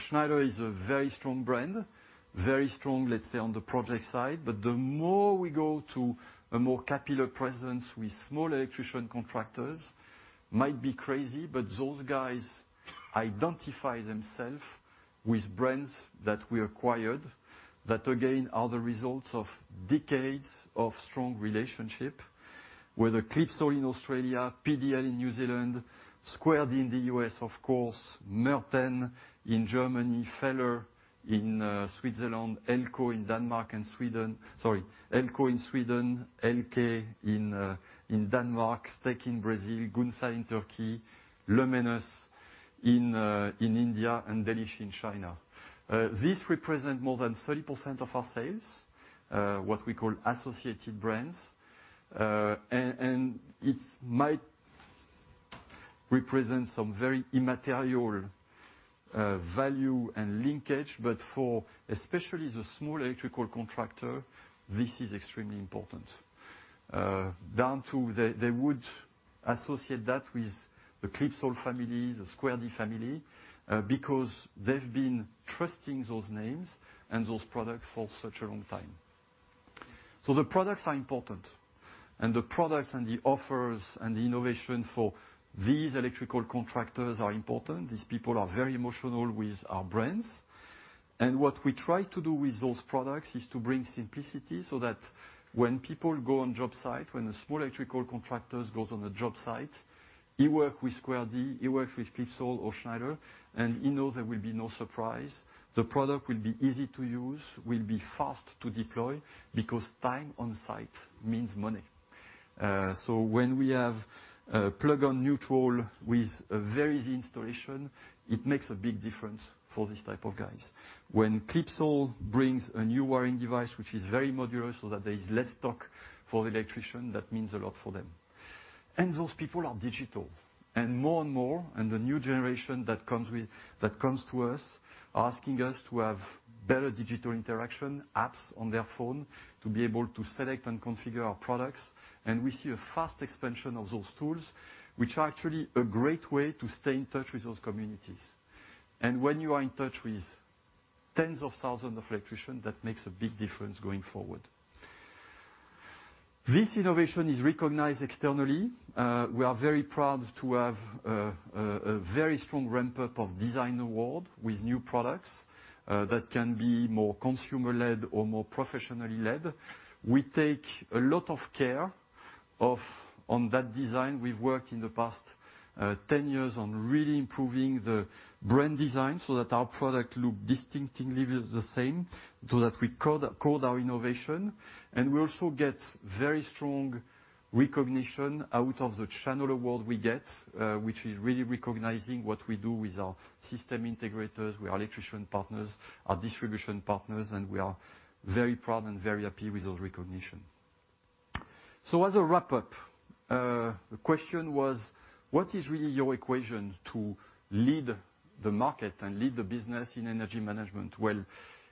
Schneider is a very strong brand. Very strong, let's say, on the project side. The more we go to a more capillary presence with small electrician contractors, might be crazy, but those guys identify themself with brands that we acquired. That, again, are the results of decades of strong relationship, whether Clipsal in Australia, PDL in New Zealand, Square D in the U.S., of course, Merten in Germany, Feller in Switzerland, Elko in Denmark and Sweden. Sorry, Elko in Sweden, LK in Denmark, Steck in Brazil, Günsan in Turkey, Luminous in India, and Delixi in China. This represent more than 30% of our sales, what we call associated brands. It might represent some very immaterial value and linkage, but for especially the small electrical contractor, this is extremely important, down to they would associate that with the Clipsal family, the Square D family, because they've been trusting those names and those product for such a long time. The products are important, and the products and the offers and the innovation for these electrical contractors are important. These people are very emotional with our brands. What we try to do with those products is to bring simplicity so that when people go on job site, when the small electrical contractors goes on the job site, he work with Square D, he work with Clipsal or Schneider, he knows there will be no surprise. The product will be easy to use, will be fast to deploy because time on site means money. When we have a Plug-on Neutral with a very easy installation, it makes a big difference for these type of guys. When Clipsal brings a new wiring device, which is very modular so that there is less stock for the electrician, that means a lot for them. Those people are digital and more and more, and the new generation that comes to us asking us to have better digital interaction apps on their phone to be able to select and configure our products. We see a fast expansion of those tools, which are actually a great way to stay in touch with those communities. When you are in touch with tens of thousands of electricians, that makes a big difference going forward. This innovation is recognized externally. We are very proud to have a very strong ramp-up of design award with new products that can be more consumer-led or more professionally led. We take a lot of care on that design. We've worked in the past 10 years on really improving the brand design so that our product look distinctively the same, so that we code our innovation. We also get very strong recognition out of the channel award we get, which is really recognizing what we do with our system integrators, with our electrician partners, our distribution partners, and we are very proud and very happy with those recognition. So as a wrap-up, the question was: What is really your equation to lead the market and lead the business in Energy Management? Well,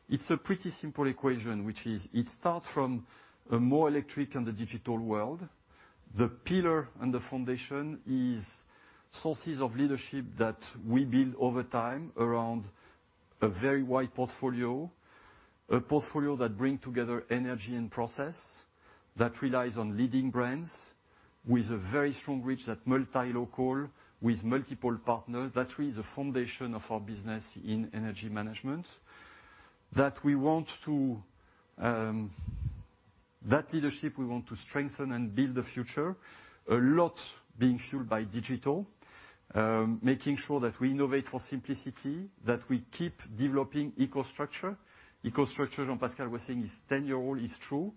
it's a pretty simple equation, which is, it starts from a more electric and a digital world. The pillar and the foundation is sources of leadership that we build over time around a very wide portfolio, a portfolio that brings together energy and process, that relies on leading brands, with a very strong reach at multi-local, with multiple partners. That's really the foundation of our business in Energy Management. That leadership we want to strengthen and build the future, a lot being fueled by digital, making sure that we innovate for simplicity, that we keep developing EcoStruxure. EcoStruxure, Jean-Pascal was saying, is 10 years old, it's true.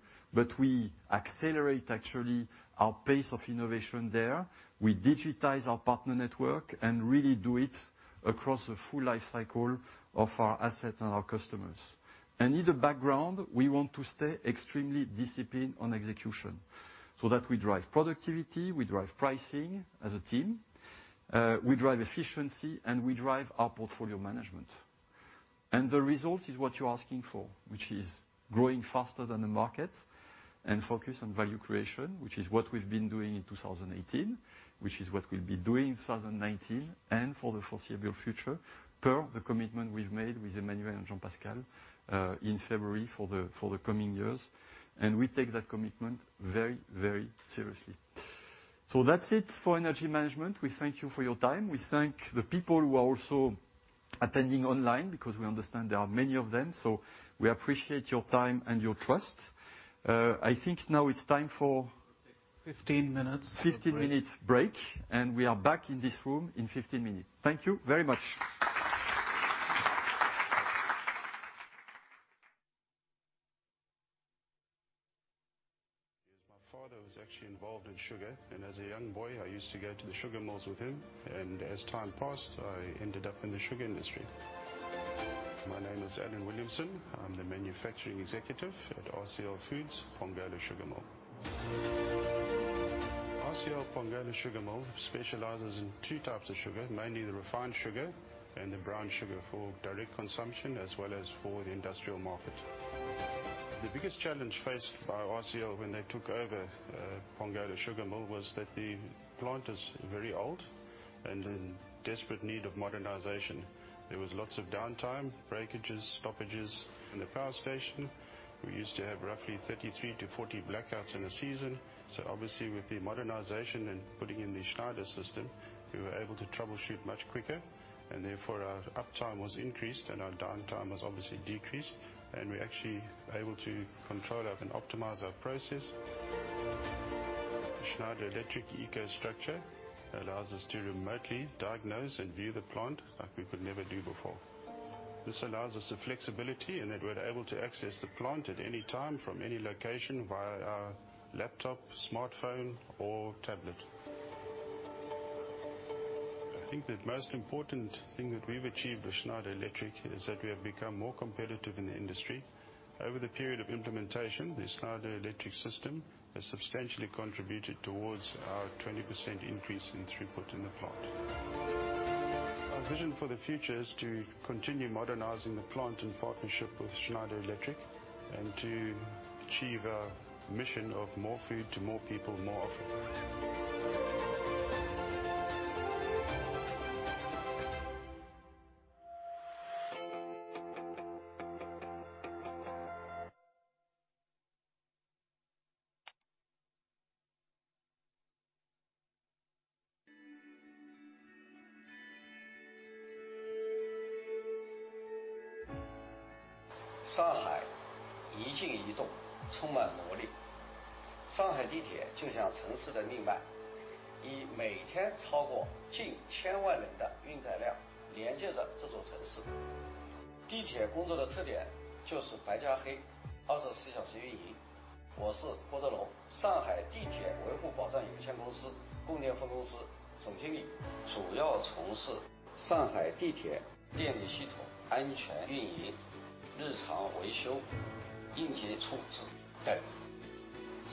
We accelerate, actually, our pace of innovation there. We digitize our partner network and really do it across the full life cycle of our assets and our customers. In the background, we want to stay extremely disciplined on execution so that we drive productivity, we drive pricing as a team, we drive efficiency, and we drive our portfolio management. The result is what you're asking for, which is growing faster than the market and focus on value creation, which is what we've been doing in 2018, which is what we'll be doing in 2019, and for the foreseeable future, per the commitment we've made with Emmanuel and Jean-Pascal in February for the coming years. We take that commitment very, very seriously. That's it for Energy Management. We thank you for your time. We thank the people who are also attending online because we understand there are many of them. We appreciate your time and your trust. 15 minutes 15-minute break, we are back in this room in 15 minutes. Thank you very much. My father was actually involved in sugar, as a young boy, I used to go to the sugar mills with him. As time passed, I ended up in the sugar industry. My name is Alan Williamson. I'm the manufacturing executive at RCL Foods Pongola Sugar Mill. RCL Pongola Sugar Mill specializes in two types of sugar, mainly the refined sugar and the brown sugar for direct consumption as well as for the industrial market. The biggest challenge faced by RCL when they took over Pongola Sugar Mill was that the plant is very old and in desperate need of modernization. There was lots of downtime, breakages, stoppages in the power station. We used to have roughly 33-40 blackouts in a season. Obviously with the modernization and putting in the Schneider system, we were able to troubleshoot much quicker, therefore our uptime was increased, our downtime was obviously decreased, we're actually able to control and optimize our process. Schneider Electric EcoStruxure allows us to remotely diagnose and view the plant like we could never do before. This allows us the flexibility in that we're able to access the plant at any time from any location via our laptop, smartphone, or tablet. I think the most important thing that we've achieved with Schneider Electric is that we have become more competitive in the industry. Over the period of implementation, the Schneider Electric system has substantially contributed towards our 20% increase in throughput in the plant. Our vision for the future is to continue modernizing the plant in partnership with Schneider Electric and to achieve our mission of more food to more people, more often.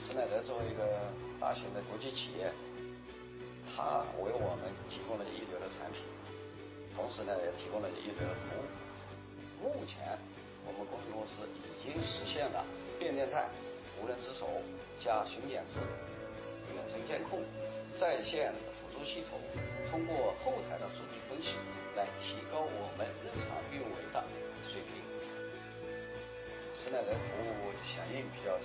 Shanghai.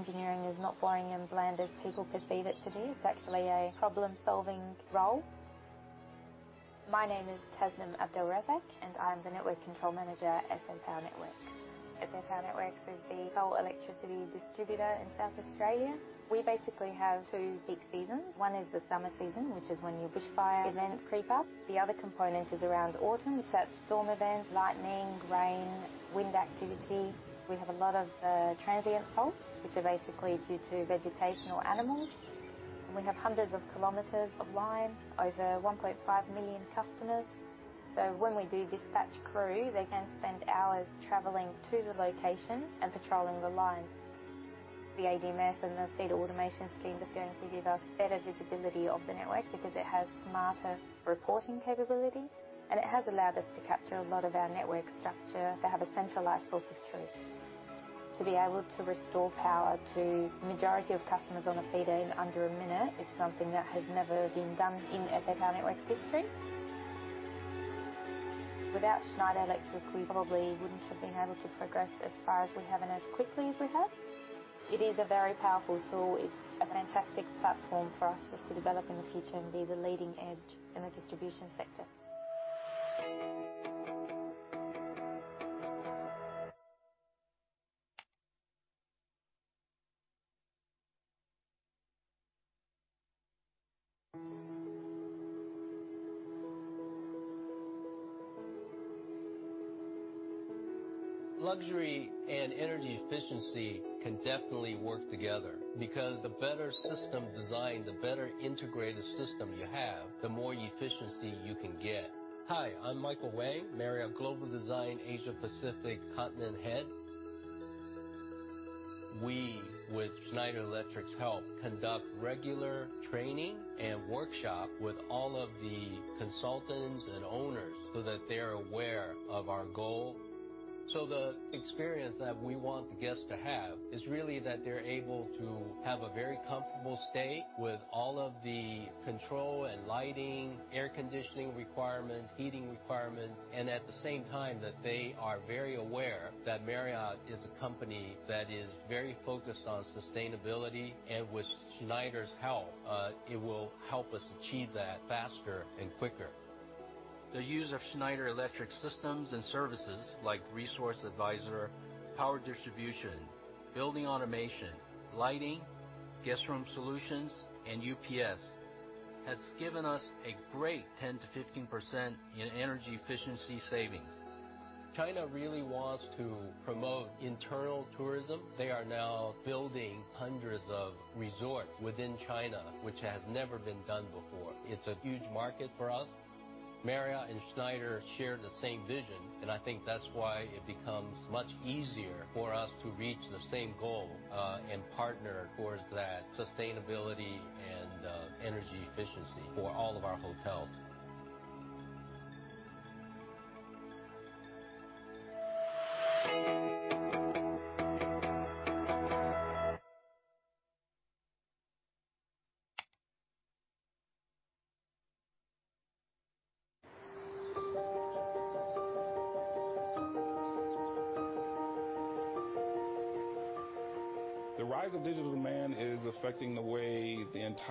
Engineering is not boring and bland as people perceive it to be. It's actually a problem-solving role. My name is Tasnim Abdel-Razaq, and I am the Network Control Manager at SA Power Networks. SA Power Networks is the sole electricity distributor in South Australia. We basically have two peak seasons. One is the summer season, which is when your bushfire events creep up. The other component is around autumn. That's storm events, lightning, rain, wind activity. We have a lot of transient faults, which are basically due to vegetation or animals. We have hundreds of kilometers of line, over 1.5 million customers. When we do dispatch crew, they can spend hours traveling to the location and patrolling the lines. The ADMS and the feeder automation scheme is going to give us better visibility of the network because it has smarter reporting capability, and it has allowed us to capture a lot of our network structure to have a centralized source of truth. To be able to restore power to the majority of customers on a feeder in under a minute is something that has never been done in SA Power Networks' history. Without Schneider Electric, we probably wouldn't have been able to progress as far as we have and as quickly as we have. It is a very powerful tool. It's a fantastic platform for us just to develop in the future and be the leading edge in the distribution sector. Luxury and energy efficiency can definitely work together because the better system design, the better-integrated system you have, the more efficiency you can get. Hi, I'm Michael Wang, Marriott Global Design Asia Pacific Continent Head. We, with Schneider Electric's help, conduct regular training and workshop with all of the consultants and owners that they're aware of our goal. The experience that we want the guests to have is really that they're able to have a very comfortable stay with all of the control and lighting, air conditioning requirements, heating requirements, and at the same time, that they are very aware that Marriott is a company that is very focused on sustainability. With Schneider's help, it will help us achieve that faster and quicker. The use of Schneider Electric systems and services like EcoStruxure Resource Advisor, power distribution, building automation, lighting, guest room solutions, and UPS has given us a great 10%-15% in energy efficiency savings. China really wants to promote internal tourism. They are now building hundreds of resorts within China, which has never been done before. It's a huge market for us. Marriott International and Schneider Electric share the same vision, and I think that's why it becomes much easier for us to reach the same goal, partner towards that sustainability and energy efficiency for all of our hotels.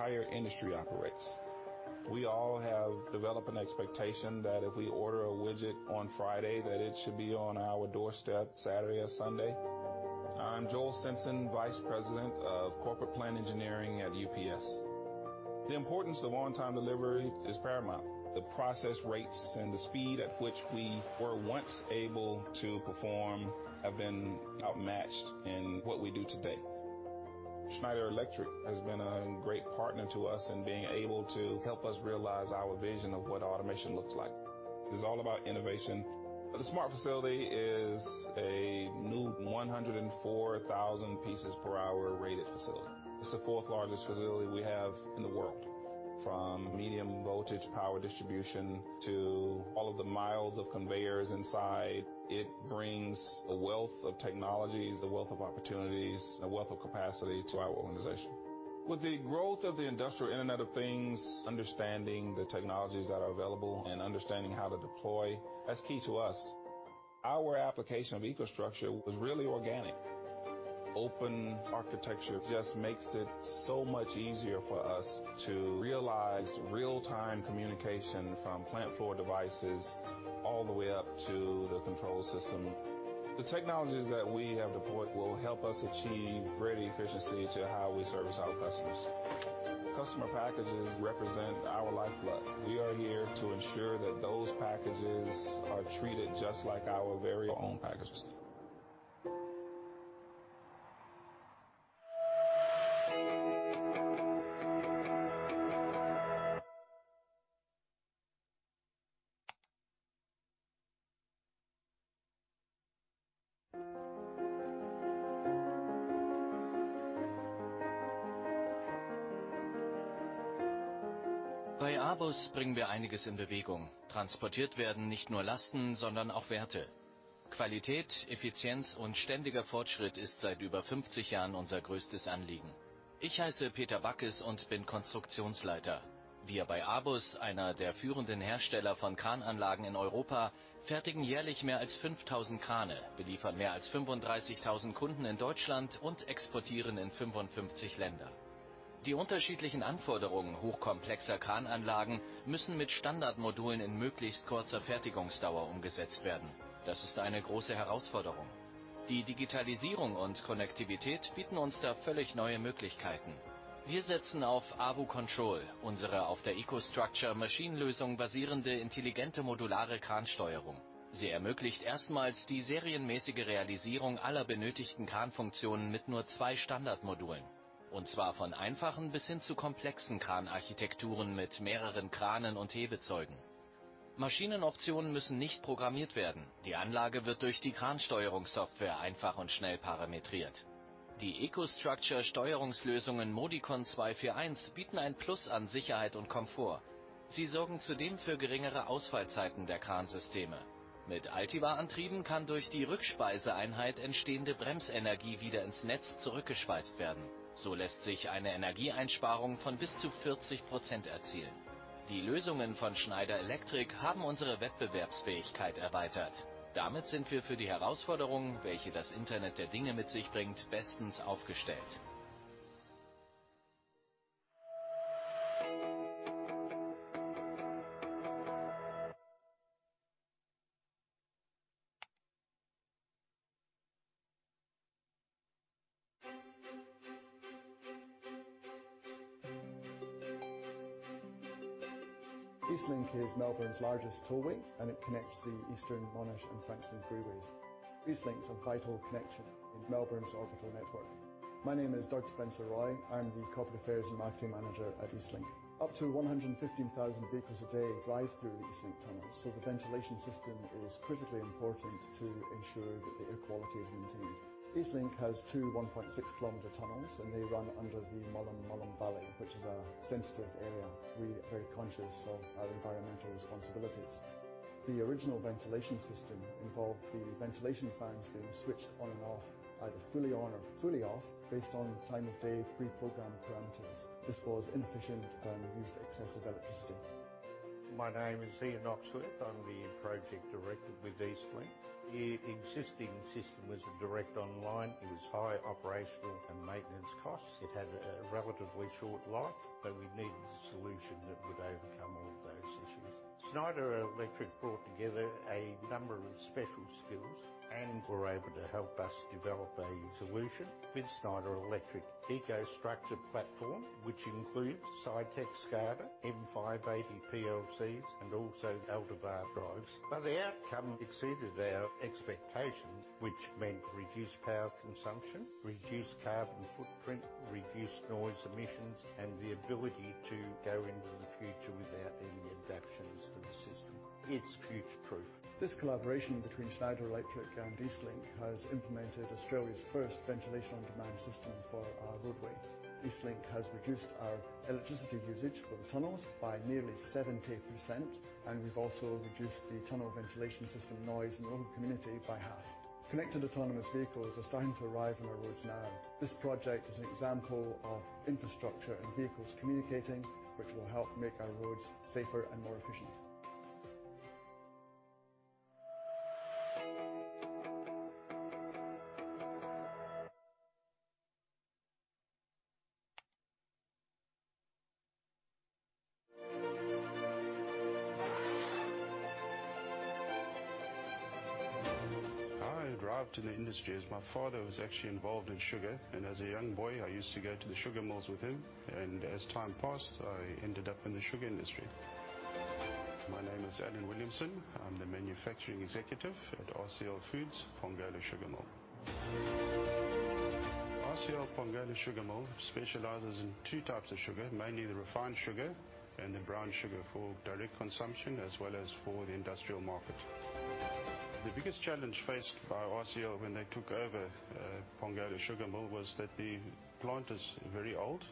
The rise of digital man is affecting the way the entire industry operates. We all have developed an expectation that if we order a widget on Friday, that it should be on our doorstep Saturday or Sunday. I'm Joel Simpson, Vice President of Corporate Plant Engineering at UPS. The importance of on-time delivery is paramount. The process rates and the speed at which we were once able to perform have been outmatched in what we do today. Schneider Electric has been a great partner to us in being able to help us realize our vision of what automation looks like. It's all about innovation. The smart facility is a new 104,000 pieces per hour rated facility. It's the fourth-largest facility we have in the world. From medium voltage power distribution to all of the miles of conveyors inside, it brings a wealth of technologies, a wealth of opportunities, a wealth of capacity to our organization. With the growth of the Industrial Internet of Things, understanding the technologies that are available and understanding how to deploy, that's key to us. Our application of EcoStruxure was really organic. Open architecture just makes it so much easier for us to realize real-time communication from plant floor devices all the way up to the control system. The technologies that we have deployed will help us achieve greater efficiency to how we service our customers. Customer packages represent our lifeblood. We are here to ensure that those packages are treated just like our very own packages. Ich heiße Peter Backes und bin Konstruktionsleiter. Wir bei ABUS, einer der führenden Hersteller von Krananlagen in Europa, fertigen jährlich mehr als 5,000 Krane, beliefern mehr als 35,000 Kunden in Deutschland und exportieren in 55 Länder. Die unterschiedlichen Anforderungen hochkomplexer Krananlagen müssen mit Standardmodulen in möglichst kurzer Fertigungsdauer umgesetzt werden. Das ist eine große Herausforderung. Die Digitalisierung und Konnektivität bieten uns da völlig neue Möglichkeiten. Wir setzen auf ABUControl, unsere auf der EcoStruxure Machine Lösung basierende intelligente modulare Kransteuerung. Sie ermöglicht erstmals die serienmäßige Realisierung aller benötigten Kranfunktionen mit nur two Standardmodulen, und zwar von einfachen bis hin zu komplexen Kranarchitekturen mit mehreren Kranen und Hebezeugen. Maschinenoptionen müssen nicht programmiert werden. Die Anlage wird durch die Kransteuerungssoftware einfach und schnell parametriert. Die EcoStruxure-Steuerungslösungen Modicon M241 bieten ein Plus an Sicherheit und Komfort. Sie sorgen zudem für geringere Ausfallzeiten der Kransysteme. Mit Altivar-Antrieben kann durch die Rückspeiseeinheit entstehende Bremsenergie wieder ins Netz zurückgespeist werden. So lässt sich eine Energieeinsparung von bis zu 40 % erzielen. Die Lösungen von Schneider Electric haben unsere Wettbewerbsfähigkeit erweitert. Damit sind wir für die Herausforderungen, welche das Internet der Dinge mit sich bringt, bestens aufgestellt. EastLink is Melbourne's largest tollway and it connects the Eastern, Monash and Frankston Freeways. EastLink is a vital connection in Melbourne's orbital network. My name is Doug Spencer-Roy. I am the Corporate Affairs and Marketing Manager at EastLink. Up to 115,000 vehicles a day drive through EastLink tunnels, the ventilation system is critically important to ensure that the air quality is maintained. EastLink has two 1.6-kilometer tunnels, and they run under the Mullum Mullum Valley, which is a sensitive area. We are very conscious of our environmental responsibilities. The original ventilation system involved the ventilation fans being switched on and off, either fully on or fully off, based on time of day preprogrammed parameters. This was inefficient and used excessive electricity. My name is Ian Oxworthy. I am the Project Director with EastLink. The existing system was a direct online. It was high operational and maintenance costs. It had a relatively short life, we needed a solution that would overcome all of those issues. Schneider Electric brought together a number of special skills and were able to help us develop a solution with Schneider Electric EcoStruxure platform, which includes Citect SCADA, M580 PLCs, and also Altivar drives. The outcome exceeded our expectations, which meant reduced power consumption, reduced carbon footprint, reduced noise emissions, and the ability to go into the future without any adaptations to the system. It is future proof. This collaboration between Schneider Electric and EastLink has implemented Australia's first ventilation-on-demand system for our roadway. EastLink has reduced our electricity usage for the tunnels by nearly 70%, and we have also reduced the tunnel ventilation system noise in the local community by half. Connected autonomous vehicles are starting to arrive on our roads now. This project is an example of infrastructure and vehicles communicating, which will help make our roads safer and more efficient. I arrived in the industry as my father was actually involved in sugar, and as a young boy, I used to go to the sugar mills with him, and as time passed, I ended up in the sugar industry. My name is Alan Williamson. I am the Manufacturing Executive at RCL Foods Pongola Sugar Mill. RCL Pongola Sugar Mill specializes in two types of sugar, mainly the refined sugar and the brown sugar for direct consumption as well as for the industrial market. The biggest challenge faced by RCL when they took over Pongola Sugar Mill was that the plant is very old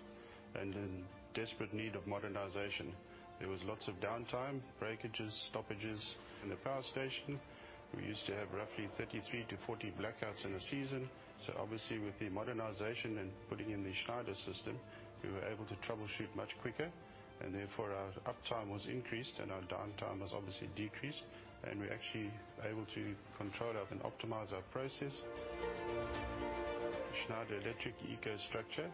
and in desperate need of modernization. There was lots of downtime, breakages, stoppages in the power station. We used to have roughly 33-40 blackouts in a season. So obviously with the modernization and putting in the Schneider system, we were able to troubleshoot much quicker, and therefore our uptime was increased and our downtime was obviously decreased, and we are actually able to control and optimize our process. Schneider Electric EcoStruxure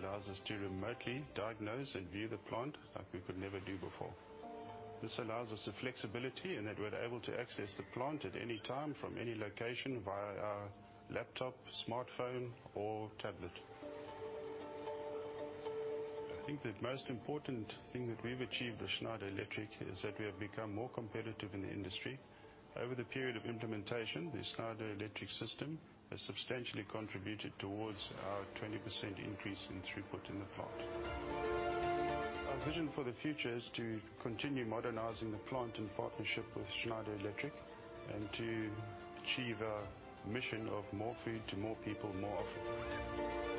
allows us to remotely diagnose and view the plant like we could never do before. This allows us the flexibility in that we are able to access the plant at any time from any location via our laptop, smartphone, or tablet. I think the most important thing that we have achieved with Schneider Electric is that we have become more competitive in the industry. Over the period of implementation, the Schneider Electric system has substantially contributed towards our 20% increase in throughput in the plant. Our vision for the future is to continue modernizing the plant in partnership with Schneider Electric and to achieve our mission of more food to more people, more often.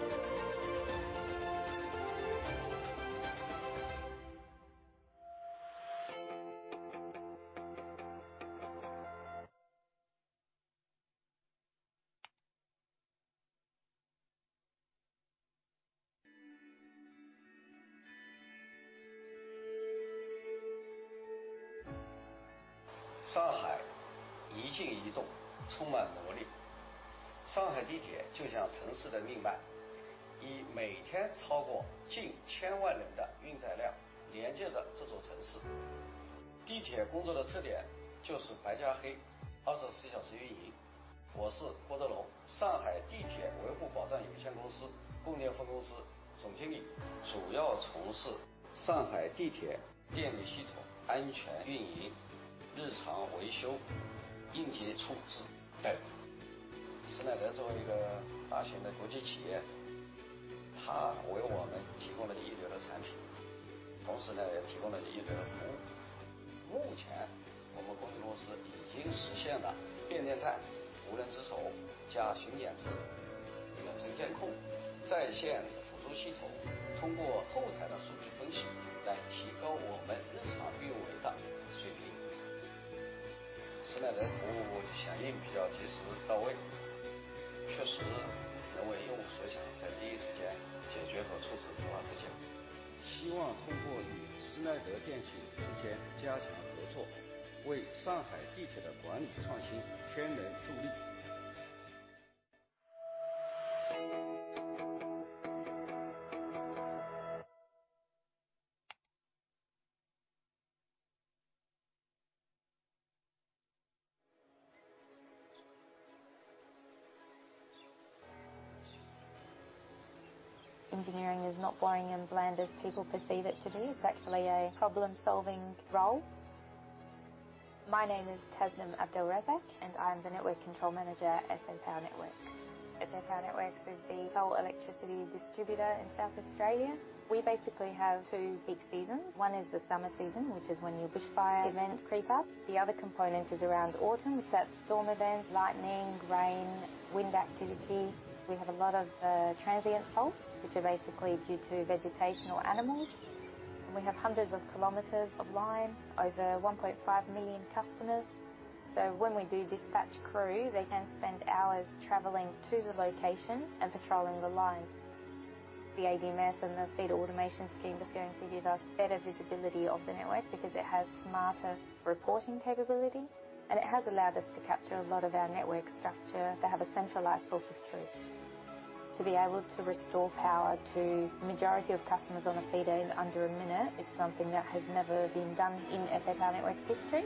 Shanghai。一静一动，充满活力。上海地铁就像城市的命脉，以每天超过近千万人的运载量连接着这座城市。地铁工作的特点就是白加黑，24小时运营。我是郭德龙，上海地铁维护保障有限公司供电分公司总经理，主要从事上海地铁电力系统安全运营、日常维修、应急处置等。施耐德作为一个大型的国际企业，它为我们提供了离谱的产品，同时呢也提供了离谱的服务。目前我们公司已经实现了变电站无人值守加巡检机器人、智能巡检库、在线辅助系统，通过后台的数据分析来提高我们日常运维的水平。施耐德的服务响应比较及时到位，确实能为用户所想，在第一时间解决和处置突发事件。希望通过与施耐德电气之间加强合作，为上海地铁的管理创新添能助力。Engineering is not boring and bland as people perceive it to be. It is actually a problem-solving role. My name is Tasnim Abdel-Razaq, and I am the Network Control Manager at SA Power Networks. SA Power Networks is the sole electricity distributor in South Australia. We basically have two peak seasons. One is the summer season, which is when your bushfire events creep up. The other component is around autumn. That is storm events, lightning, rain, wind activity. We have a lot of transient faults, which are basically due to vegetation or animals. We have hundreds of kilometers of line, over 1.5 million customers. So when we do dispatch crew, they can spend hours traveling to the location and patrolling the line. The ADMS and the feeder automation scheme is going to give us better visibility of the network because it has smarter reporting capability, and it has allowed us to capture a lot of our network structure to have a centralized source of truth. To be able to restore power to the majority of customers on a feeder in under a minute is something that has never been done in SA Power Networks' history.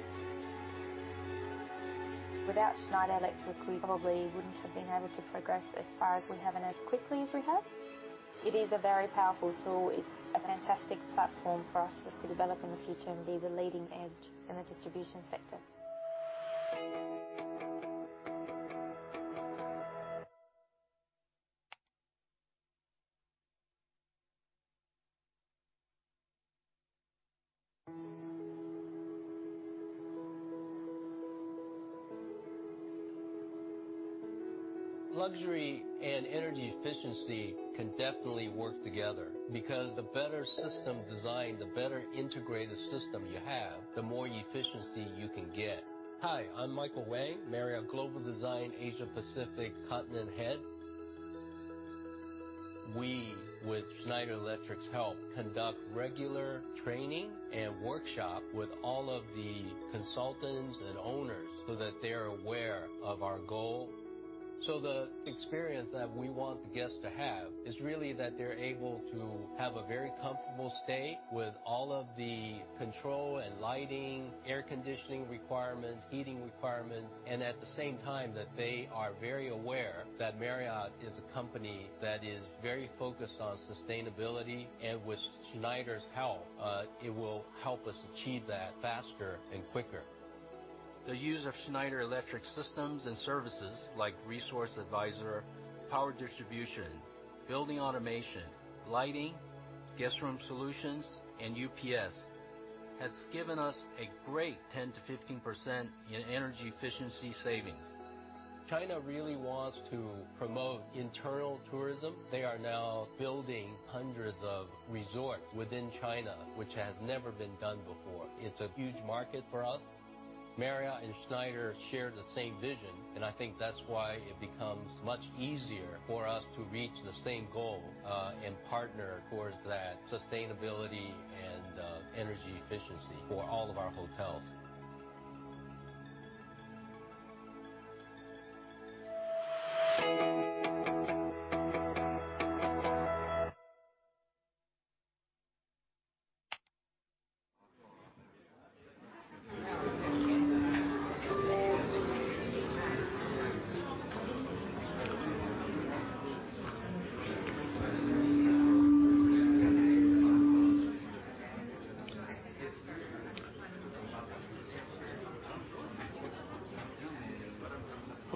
Without Schneider Electric, we probably wouldn't have been able to progress as far as we have and as quickly as we have. It is a very powerful tool. It's a fantastic platform for us just to develop in the future and be the leading edge in the distribution sector. Luxury and energy efficiency can definitely work together because the better system design, the better integrated system you have, the more efficiency you can get. Hi, I'm Michael Wang, Marriott Global Design, Asia Pacific Continent Head. We, with Schneider Electric's help, conduct regular training and workshop with all of the consultants and owners so that they are aware of our goal. The experience that we want the guests to have is really that they're able to have a very comfortable stay with all of the control and lighting, air conditioning requirements, heating requirements, and at the same time, that they are very aware that Marriott is a company that is very focused on sustainability. With Schneider's help, it will help us achieve that faster and quicker. The use of Schneider Electric systems and services like Resource Advisor, power distribution, building automation, lighting, guest room solutions, and UPS, has given us a great 10%-15% in energy efficiency savings. China really wants to promote internal tourism. They are now building hundreds of resorts within China, which has never been done before. It's a huge market for us. Marriott and Schneider share the same vision. I think that's why it becomes much easier for us to reach the same goal, and partner towards that sustainability and energy efficiency for all of our hotels.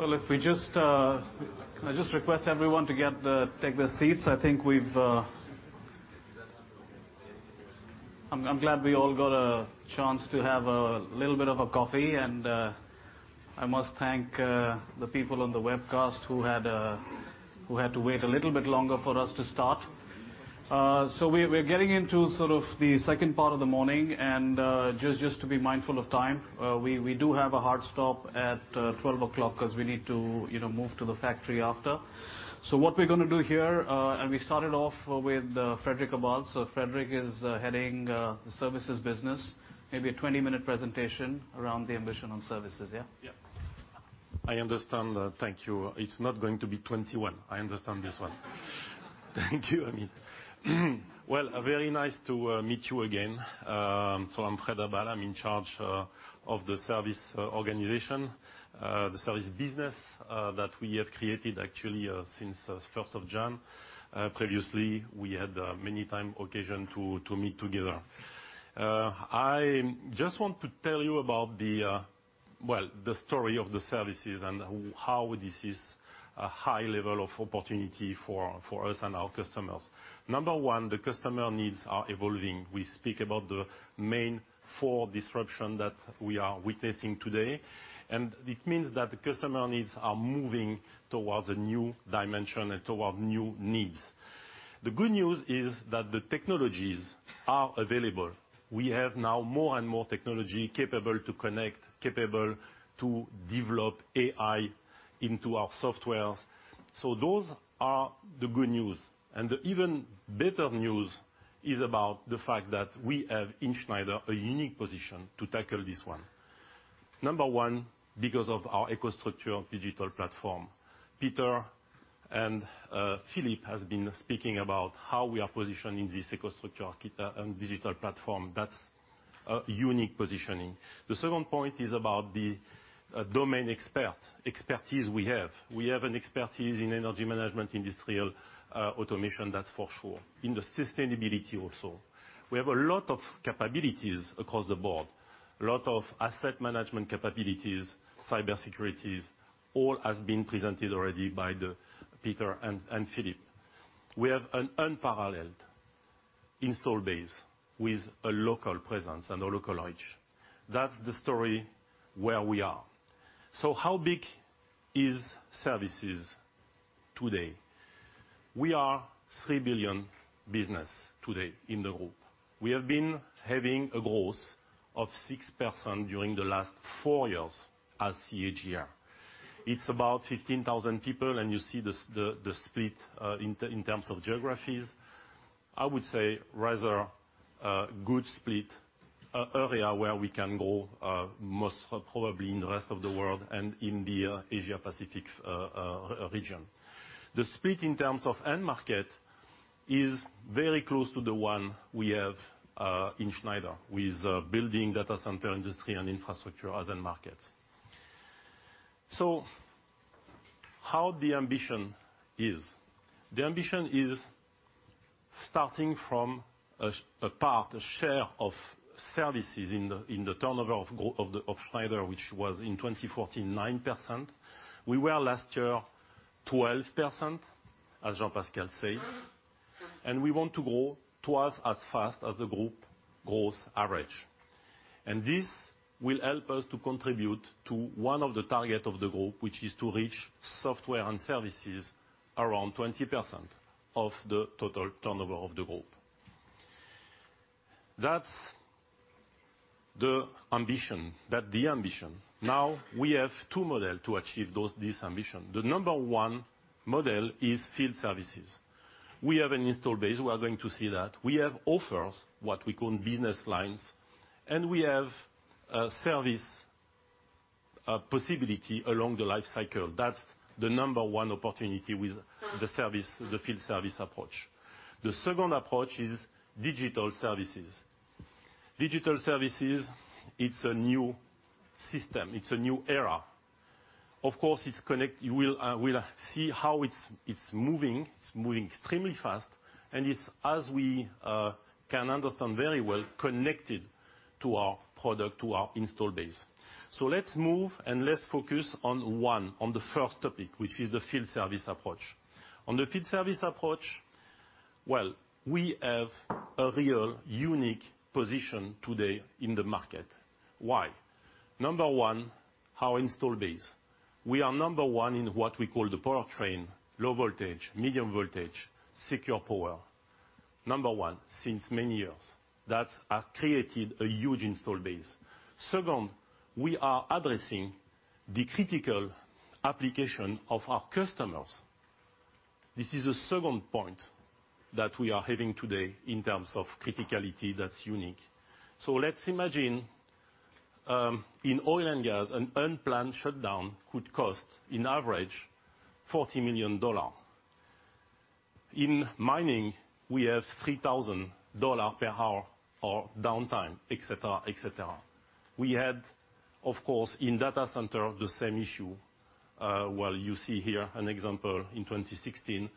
Well, can I just request everyone to take their seats? I'm glad we all got a chance to have a little bit of a coffee. I must thank the people on the webcast who had to wait a little bit longer for us to start. We're getting into the second part of the morning. Just to be mindful of time, we do have a hard stop at 12 o'clock because we need to move to the factory after. What we're going to do here, we started off with Frédéric Abbal. Frédéric is heading the services business. Maybe a 20-minute presentation around the ambition on services, yeah? Yeah. I understand. Thank you. It's not going to be 21. I understand this one. Thank you, Amit. Well, very nice to meet you again. I'm Frédéric Abbal. I'm in charge of the service organization, the service business, that we have created actually since 1st of January. Previously, we had many time occasion to meet together. I just want to tell you about the, well, the story of the services and how this is a high level of opportunity for us and our customers. Number one, the customer needs are evolving. We speak about the main four disruption that we are witnessing today, and it means that the customer needs are moving towards a new dimension and toward new needs. The good news is that the technologies are available. We have now more and more technology capable to connect, capable to develop AI into our softwares. Those are the good news. The even better news is about the fact that we have, in Schneider, a unique position to tackle this one. Number one, because of our EcoStruxure digital platform. Peter and Philippe has been speaking about how we are positioned in this EcoStruxure and digital platform that's a unique positioning. The second point is about the domain expertise we have. We have an expertise in energy management, industrial automation, that's for sure. In the sustainability also. We have a lot of capabilities across the board, a lot of asset management capabilities, cyber securities, all has been presented already by Peter and Philippe. We have an unparalleled install base with a local presence and a local knowledge. That's the story where we are. How big is services today? We are 3 billion business today in the group. We have been having a growth of 6% during the last four years as CAGR. It's about 15,000 people, and you see the split in terms of geographies. I would say rather a good split, area where we can grow, most probably in the rest of the world and in the Asia-Pacific region. The split in terms of end market is very close to the one we have in Schneider with building data center industry and infrastructure as end markets. How the ambition is? The ambition is starting from a part, a share of services in the turnover of Schneider, which was in 2014, 9%. We were last year 12%, as Jean-Pascal said, we want to grow towards as fast as the group growth average. This will help us to contribute to one of the target of the group, which is to reach software and services around 20% of the total turnover of the group. That's the ambition. Now, we have two model to achieve this ambition. The Number one model is field services. We have an install base. We are going to see that. We have offers, what we call business lines, and we have a service possibility along the life cycle. That's the Number one opportunity with the field service approach. The second approach is digital services. Digital services, it's a new system. It's a new era. Of course, we'll see how it's moving. It's moving extremely fast, and it's, as we can understand very well, connected to our product, to our install base. Let's move and let's focus on one, on the first topic, which is the field service approach. On the field service approach, well, we have a real unique position today in the market. Why? Number one, our install base. We are number one in what we call the powertrain, low voltage, medium voltage, secure power. Number one since many years. That has created a huge install base. Second, we are addressing the critical application of our customers. This is a second point that we are having today in terms of criticality that is unique. Let's imagine, in oil and gas, an unplanned shutdown could cost, on average, EUR 40 million. In mining, we have EUR 3,000 per hour of downtime, et cetera. We had, of course, in data center, the same issue. You see here an example in 2016,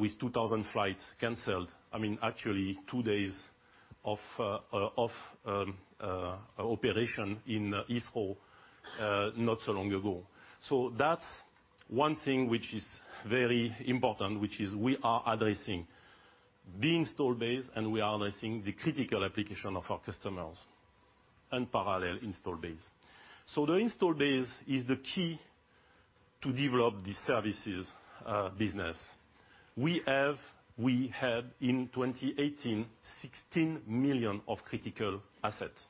with 2,000 flights canceled. I mean, actually two days of operation in Heathrow not so long ago. That's one thing which is very important, which is we are addressing the install base, and we are addressing the critical application of our customers. Unparalleled install base. The install base is the key to develop the services business. We had in 2018, 16 million of critical assets.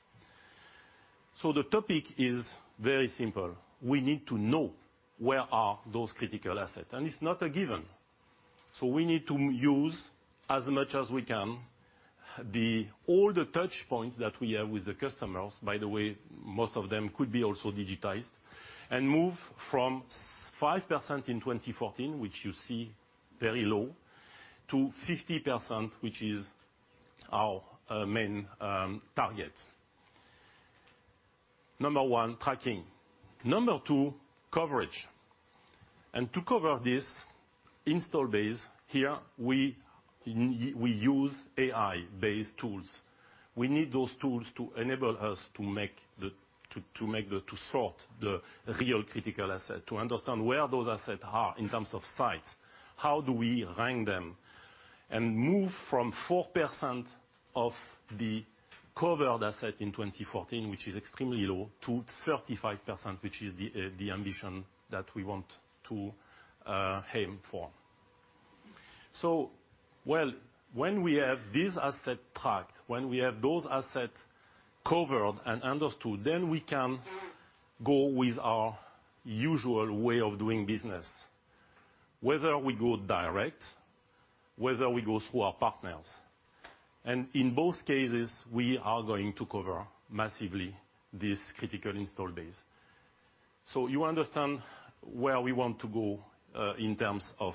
The topic is very simple. We need to know where are those critical assets, and it's not a given. We need to use as much as we can, all the touch points that we have with the customers, by the way, most of them could be also digitized, and move from 5% in 2014, which you see very low, to 50%, which is our main target. Number one, tracking. Number two, coverage. To cover this install base, here we use AI-based tools. We need those tools to enable us to sort the real critical asset, to understand where those assets are in terms of sites, how do we rank them and move from 4% of the covered asset in 2014, which is extremely low, to 35%, which is the ambition that we want to aim for. When we have this asset tracked, when we have those assets covered and understood, then we can go with our usual way of doing business. Whether we go direct, whether we go through our partners. In both cases, we are going to cover massively this critical install base. You understand where we want to go, in terms of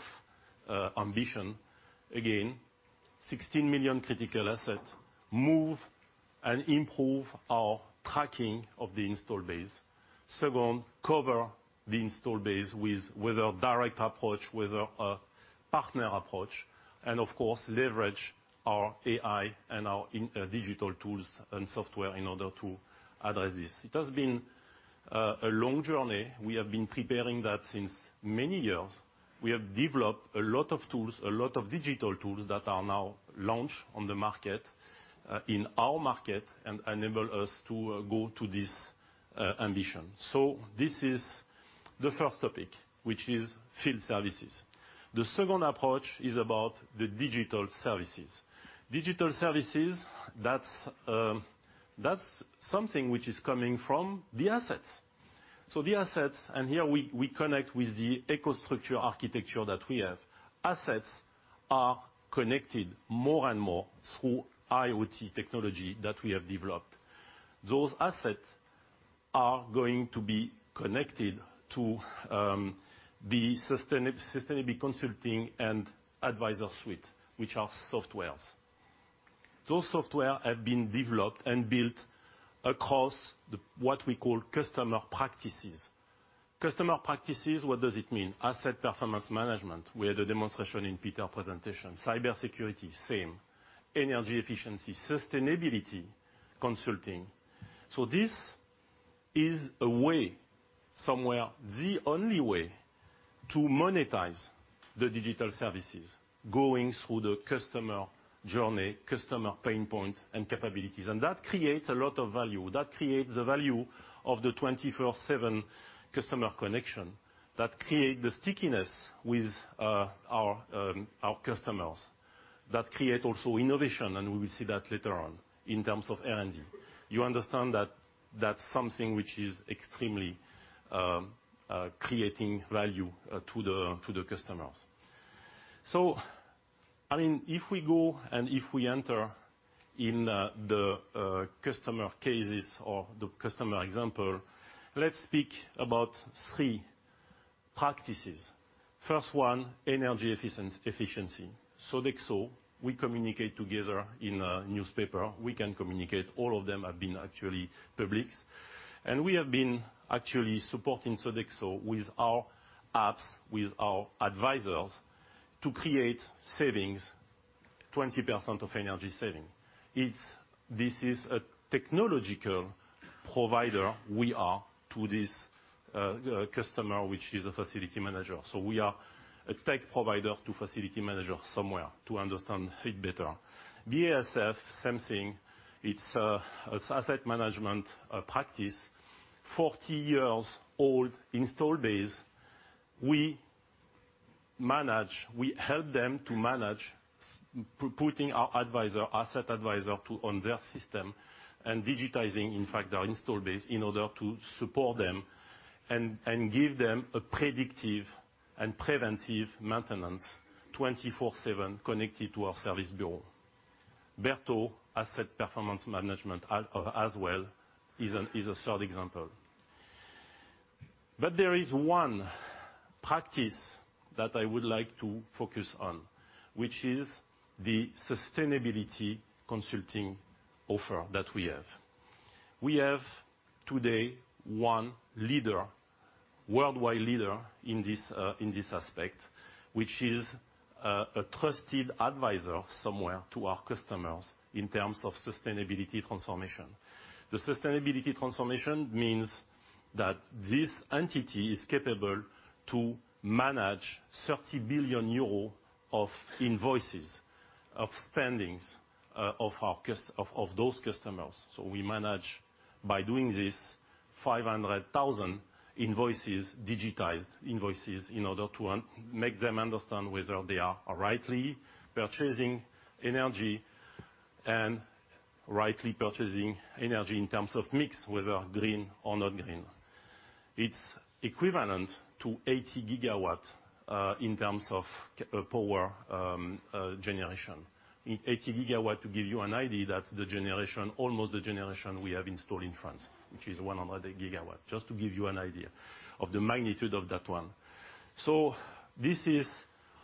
ambition. Again, 16 million critical assets, move and improve our tracking of the install base. Second, cover the install base with a direct approach, with a partner approach, and of course, leverage our AI and our digital tools and software in order to address this. It has been a long journey. We have been preparing that since many years. We have developed a lot of tools, a lot of digital tools that are now launched on the market, in our market and enable us to go to this ambition. This is the first topic, which is field services. The second approach is about the digital services. Digital services, that's something which is coming from the assets. The assets, and here we connect with the EcoStruxure architecture that we have. Assets are connected more and more through IoT technology that we have developed. Those assets are going to be connected to the sustainability consulting and advisor suite, which are softwares. Those software have been developed and built across the, what we call customer practices. Customer practices, what does it mean? Asset performance management. We had a demonstration in Peter presentation. Cybersecurity. Same. Energy efficiency, sustainability consulting. This is a way, somewhere the only way, to monetize the digital services. Going through the customer journey, customer pain points and capabilities. That creates a lot of value. That creates the value of the 24/7 customer connection. That create the stickiness with our customers. That create also innovation, and we will see that later on in terms of R&D. You understand that that's something which is extremely creating value to the customers. If we go and if we enter in the customer cases or the customer example, let's speak about three practices. First one, energy efficiency. Sodexo, we communicate together in a newspaper, we can communicate, all of them have been actually published. We have been actually supporting Sodexo with our apps, with our advisors to create savings, 20% of energy saving. This is a technological provider we are to this customer, which is a facility manager. We are a tech provider to facility manager somewhere to understand, fit better. BASF, same thing. It's a asset management practice. 40 years old install base. We help them to manage putting our asset advisor on their system and digitizing in fact their install base in order to support them and give them a predictive and preventive maintenance 24/7 connected to our service bureau. Berto, asset performance management as well, is a third example. There is one practice that I would like to focus on, which is the sustainability consulting offer that we have. We have today one worldwide leader in this aspect, which is a trusted advisor somewhere to our customers in terms of sustainability transformation. The sustainability transformation means that this entity is capable to manage 30 billion euro of invoices, of spendings, of those customers. By doing this, 500,000 invoices, digitized invoices, in order to make them understand whether they are rightly purchasing energy and rightly purchasing energy in terms of mix, whether green or not green. It's equivalent to 80 gigawatts in terms of power generation. 80 gigawatt, to give you an idea, that's almost the generation we have installed in France, which is 100 gigawatt, just to give you an idea of the magnitude of that one. This is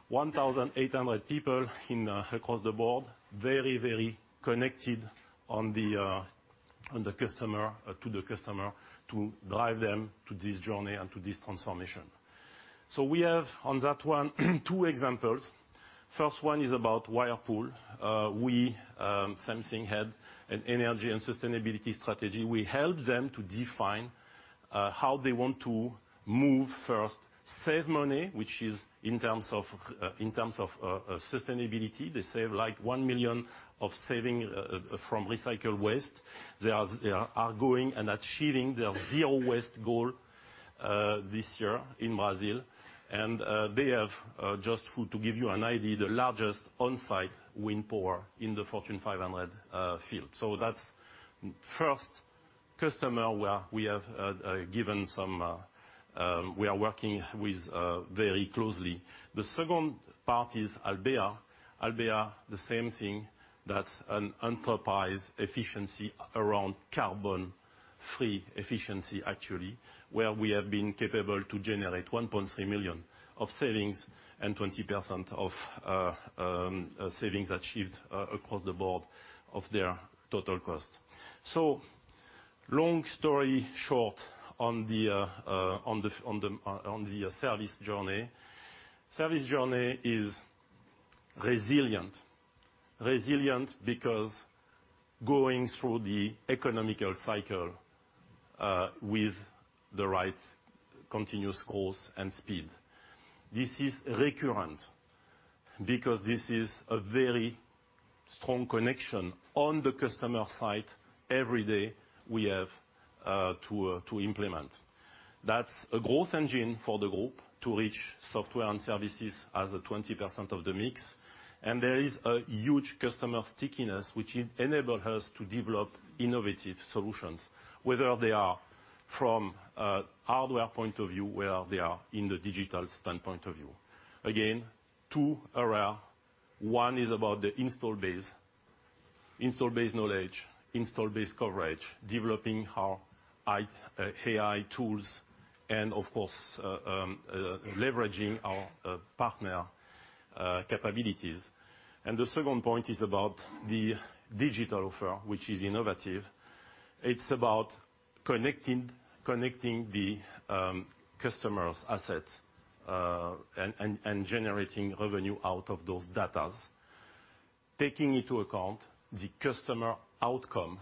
1,800 people across the board, very connected to the customer to drive them to this journey and to this transformation. We have, on that one, two examples. First one is about Whirlpool. Same thing, had an energy and sustainability strategy. We helped them to define how they want to move first, save money, which is in terms of sustainability. They save 1 million of saving from recycled waste. They are going and achieving their zero-waste goal this year in Brazil. And they have, just to give you an idea, the largest on-site wind power in the Fortune 500 field. That's first customer where we are working with very closely. The second part is Albéa. Albéa, the same thing. That's an enterprise efficiency around carbon-free efficiency, actually, where we have been capable to generate 1.3 million of savings and 20% of savings achieved across the board of their total cost. Long story short on the service journey. Service journey is resilient. Resilient because going through the economic cycle with the right continuous course and speed. This is recurrent, because this is a very strong connection on the customer side every day we have to implement. That's a growth engine for the group to reach software and services as a 20% of the mix. There is a huge customer stickiness, which enables us to develop innovative solutions, whether they are from a hardware point of view, whether they are in the digital standpoint of view. Again, two areas. One is about the install base. Install base knowledge, install base coverage, developing our AI tools, and of course, leveraging our partner capabilities. The second point is about the digital offer, which is innovative. It's about connecting the customer's assets and generating revenue out of those data. Taking into account the customer outcome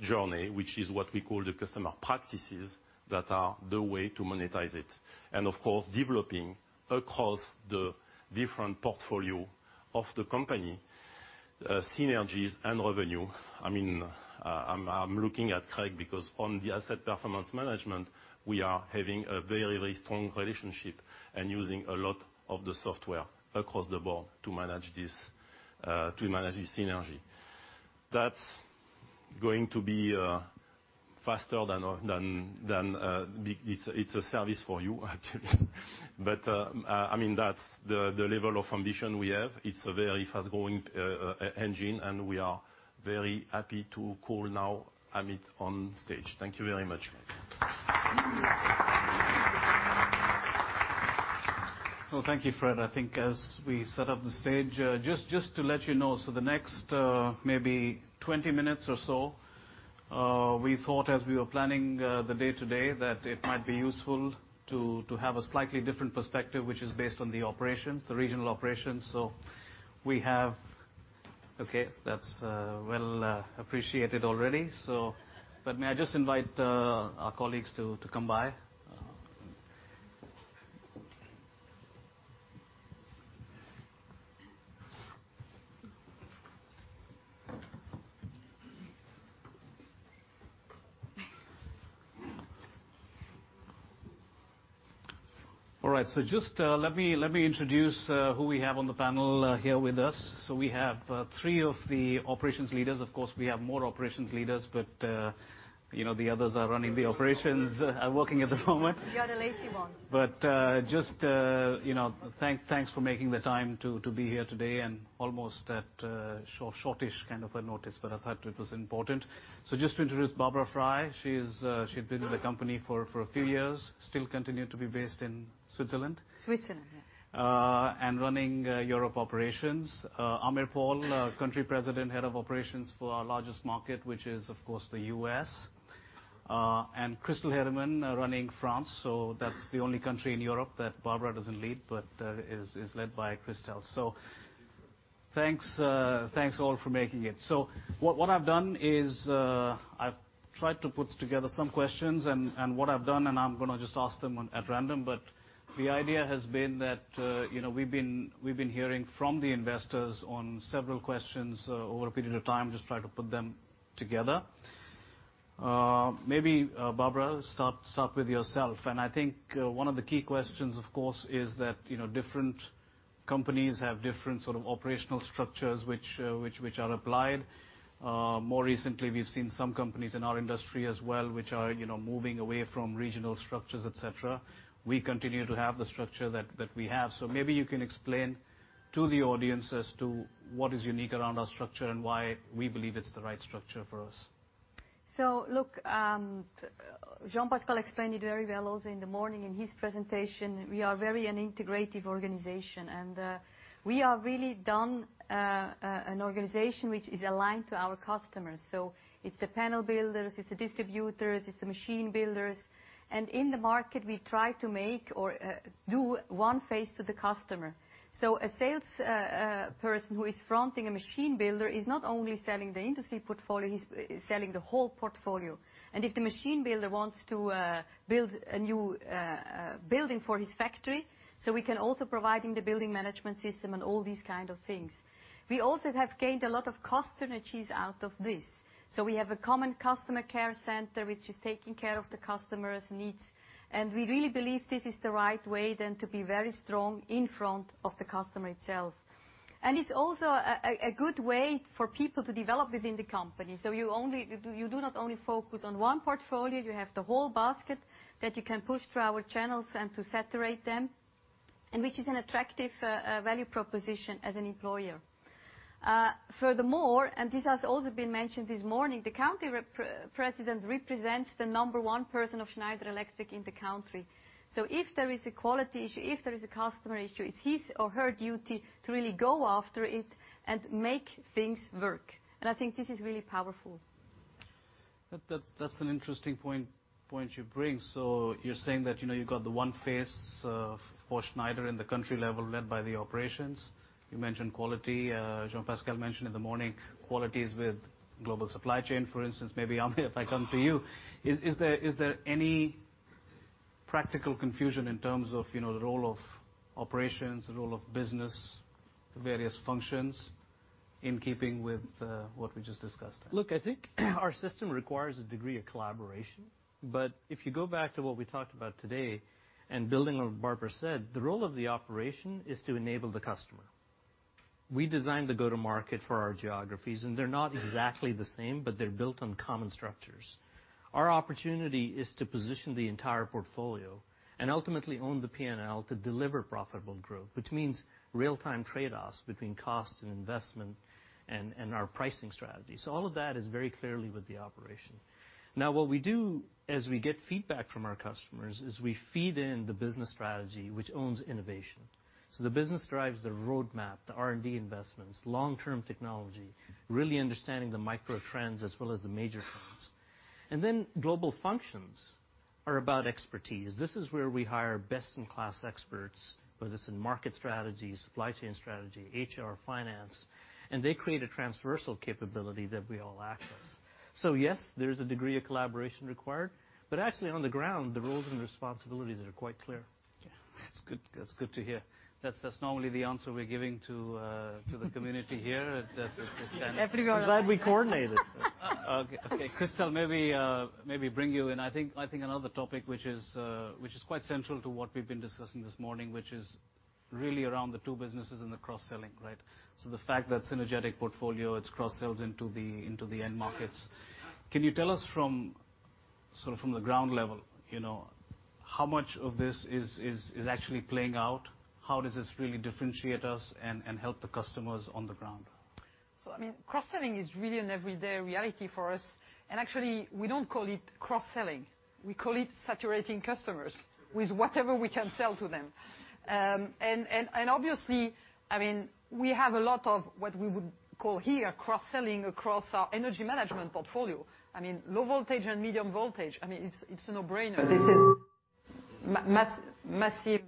journey, which is what we call the customer practices, that are the way to monetize it. Of course, developing across the different portfolios of the company, synergies and revenue. I'm looking at Craig because on the asset performance management, we are having a very strong relationship and using a lot of the software across the board to manage this synergy. That's going to be faster than. It's a service for you, actually. That's the level of ambition we have. It's a very fast-growing engine, and we are very happy to call now Amit on stage. Thank you very much. Well, thank you, Frédéric. I think as we set up the stage, just to let you know, the next maybe 20 minutes or so, we thought as we were planning the day today that it might be useful to have a slightly different perspective, which is based on the operations, the regional operations. Okay, that's well appreciated already. May I just invite our colleagues to come by? All right, just let me introduce who we have on the panel here with us. We have three of the operations leaders. Of course, we have more operations leaders, but the others are running the operations, are working at the moment. You are the lazy ones. Just thanks for making the time to be here today and almost at shortish kind of a notice, but I thought it was important. Just to introduce Barbara Frei. She's been with the company for a few years. Still continue to be based in Switzerland? Switzerland, yeah. Running Europe Operations. Aamir Paul, Country President, Head of Operations for our largest market, which is, of course, the U.S. Christel Heydemann running France, that's the only country in Europe that Barbara doesn't lead, but is led by Christel. Thanks all for making it. What I've done is I've tried to put together some questions, and what I've done, and I'm going to just ask them at random, but the idea has been that we've been hearing from the investors on several questions over a period of time, just try to put them together. Maybe, Barbara, start with yourself. I think one of the key questions, of course, is that different companies have different sort of operational structures which are applied. More recently, we've seen some companies in our industry as well, which are moving away from regional structures, et cetera. We continue to have the structure that we have. Maybe you can explain to the audience as to what is unique around our structure and why we believe it's the right structure for us. Jean-Pascal explained it very well also in the morning in his presentation. We are a very integrative organization, and we are really an organization which is aligned to our customers. It's the panel builders, it's the distributors, it's the machine builders. In the market, we try to make or do one phase to the customer. A sales person who is fronting a machine builder is not only selling the industry portfolio, he's selling the whole portfolio. If the machine builder wants to build a new building for his factory, we can also provide the building management system and all these kind of things. We also have gained a lot of cost synergies out of this. We have a common customer care center, which is taking care of the customers' needs, and we really believe this is the right way to be very strong in front of the customer itself. It's also a good way for people to develop within the company. You do not only focus on one portfolio, you have the whole basket that you can push through our channels and to saturate them, which is an attractive value proposition as an employer. Furthermore, this has also been mentioned this morning, the country president represents the number 1 person of Schneider Electric in the country. If there is a quality issue, if there is a customer issue, it's his or her duty to really go after it and make things work. I think this is really powerful. That's an interesting point you bring. You're saying that you got the one phase for Schneider in the country level led by the operations. You mentioned quality, Jean-Pascal mentioned in the morning, quality is with global supply chain, for instance. Maybe Amit, if I come to you. Is there any practical confusion in terms of the role of operations, the role of business, the various functions in keeping with what we just discussed? I think our system requires a degree of collaboration. If you go back to what we talked about today, building on what Barbara Frei said, the role of the operation is to enable the customer. We designed the go-to-market for our geographies, they're not exactly the same, they're built on common structures. Our opportunity is to position the entire portfolio and ultimately own the P&L to deliver profitable growth, which means real-time trade-offs between cost and investment and our pricing strategy. All of that is very clearly with the operation. Now what we do as we get feedback from our customers is we feed in the business strategy, which owns innovation. The business drives the roadmap, the R&D investments, long-term technology, really understanding the micro trends as well as the major trends. Global functions are about expertise. This is where we hire best-in-class experts, whether it's in market strategy, supply chain strategy, HR, finance, and they create a transversal capability that we all access. Yes, there is a degree of collaboration required, but actually on the ground, the roles and responsibilities are quite clear. Yeah. That's good to hear. That's normally the answer we're giving to the community here. Everybody I'm glad we coordinated. Okay. Christel, maybe bring you in. I think another topic which is quite central to what we've been discussing this morning, which is really around the two businesses and the cross-selling, right? The fact that synergetic portfolio, it cross-sells into the end markets. Can you tell us from the ground level, how much of this is actually playing out? How does this really differentiate us and help the customers on the ground? cross-selling is really an everyday reality for us, actually, we don't call it cross-selling. We call it saturating customers with whatever we can sell to them. Obviously, we have a lot of what we would call here cross-selling across our energy management portfolio. Low voltage and medium voltage, it's a no-brainer. This is massive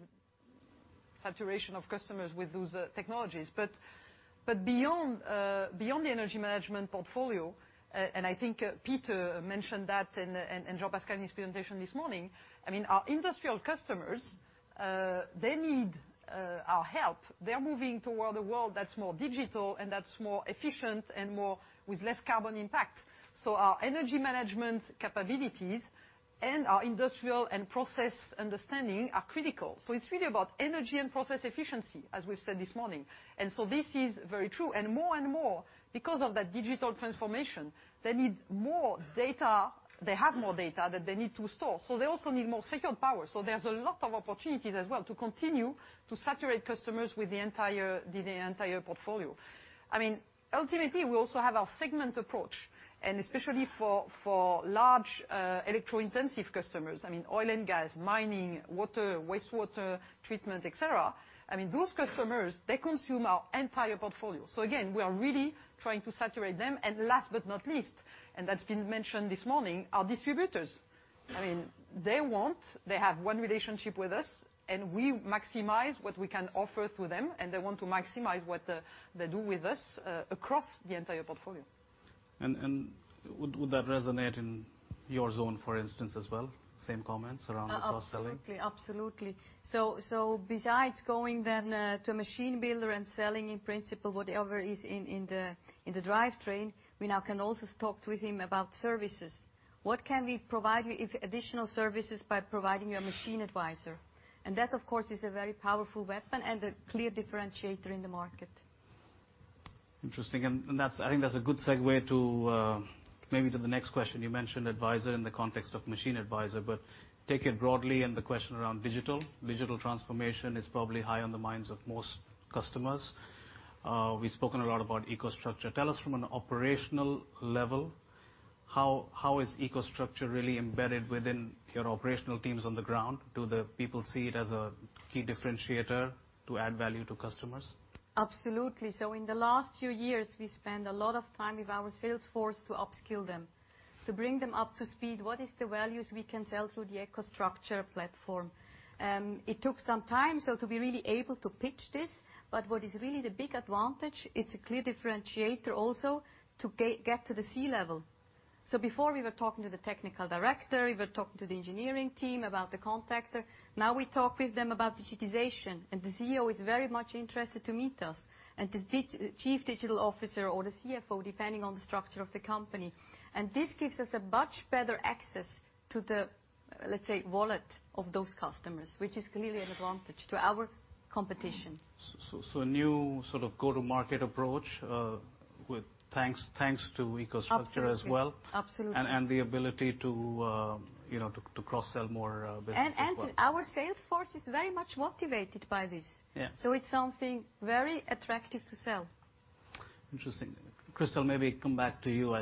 saturation of customers with those technologies. Beyond the energy management portfolio, I think Peter mentioned that and Jean-Pascal in his presentation this morning, our industrial customers, they need our help. They're moving toward a world that's more digital and that's more efficient and with less carbon impact. Our energy management capabilities and our industrial and process understanding are critical. It's really about energy and process efficiency, as we've said this morning. This is very true. More and more, because of that digital transformation, they need more data. They have more data that they need to store. They also need more secure power. There's a lot of opportunities as well to continue to saturate customers with the entire portfolio. Ultimately, we also have our segment approach, especially for large electro-intensive customers, oil and gas, mining, water, wastewater treatment, et cetera. Those customers, they consume our entire portfolio. Again, we are really trying to saturate them. Last but not least, that's been mentioned this morning, our distributors. They have one relationship with us, and we maximize what we can offer to them, and they want to maximize what they do with us across the entire portfolio. Would that resonate in your zone, for instance, as well? Same comments around the cross-selling? Absolutely. Besides going then to a machine builder and selling in principle whatever is in the drivetrain, we now can also talk with him about services. What can we provide you if additional services by providing you a machine advisor? That, of course, is a very powerful weapon and a clear differentiator in the market. Interesting. I think that's a good segue to maybe to the next question. You mentioned advisor in the context of machine advisor, but take it broadly and the question around digital. Digital transformation is probably high on the minds of most customers. We've spoken a lot about EcoStruxure. Tell us from an operational level, how is EcoStruxure really embedded within your operational teams on the ground? Do the people see it as a key differentiator to add value to customers? Absolutely. In the last two years, we spend a lot of time with our sales force to upskill them, to bring them up to speed. What is the values we can sell through the EcoStruxure platform? It took some time so to be really able to pitch this, but what is really the big advantage, it's a clear differentiator also to get to the C level. Before we were talking to the technical director, we were talking to the engineering team about the contactor. Now we talk with them about digitization, and the CEO is very much interested to meet us, and the Chief Digital Officer or the CFO, depending on the structure of the company. This gives us a much better access to the, let's say, wallet of those customers, which is clearly an advantage to our competition. A new sort of go-to-market approach, thanks to EcoStruxure as well. Absolutely. The ability to cross-sell more business as well. Our sales force is very much motivated by this. Yeah. It's something very attractive to sell. Interesting. Christel, maybe come back to you.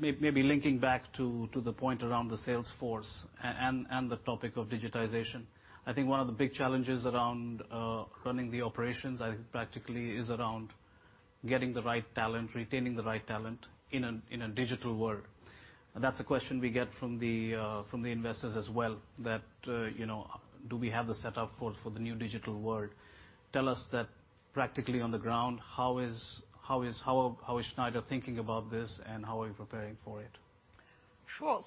Linking back to the point around the sales force and the topic of digitization. One of the big challenges around running the operations, practically is around getting the right talent, retaining the right talent in a digital world. That's a question we get from the investors as well that do we have the setup for the new digital world? Tell us that practically on the ground, how is Schneider thinking about this, and how are you preparing for it? Sure.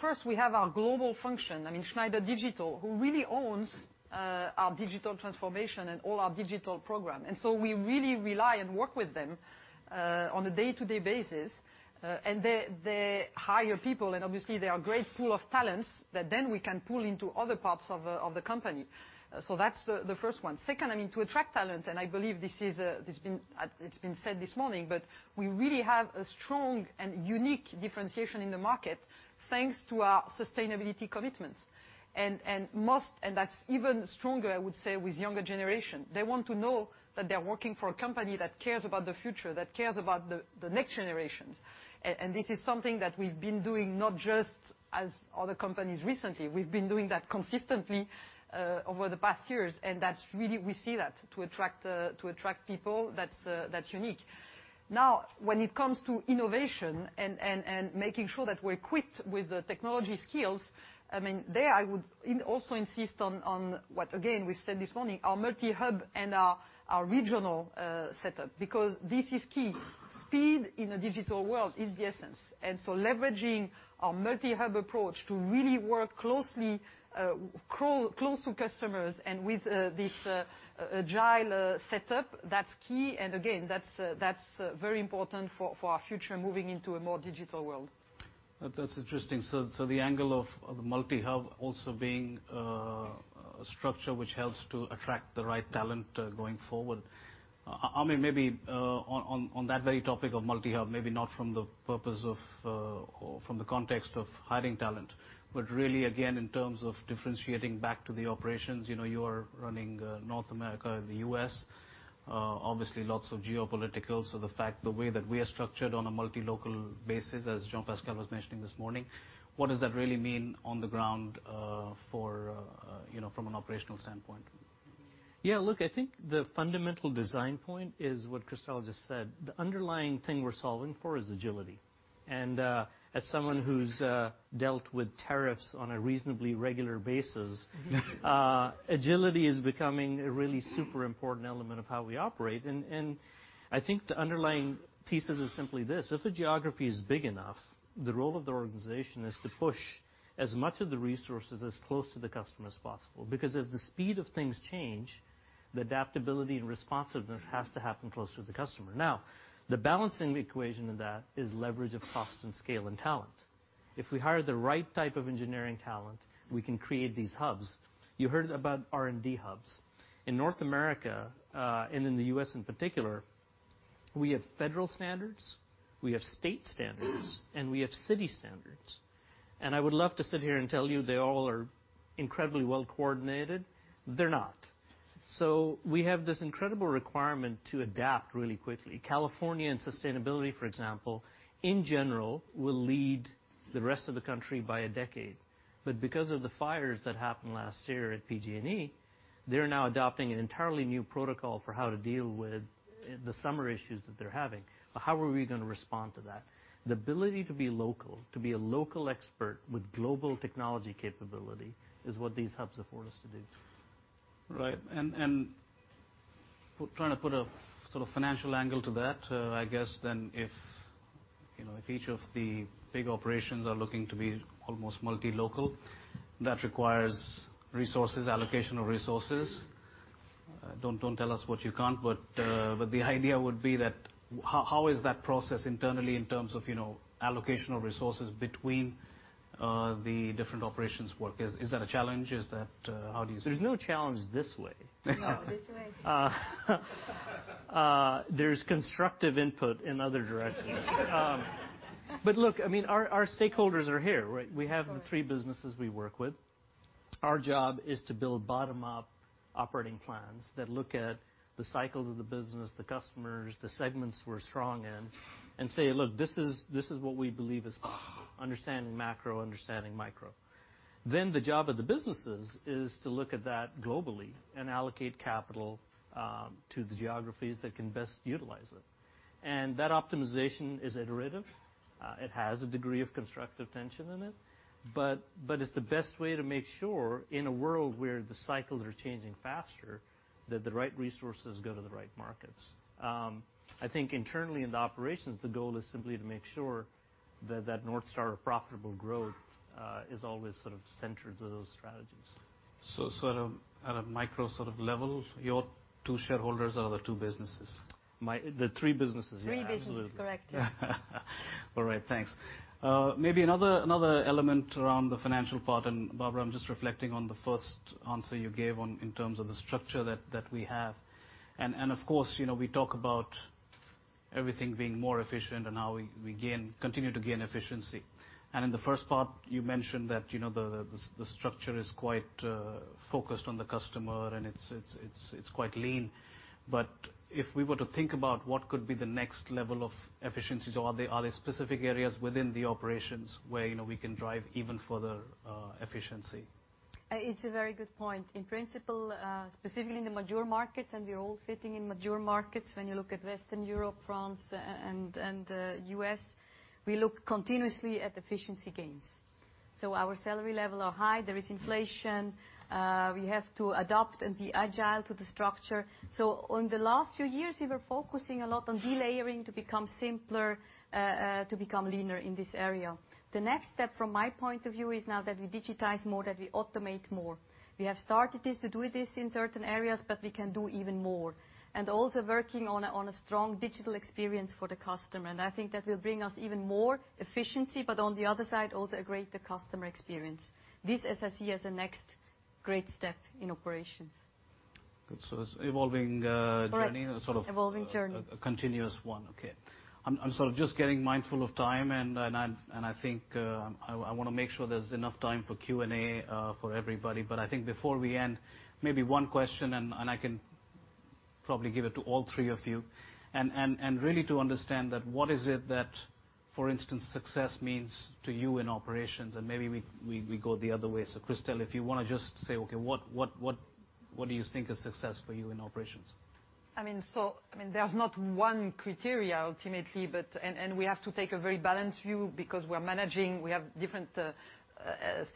First we have our global function, Schneider Digital, who really owns our digital transformation and all our digital program. We really rely and work with them on a day-to-day basis. They hire people, and obviously they are great pool of talents that then we can pull into other parts of the company. That's the first one. Second, to attract talent, I believe it's been said this morning, but we really have a strong and unique differentiation in the market thanks to our sustainability commitments. That's even stronger, I would say, with younger generation. They want to know that they're working for a company that cares about the future, that cares about the next generations. This is something that we've been doing not just as other companies recently. We've been doing that consistently over the past years, that's really, we see that to attract people, that's unique. When it comes to innovation and making sure that we're equipped with the technology skills, there I would also insist on what again, we've said this morning, our multi-hub and our regional setup because this is key. Speed in a digital world is the essence. Leveraging our multi-hub approach to really work close to customers and with this agile setup, that's key and again, that's very important for our future moving into a more digital world. That's interesting. The angle of the multi-hub also being a structure which helps to attract the right talent going forward. Aamir, maybe on that very topic of multi-hub, maybe not from the purpose of or from the context of hiring talent, but really, again, in terms of differentiating back to the operations, you are running North America and the U.S. Obviously lots of geopolitical. The fact the way that we are structured on a multi-local basis as Jean-Pascal was mentioning this morning, what does that really mean on the ground from an operational standpoint? Look, I think the fundamental design point is what Christel just said. The underlying thing we're solving for is agility. As someone who's dealt with tariffs on a reasonably regular basis, agility is becoming a really super important element of how we operate. I think the underlying thesis is simply this. If the geography is big enough, the role of the organization is to push as much of the resources as close to the customer as possible. Because as the speed of things change, the adaptability and responsiveness has to happen close to the customer. The balancing equation of that is leverage of cost and scale and talent. If we hire the right type of engineering talent, we can create these hubs. You heard about R&D hubs. In North America, and in the U.S. in particular, we have federal standards, we have state standards, and we have city standards. I would love to sit here and tell you they all are incredibly well coordinated. They're not. We have this incredible requirement to adapt really quickly. California and sustainability, for example, in general, will lead the rest of the country by a decade. Because of the fires that happened last year at PG&E, they're now adopting an entirely new protocol for how to deal with the summer issues that they're having. How are we going to respond to that? The ability to be local, to be a local expert with global technology capability is what these hubs afford us to do. Right. Trying to put a sort of financial angle to that, I guess if each of the big operations are looking to be almost multi-local, that requires resources, allocation of resources. Don't tell us what you can't, but the idea would be that how is that process internally in terms of allocational resources between the different operations work? Is that a challenge? How do you see- There's no challenge this way. No, this way. There's constructive input in other directions. Look, our stakeholders are here, right? We have the three businesses we work with. Our job is to build bottom-up operating plans that look at the cycles of the business, the customers, the segments we're strong in, and say, "Look, this is what we believe is" Understanding macro, understanding micro. The job of the businesses is to look at that globally and allocate capital to the geographies that can best utilize it. That optimization is iterative. It has a degree of constructive tension in it. It's the best way to make sure, in a world where the cycles are changing faster, that the right resources go to the right markets. I think internally in the operations, the goal is simply to make sure that that North Star of profitable growth is always sort of centered to those strategies. Sort of at a micro level, your two shareholders are the two businesses. The three businesses, yeah. Three businesses, correct. Yeah. All right. Thanks. Maybe another element around the financial part, Barbara, I'm just reflecting on the first answer you gave in terms of the structure that we have. Of course, we talk about everything being more efficient and how we continue to gain efficiency. In the first part, you mentioned that the structure is quite focused on the customer, and it's quite lean. If we were to think about what could be the next level of efficiencies, are there specific areas within the operations where we can drive even further efficiency? It's a very good point. In principle, specifically in the mature markets, and we're all sitting in mature markets, when you look at Western Europe, France, and the U.S., we look continuously at efficiency gains. Our salary level are high. There is inflation. We have to adapt and be agile to the structure. In the last few years, we were focusing a lot on delayering to become simpler, to become leaner in this area. The next step, from my point of view, is now that we digitize more, that we automate more. We have started to do this in certain areas, but we can do even more. Also working on a strong digital experience for the customer, and I think that will bring us even more efficiency, but on the other side, also a greater customer experience. This I see as the next great step in operations. Good. It's evolving journey. Correct. Evolving journey. sort of a continuous one. Okay. I'm sort of just getting mindful of time, and I think I want to make sure there's enough time for Q&A for everybody. I think before we end, maybe one question, and I can probably give it to all three of you, and really to understand that what is it that, for instance, success means to you in operations? Maybe we go the other way. Christel, if you want to just say, okay, what do you think is success for you in operations? There's not one criterion, ultimately, we have to take a very balanced view because we're managing, we have different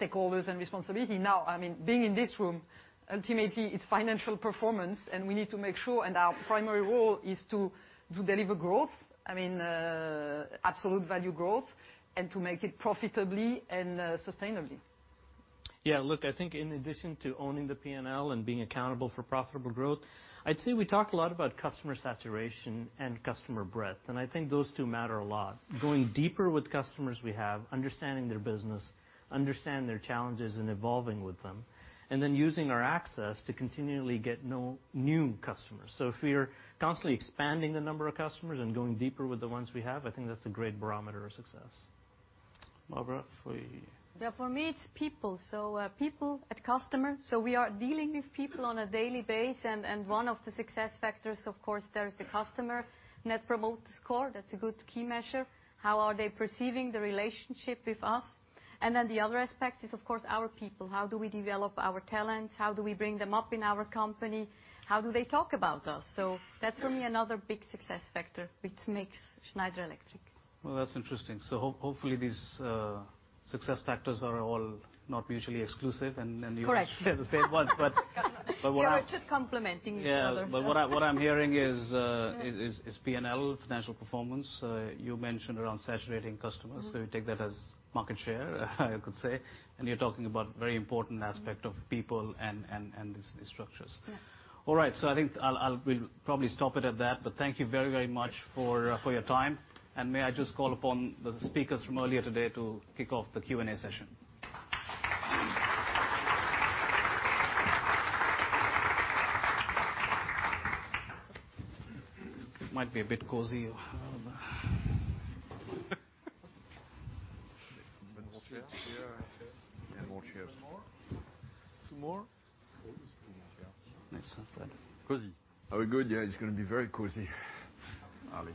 stakeholders and responsibility. Now, being in this room, ultimately, it's financial performance, we need to make sure, our primary role is to deliver growth, absolute value growth, and to make it profitably and sustainably. Yeah, look, I think in addition to owning the P&L and being accountable for profitable growth, I'd say we talk a lot about customer saturation and customer breadth, I think those two matter a lot. Going deeper with customers we have, understanding their business, understand their challenges, and evolving with them, then using our access to continually get new customers. If we are constantly expanding the number of customers and going deeper with the ones we have, I think that's a great barometer of success. Barbara, for you? Yeah, for me, it's people. People and customer. We are dealing with people on a daily basis, one of the success factors, of course, there is the customer Net Promoter Score. That's a good key measure. How are they perceiving the relationship with us? Then the other aspect is, of course, our people. How do we develop our talent? How do we bring them up in our company? How do they talk about us? That's, for me, another big success factor which makes Schneider Electric. Well, that's interesting. Hopefully, these success factors are all not mutually exclusive, Correct. share the same ones, They are just complementing each other. Yeah. What I'm hearing is P&L, financial performance. You mentioned around saturating customers, we take that as market share, I could say. You're talking about very important aspect of people and these structures. Yes. All right. I think we'll probably stop it at that. Thank you very much for your time. May I just call upon the speakers from earlier today to kick off the Q&A session? Might be a bit cozy. Bit more chairs here, I think. More chairs. One more? Two more? Cozy. Yeah. Nice. Cozy. Are we good? Yeah, it's going to be very cozy. Ali.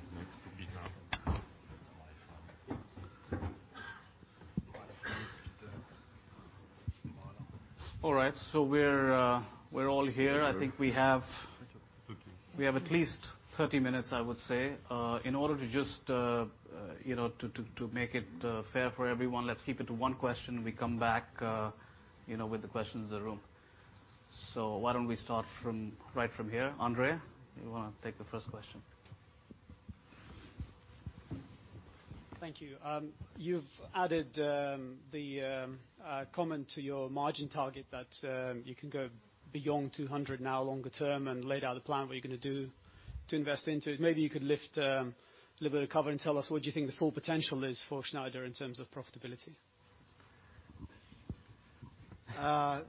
It's good now. Might have found it. Might have found it. Two more now. All right. We're all here. I think we have at least 30 minutes, I would say. In order to just make it fair for everyone, let's keep it to one question. We come back with the questions in the room. Why don't we start right from here. Andrea, you want to take the first question? Thank you. You've added the comment to your margin target that you can go beyond 200 now longer term and laid out a plan what you're going to do to invest into it. Maybe you could lift a little bit of cover and tell us what you think the full potential is for Schneider Electric in terms of profitability.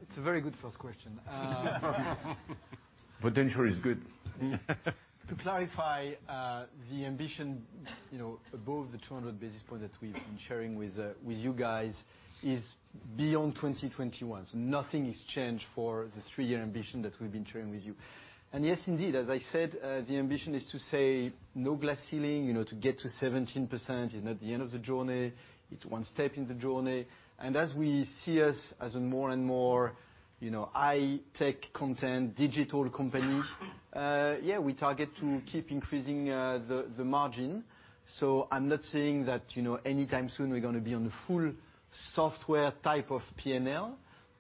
It's a very good first question. Potential is good. To clarify, the ambition above the 200 basis points that we've been sharing with you guys is beyond 2021. Nothing has changed for the three-year ambition that we've been sharing with you. Yes, indeed, as I said, the ambition is to say, no glass ceiling, to get to 17% is not the end of the journey. It's one step in the journey. As we see us as a more and more high-tech content, digital company, we target to keep increasing the margin. I'm not saying that anytime soon we're going to be on the full software type of P&L.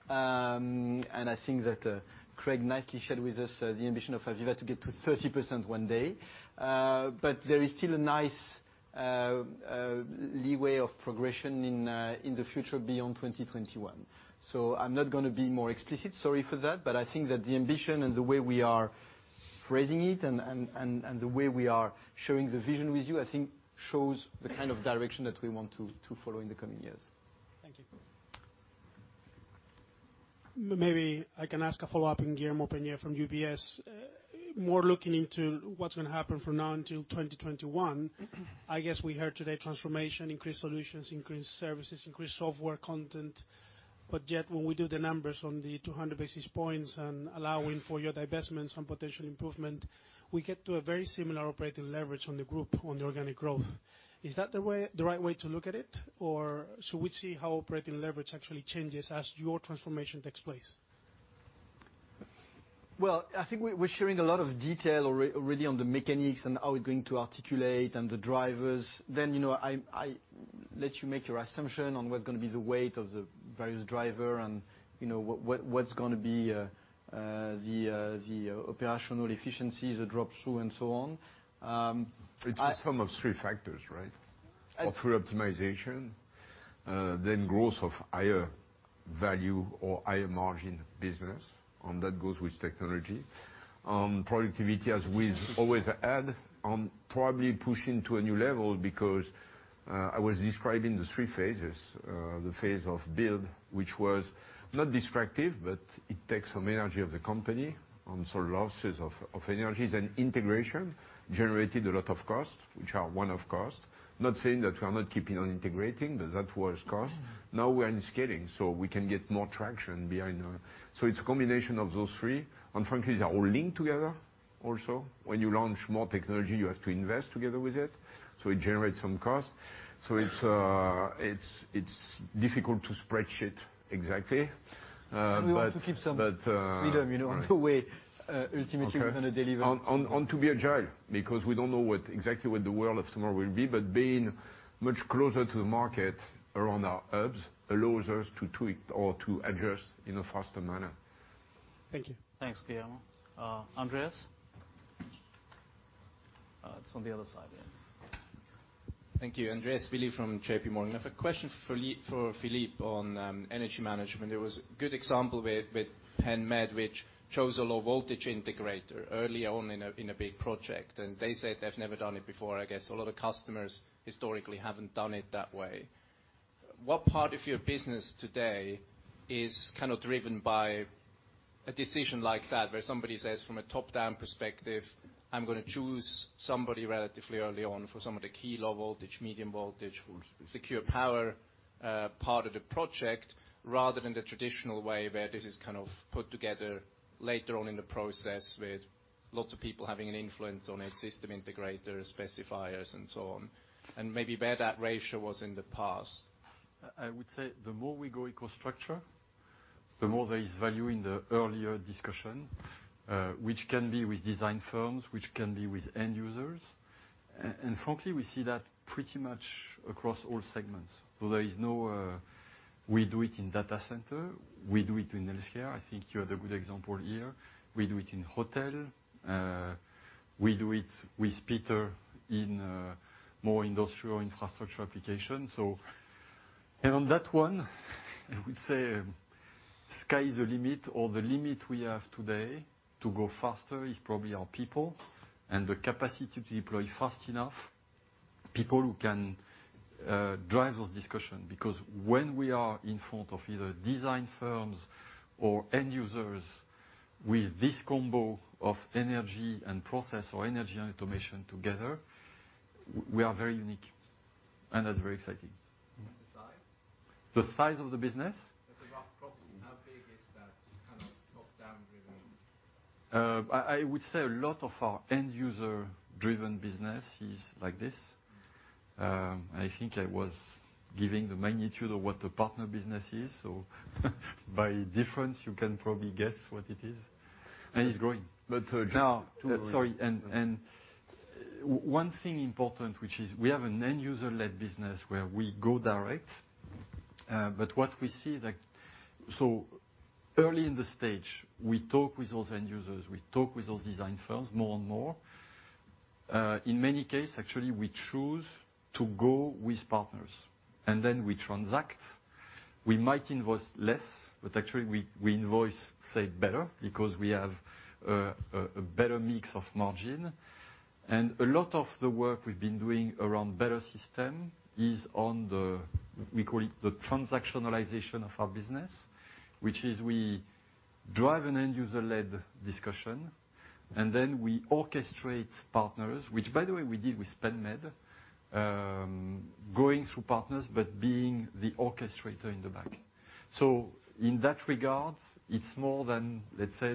I think that Craig nicely shared with us the ambition of AVEVA to get to 30% one day. There is still a nice leeway of progression in the future beyond 2021. I'm not going to be more explicit, sorry for that. I think that the ambition and the way we are phrasing it and the way we are sharing the vision with you, I think shows the kind of direction that we want to follow in the coming years. Thank you. Maybe I can ask a follow-up. Guillermo Peigneux-Lojo from UBS. More looking into what's going to happen from now until 2021. Yet when we do the numbers on the 200 basis points and allowing for your divestments and potential improvement, we get to a very similar operating leverage on the group on the organic growth. Is that the right way to look at it? Should we see how operating leverage actually changes as your transformation takes place? Well, I think we're sharing a lot of detail already on the mechanics and how it's going to articulate and the drivers. I let you make your assumption on what's going to be the weight of the various driver and what's going to be the operational efficiencies that drop through and so on. It's a sum of three factors, right? Through optimization. Growth of higher value or higher margin business. That goes with technology. Productivity, as we always add, and probably pushing to a new level because I was describing the three phases. The phase of build, which was not distractive, but it takes some energy of the company, so losses of energies and integration, generated a lot of costs, which are one-off costs. Not saying that we are not keeping on integrating, that was cost. Now we're in scaling. We can get more traction behind. It's a combination of those three. Frankly, they are all linked together also. When you launch more technology, you have to invest together with it. It generates some cost. It's difficult to spreadsheet exactly. We want to keep some freedom on the way, ultimately, we're going to deliver. To be agile, because we don't know exactly what the world of tomorrow will be, being much closer to the market around our hubs allows us to tweak or to adjust in a faster manner. Thank you. Thanks, Guillermo. Andreas? It's on the other side there. Thank you. Andreas Willi from JP Morgan. I have a question for Philippe on energy management. There was a good example with Penn Medicine, which chose a low voltage integrator early on in a big project, and they said they have never done it before. I guess a lot of customers historically have not done it that way. What part of your business today is kind of driven by a decision like that, where somebody says, from a top-down perspective, I am going to choose somebody relatively early on for some of the key low voltage, medium voltage, secure power, part of the project, rather than the traditional way where this is kind of put together later on in the process with lots of people having an influence on it, system integrators, specifiers, and so on. Maybe where that ratio was in the past? I would say the more we go EcoStruxure, the more there is value in the earlier discussion, which can be with design firms, which can be with end users. Frankly, we see that pretty much across all segments, we do it in data center, we do it in healthcare. I think you have the good example here. We do it in hotel. We do it with Peter in more industrial infrastructure application. On that one, I would say sky is the limit or the limit we have today to go faster is probably our people and the capacity to deploy fast enough people who can drive those discussion. Because when we are in front of either design firms or end users with this combo of energy and process or energy and automation together, we are very unique. That is very exciting. The size? The size of the business? As a rough proxy, how big is that kind of top-down driven? I would say a lot of our end user-driven business is like this. I think I was giving the magnitude of what the partner business is. By difference, you can probably guess what it is. It's growing. But- Sorry. One thing important, which is we have an end user-led business where we go direct. We see, early in the stage, we talk with those end users, we talk with those design firms more and more. In many case, actually, we choose to go with partners, then we transact. We might invoice less, but actually we invoice, say, better because we have a better mix of margin. A lot of the work we've been doing around better system is on the, we call it the transactionalization of our business, which is we drive an end-user-led discussion, then we orchestrate partners. Which by the way, we did with Spendmoth, going through partners but being the orchestrator in the back. In that regard, it's more than, let's say,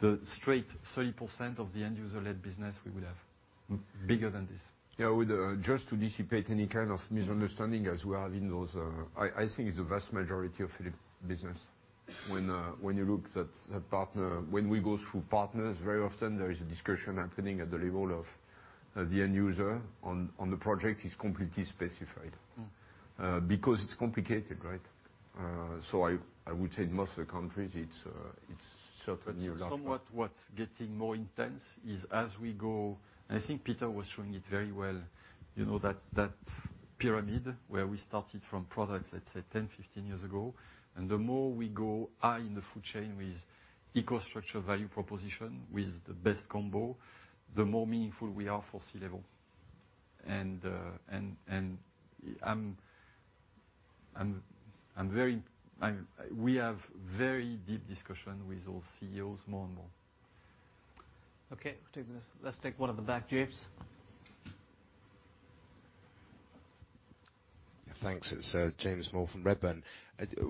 the straight 30% of the end-user-led business we would have. Bigger than this. Yeah. Just to dissipate any kind of misunderstanding as we are in those, I think it's the vast majority of Philippe business. When you look at a partner, when we go through partners, very often there is a discussion happening at the level of the end user on the project is completely specified. It's complicated, right? I would say in most of the countries, it's certainly. Somewhat what's getting more intense is as we go, I think Peter was showing it very well, that pyramid where we started from products, let's say 10, 15 years ago, the more we go high in the food chain with EcoStruxure value proposition, with the best combo, the more meaningful we are for C-level. We have very deep discussion with those CEOs more and more. Okay. Let's take one at the back, James. Thanks. It's James Moore from Redburn.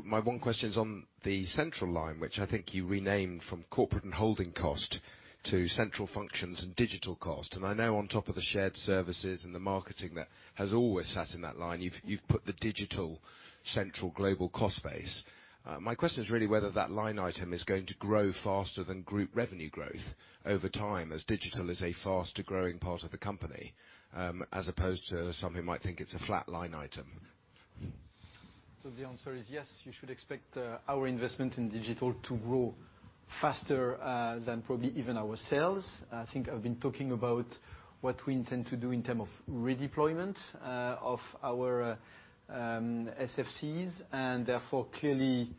My one question is on the central line, which I think you renamed from corporate and holding cost to central functions and digital cost. I know on top of the shared services and the marketing that has always sat in that line, you've put the digital central global cost base. My question is really whether that line item is going to grow faster than group revenue growth over time, as digital is a faster growing part of the company, as opposed to some who might think it's a flat line item. The answer is yes, you should expect our investment in digital to grow faster than probably even our sales. I think I've been talking about what we intend to do in term of redeployment of our SFCs, therefore, clearly,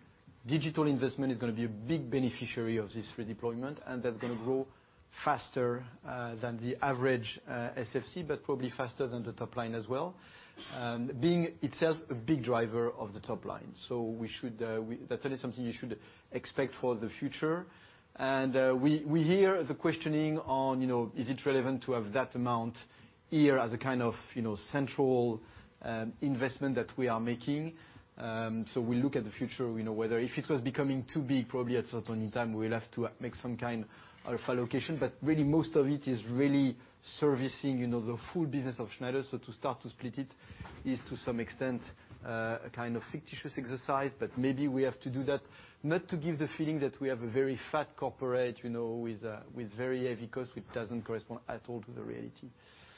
digital investment is going to be a big beneficiary of this redeployment, and that's going to grow faster than the average SFC, but probably faster than the top line as well. Being itself a big driver of the top line. That is something you should expect for the future. We hear the questioning on, is it relevant to have that amount here as a kind of central investment that we are making? We look at the future, whether if it was becoming too big, probably at certain time, we'll have to make some kind of allocation. Really, most of it is really servicing the full business of Schneider. To start to split it is, to some extent, a kind of fictitious exercise, but maybe we have to do that, not to give the feeling that we have a very fat corporate, with very heavy cost, which doesn't correspond at all to the reality.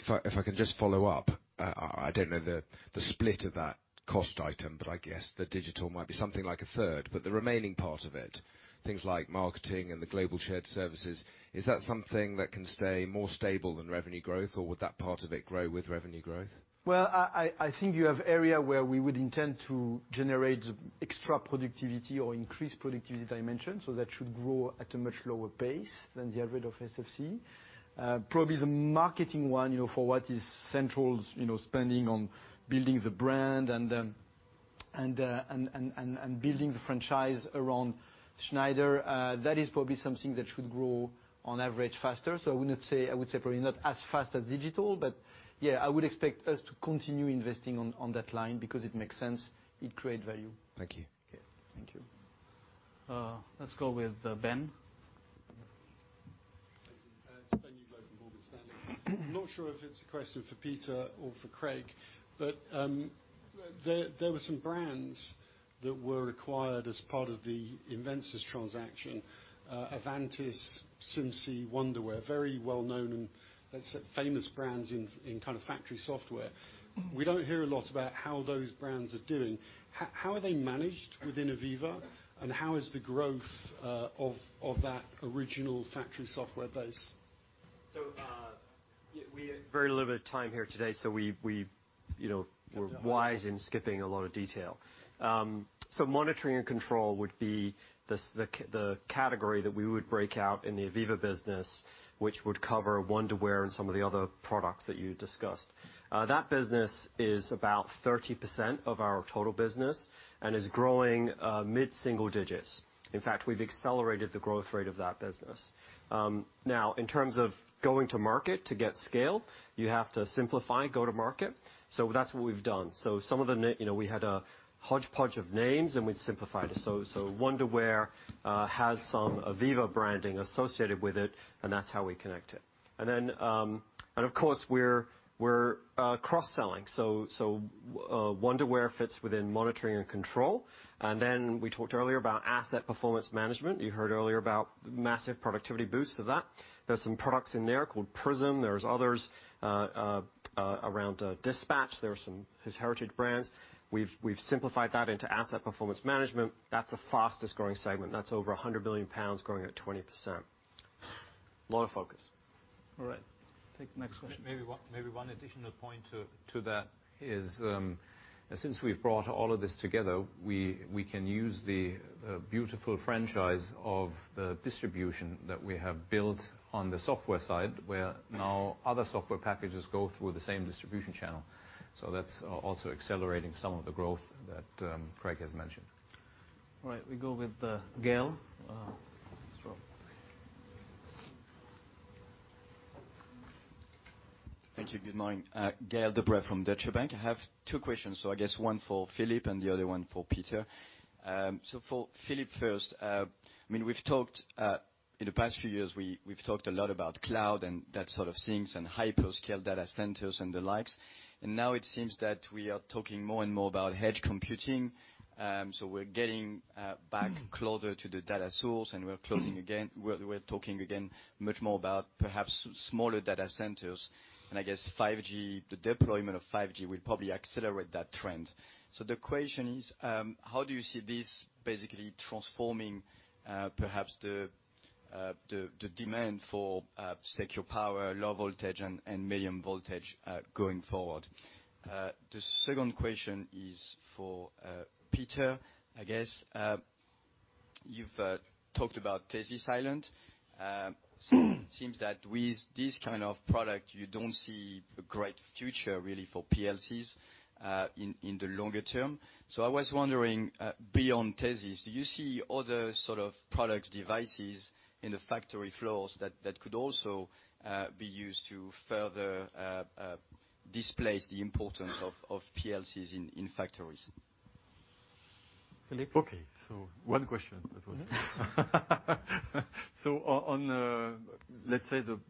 If I can just follow up, I don't know the split of that cost item, I guess the digital might be something like a third. The remaining part of it, things like marketing and the global shared services, is that something that can stay more stable than revenue growth, or would that part of it grow with revenue growth? Well, I think you have area where we would intend to generate extra productivity or increase productivity dimension, so that should grow at a much lower pace than the average of SFC. Probably the marketing one, for what is central spending on building the brand and building the franchise around Schneider, that is probably something that should grow on average faster. I would say probably not as fast as digital, yeah, I would expect us to continue investing on that line because it makes sense. It create value. Thank you. Okay. Thank you. Let's go with Ben. Thank you. It's Ben Uglow from Morgan Stanley. Not sure if it's a question for Peter or for Craig, but there were some brands that were acquired as part of the Invensys transaction, Avantis, SimSci, Wonderware, very well-known and let's say famous brands in kind of factory software. We don't hear a lot about how those brands are doing. How are they managed within AVEVA? How is the growth of that original factory software base? We have very limited time here today, so we were wise in skipping a lot of detail. Monitoring and control would be the category that we would break out in the AVEVA business, which would cover Wonderware and some of the other products that you discussed. That business is about 30% of our total business and is growing mid-single digits. In fact, we've accelerated the growth rate of that business. Now, in terms of going to market to get scale, you have to simplify go to market. That's what we've done. We had a hodgepodge of names, and we've simplified it. Wonderware has some AVEVA branding associated with it, and that's how we connect it. Of course, we're cross-selling. Wonderware fits within monitoring and control. We talked earlier about Asset Performance Management. You heard earlier about massive productivity boosts of that. There's some products in there called PRiSM. There's others around Dispatch. There are some heritage brands. We've simplified that into Asset Performance Management. That's the fastest growing segment. That's over £100 billion growing at 20%. A lot of focus. All right. Take the next question. Maybe one additional point to that is, since we've brought all of this together, we can use the beautiful franchise of the distribution that we have built on the software side, where now other software packages go through the same distribution channel. That's also accelerating some of the growth that Craig has mentioned. Right. We go with Gaël. Thank you. Good morning. Gaël De Bray from Deutsche Bank. I have two questions. I guess one for Philippe and the other one for Peter. For Philippe first, in the past few years, we've talked a lot about cloud and that sort of thing, and hyperscale data centers and the like. Now it seems that we are talking more and more about edge computing. We're getting back closer to the data source, and we're talking again much more about perhaps smaller data centers. I guess 5G, the deployment of 5G, will probably accelerate that trend. The question is, how do you see this basically transforming perhaps the demand for secure power, low voltage and medium voltage going forward? The second question is for Peter, I guess. You've talked about TeSys Island. It seems that with this kind of product, you don't see a great future really for PLCs in the longer term. I was wondering, beyond TeSys, do you see other sort of product devices in the factory floors that could also be used to further displace the importance of PLCs in factories? Philippe? One question on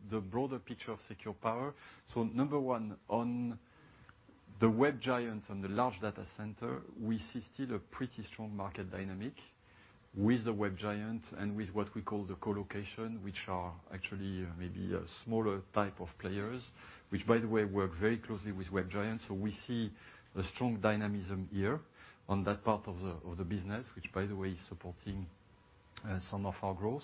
the broader picture of secure power. Number 1, on the web giants and the large data center, we see still a pretty strong market dynamic with the web giant and with what we call the colocation, which are actually maybe a smaller type of players, which, by the way, work very closely with web giants. We see a strong dynamism here on that part of the business, which, by the way, is supporting some of our growth.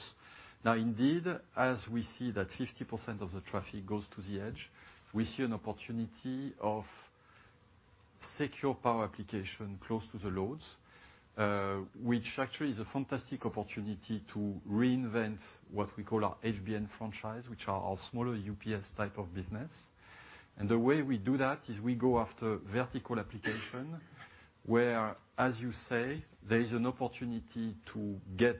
Now, indeed, as we see that 50% of the traffic goes to the edge, we see an opportunity of secure power application close to the loads, which actually is a fantastic opportunity to reinvent what we call our HBN franchise, which are our smaller UPS type of business. The way we do that is we go after vertical application, where, as you say, there is an opportunity to get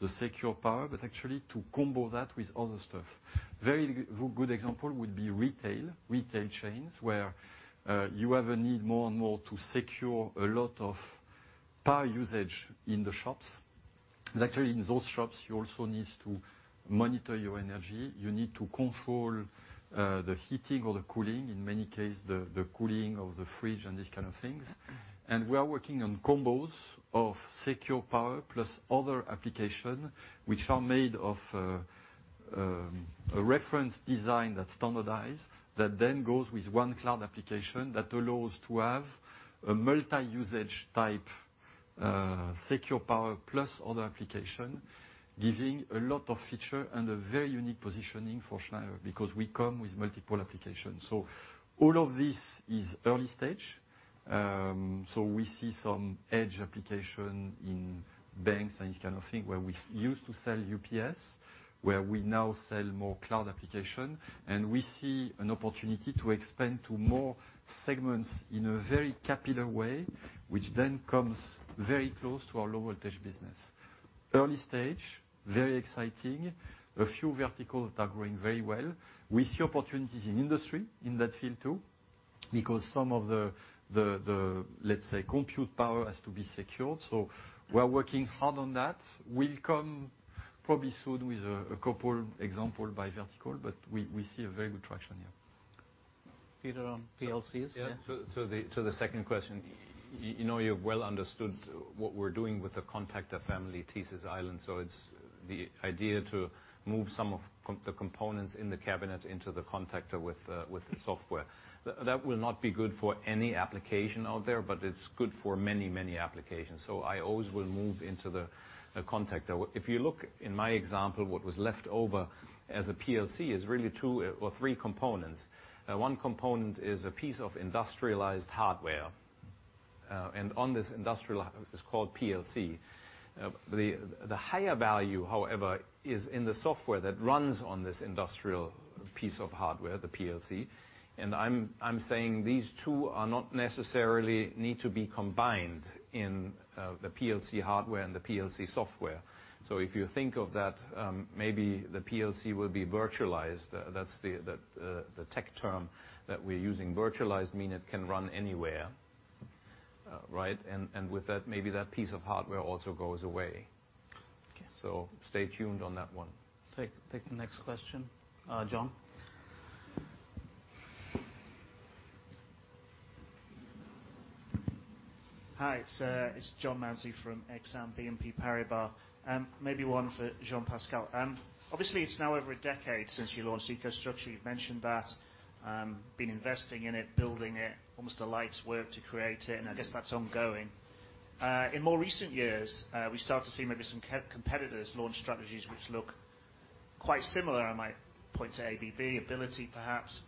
the secure power, but actually to combo that with other stuff. Very good example would be retail chains, where you have a need more and more to secure a lot of power usage in the shops. Actually, in those shops, you also need to monitor your energy. You need to control the heating or the cooling, in many cases, the cooling of the fridge and these kind of things. We are working on combos of secure power plus other application, which are made of a reference design that's standardized, that then goes with one cloud application that allows to have a multi-usage type secure power plus other application, giving a lot of feature and a very unique positioning for Schneider, because we come with multiple applications. All of this is early stage. We see some edge application in banks and this kind of thing where we used to sell UPS, where we now sell more cloud application, and we see an opportunity to expand to more segments in a very capillary way, which then comes very close to our low-voltage business. Early stage, very exciting. A few verticals that are growing very well. We see opportunities in industry in that field too, because some of the, let's say, compute power has to be secured. We're working hard on that. We'll come probably soon with a couple example by vertical, but we see a very good traction here. Peter, on PLCs? Yeah. The second question. You've well understood what we're doing with the contactor family, TeSys island. It's the idea to move some of the components in the cabinet into the contactor with the software. That will not be good for any application out there, but it's good for many, many applications. I always will move into the contactor. If you look in my example, what was left over as a PLC is really two or three components. One component is a piece of industrialized hardware. On this industrial is called PLC. The higher value, however, is in the software that runs on this industrial piece of hardware, the PLC. I'm saying these two are not necessarily need to be combined in the PLC hardware and the PLC software. If you think of that, maybe the PLC will be virtualized. That's the tech term that we're using. Virtualized mean it can run anywhere. Right? With that, maybe that piece of hardware also goes away. Okay. Stay tuned on that one. Take the next question. John. Hi, it's John Mounsey from Exane BNP Paribas. Maybe one for Jean-Pascal. Obviously, it's now over a decade since you launched EcoStruxure. You've mentioned that. Been investing in it, building it, almost a life's work to create it, and I guess that's ongoing. In more recent years, we start to see maybe some competitors launch strategies which look quite similar, I might point to ABB Ability perhaps.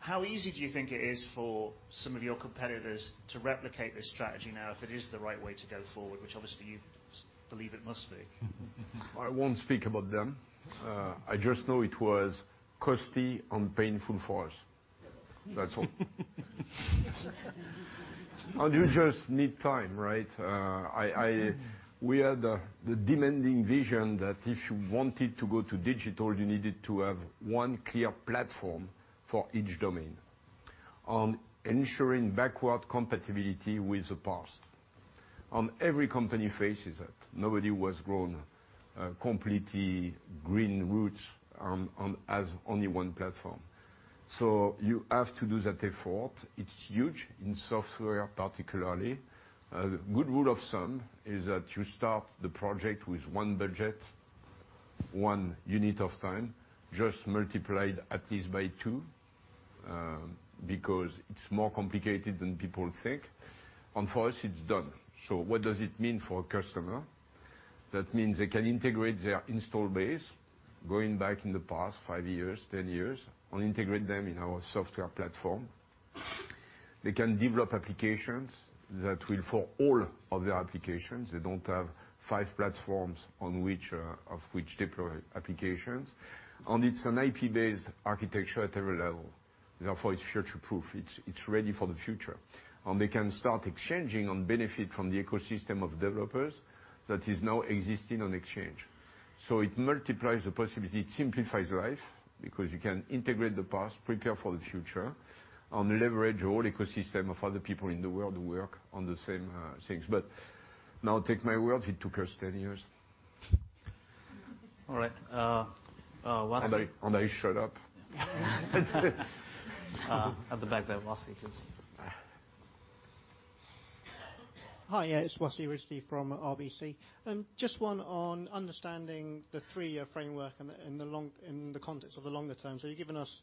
How easy do you think it is for some of your competitors to replicate this strategy now, if it is the right way to go forward, which obviously you believe it must be? I won't speak about them. I just know it was costly and painful for us. That's all. You just need time, right? We had the demanding vision that if you wanted to go to digital, you needed to have one clear platform for each domain. On ensuring backward compatibility with the past, every company faces it. Nobody has grown completely green roots as only one platform. You have to do that effort. It's huge, in software particularly. A good rule of thumb is that you start the project with one budget, one unit of time, just multiply it at least by two, because it's more complicated than people think. For us, it's done. What does it mean for a customer? That means they can integrate their install base going back in the past five years, 10 years, and integrate them in our software platform. They can develop applications that will for all of their applications, they don't have five platforms of which deploy applications, and it's an IP-based architecture at every level. Therefore, it's future proof. It's ready for the future. They can start exchanging and benefit from the ecosystem of developers that is now existing on exchange. It multiplies the possibility. It simplifies life because you can integrate the past, prepare for the future, and leverage all ecosystem of other people in the world who work on the same things. Now take my word. It took us 10 years. All right. Wasi. I shut up. At the back there, Wasi, please. Hi, it's Wasi Rizvi from RBC. Just one on understanding the three-year framework in the context of the longer term. You've given us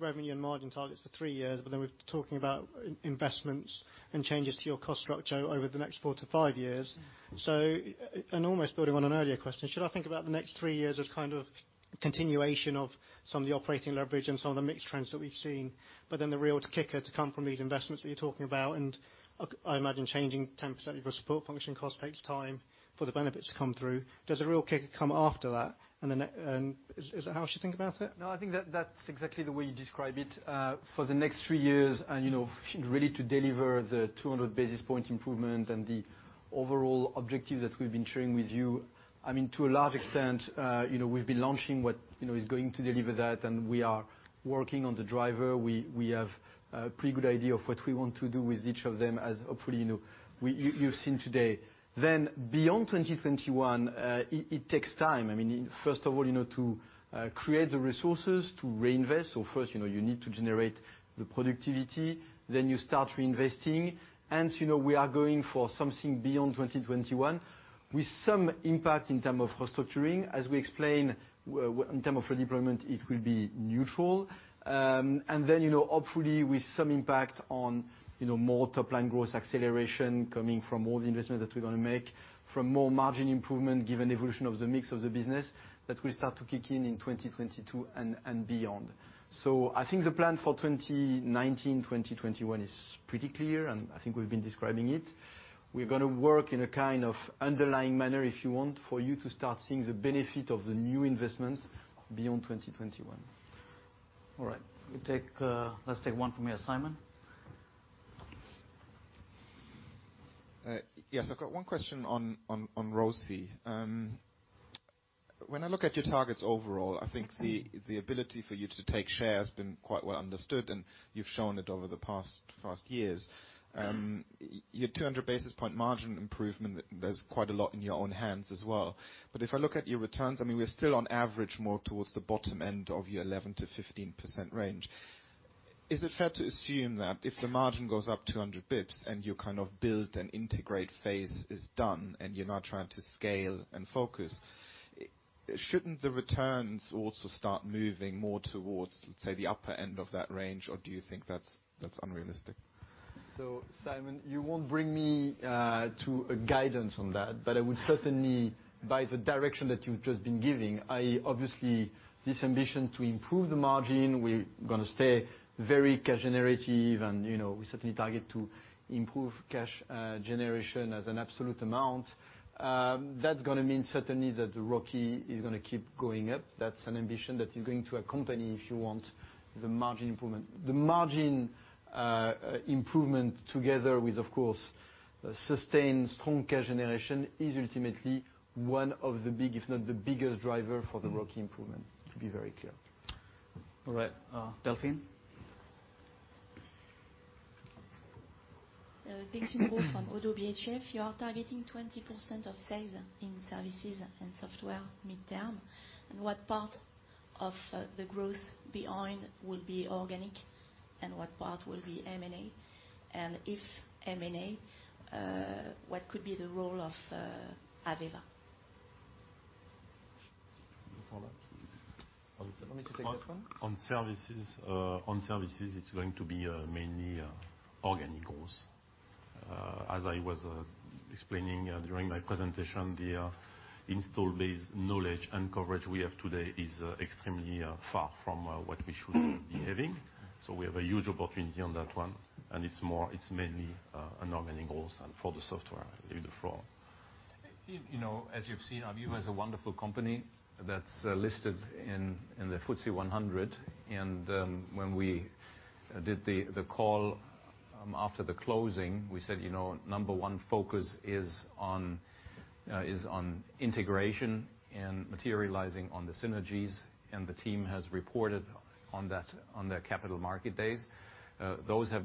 revenue and margin targets for three years, we're talking about investments and changes to your cost structure over the next four to five years. Almost building on an earlier question, should I think about the next three years as kind of a continuation of some of the operating leverage and some of the mixed trends that we've seen, the real kicker to come from these investments that you're talking about, and I imagine changing 10% of your support function cost takes time for the benefits to come through. Does the real kicker come after that? Is that how I should think about it? No, I think that's exactly the way you describe it. For the next three years really to deliver the 200 basis points improvement and the overall objective that we've been sharing with you, to a large extent, we've been launching what is going to deliver that, we are working on the driver. We have a pretty good idea of what we want to do with each of them as, hopefully, you've seen today. Beyond 2021, it takes time. First of all, to create the resources to reinvest. First, you need to generate the productivity, then you start reinvesting, we are going for something beyond 2021 with some impact in term of cost structuring as we explain in term of redeployment, it will be neutral. Hopefully, with some impact on more top-line growth acceleration coming from all the investments that we're going to make, from more margin improvement given evolution of the mix of the business that will start to kick in in 2022 and beyond. I think the plan for 2019, 2021 is pretty clear, and I think we've been describing it. We're going to work in a kind of underlying manner, if you want, for you to start seeing the benefit of the new investment beyond 2021. All right. Let's take one from you, Simon. Yes, I've got one question on ROCE. When I look at your targets overall, I think the ability for you to take share has been quite well understood, and you've shown it over the past years. Your 200 basis points margin improvement, there's quite a lot in your own hands as well. If I look at your returns, we're still on average, more towards the bottom end of your 11%-15% range. Is it fair to assume that if the margin goes up 200 basis points and you kind of build and integrate phase is done and you're now trying to scale and focus, shouldn't the returns also start moving more towards, let's say, the upper end of that range, or do you think that's unrealistic? Simon, you won't bring me to a guidance on that, but I would certainly by the direction that you've just been giving, obviously this ambition to improve the margin, we're going to stay very cash generative and we certainly target to improve cash generation as an absolute amount. That's going to mean certainly that the ROCE is going to keep going up. That's an ambition that is going to accompany, if you want, the margin improvement. The margin improvement together with, of course, sustained strong cash generation is ultimately one of the big, if not the biggest driver for the ROCE improvement, to be very clear. All right. Delphine? Delphine Brault from Oddo BHF. You are targeting 20% of sales in services and software midterm. What part of the growth behind will be organic and what part will be M&A? If M&A, what could be the role of AVEVA? You want me to take that one? On services, it's going to be mainly organic growth As I was explaining during my presentation, the install base knowledge and coverage we have today is extremely far from what we should be having. We have a huge opportunity on that one, and it's mainly a non-recurring growth. For the software. Leave the floor. As you've seen, AVEVA is a wonderful company that's listed in the FTSE 100. When we did the call after the closing, we said number one focus is on integration and materializing on the synergies. The team has reported on their capital market days. Those have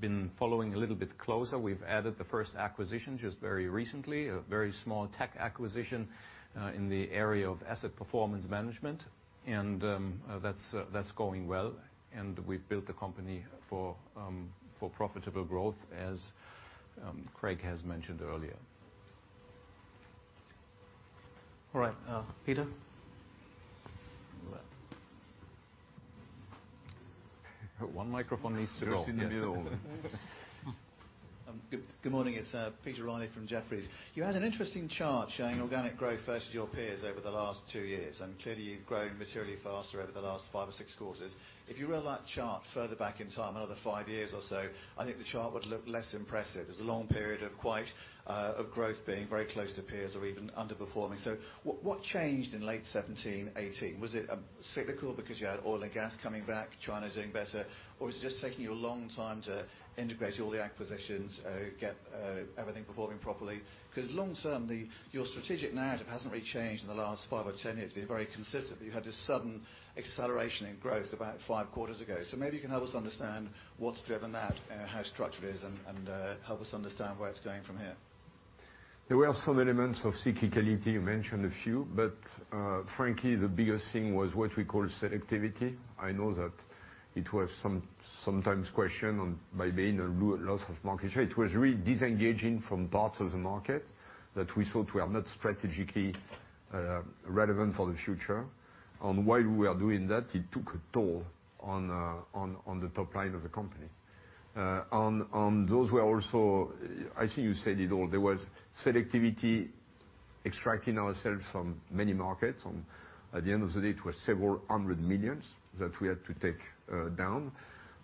been following a little bit closer. We've added the first acquisition just very recently, a very small tech acquisition, in the area of asset performance management. That's going well. We've built the company for profitable growth as Craig has mentioned earlier. All right. Peter? One microphone needs to go. Yes. Good morning. It is Peter Roney from Jefferies. You had an interesting chart showing organic growth versus your peers over the last two years. Clearly, you've grown materially faster over the last five or six quarters. If you roll that chart further back in time, another five years or so, I think the chart would look less impressive. There is a long period of growth being very close to peers or even underperforming. What changed in late 2017, 2018? Was it cyclical because you had oil and gas coming back, China is doing better, or was it just taking you a long time to integrate all the acquisitions, get everything performing properly? Long term, your strategic narrative has not really changed in the last five or 10 years. You've been very consistent, but you had this sudden acceleration in growth about five quarters ago. Maybe you can help us understand what has driven that, how structured it is, and help us understand where it is going from here. There were some elements of cyclicality, you mentioned a few. Frankly, the biggest thing was what we call selectivity. I know that it was sometimes questioned by Bain or loss of market share. It was really disengaging from parts of the market that we thought were not strategically relevant for the future. While we are doing that, it took a toll on the top line of the company. I think you said it all. There was selectivity, extracting ourselves from many markets. At the end of the day, it was several hundred million EUR that we had to take down.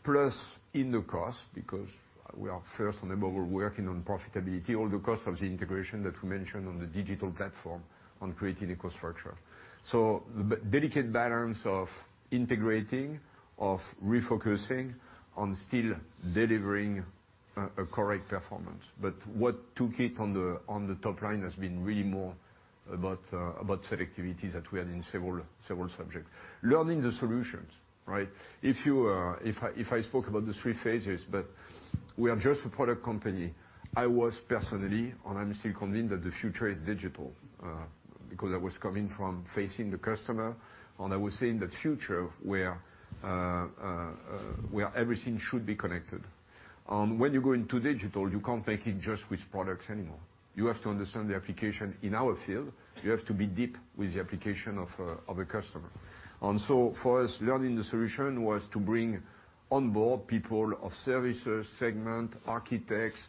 Plus in the cost, because we are first and then we were working on profitability, all the cost of the integration that we mentioned on the digital platform, on creating infrastructure. The delicate balance of integrating, of refocusing on still delivering a correct performance. What took it on the top line has been really more about selectivity that we had in several subjects. Learning the solutions, right? If I spoke about the three phases, but we are just a product company. I was personally, and I'm still convinced that the future is digital. Because I was coming from facing the customer, and I was saying the future where everything should be connected. When you go into digital, you can't take it just with products anymore. You have to understand the application in our field. You have to be deep with the application of a customer. For us, learning the solution was to bring onboard people of services, segment, architects,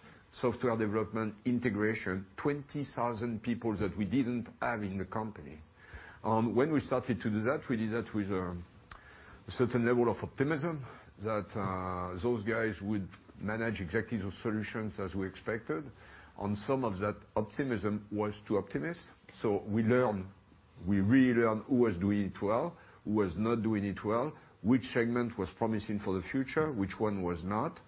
software development, integration, 20,000 people that we didn't have in the company. When we started to do that, we did that with a certain level of optimism that those guys would manage exactly those solutions as we expected. On some of that optimism was too optimist. We learned, we really learned who was doing it well, who was not doing it well, which segment was promising for the future, which one was not.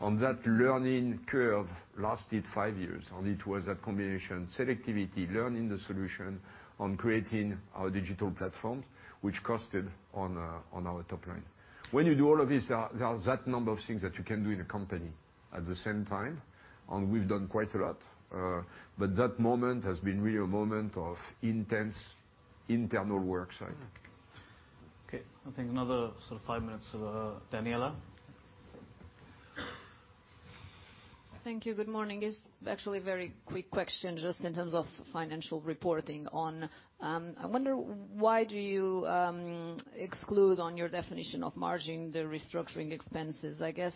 That learning curve lasted five years, and it was a combination, selectivity, learning the solution, and creating our digital platform, which costed on our top line. When you do all of this, there are that number of things that you can do in a company at the same time, and we've done quite a lot. That moment has been really a moment of intense internal work. Okay. I think another sort of five minutes. Daniela? Thank you. Good morning. It's actually a very quick question just in terms of financial reporting. I wonder why do you exclude on your definition of margin, the restructuring expenses? I guess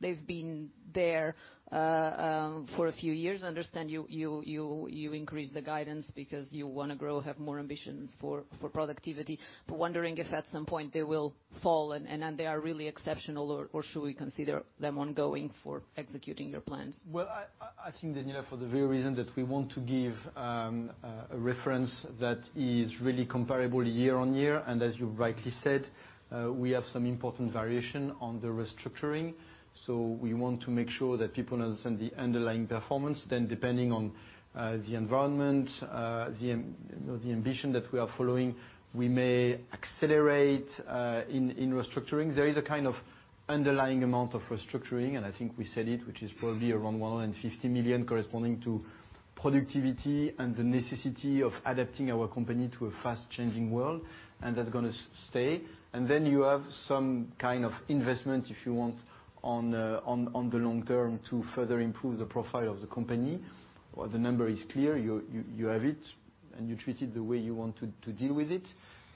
they've been there for a few years. I understand you increase the guidance because you want to grow, have more ambitions for productivity. Wondering if at some point they will fall and they are really exceptional or should we consider them ongoing for executing your plans? Well, I think, Daniela, for the very reason that we want to give a reference that is really comparable year-on-year. As you rightly said, we have some important variation on the restructuring. We want to make sure that people understand the underlying performance. Depending on the environment, the ambition that we are following, we may accelerate in restructuring. There is a kind of underlying amount of restructuring, and I think we said it, which is probably around 150 million corresponding to productivity and the necessity of adapting our company to a fast-changing world, and that's going to stay. You have some kind of investment, if you want, on the long term to further improve the profile of the company. The number is clear. You have it. You treat it the way you want to deal with it.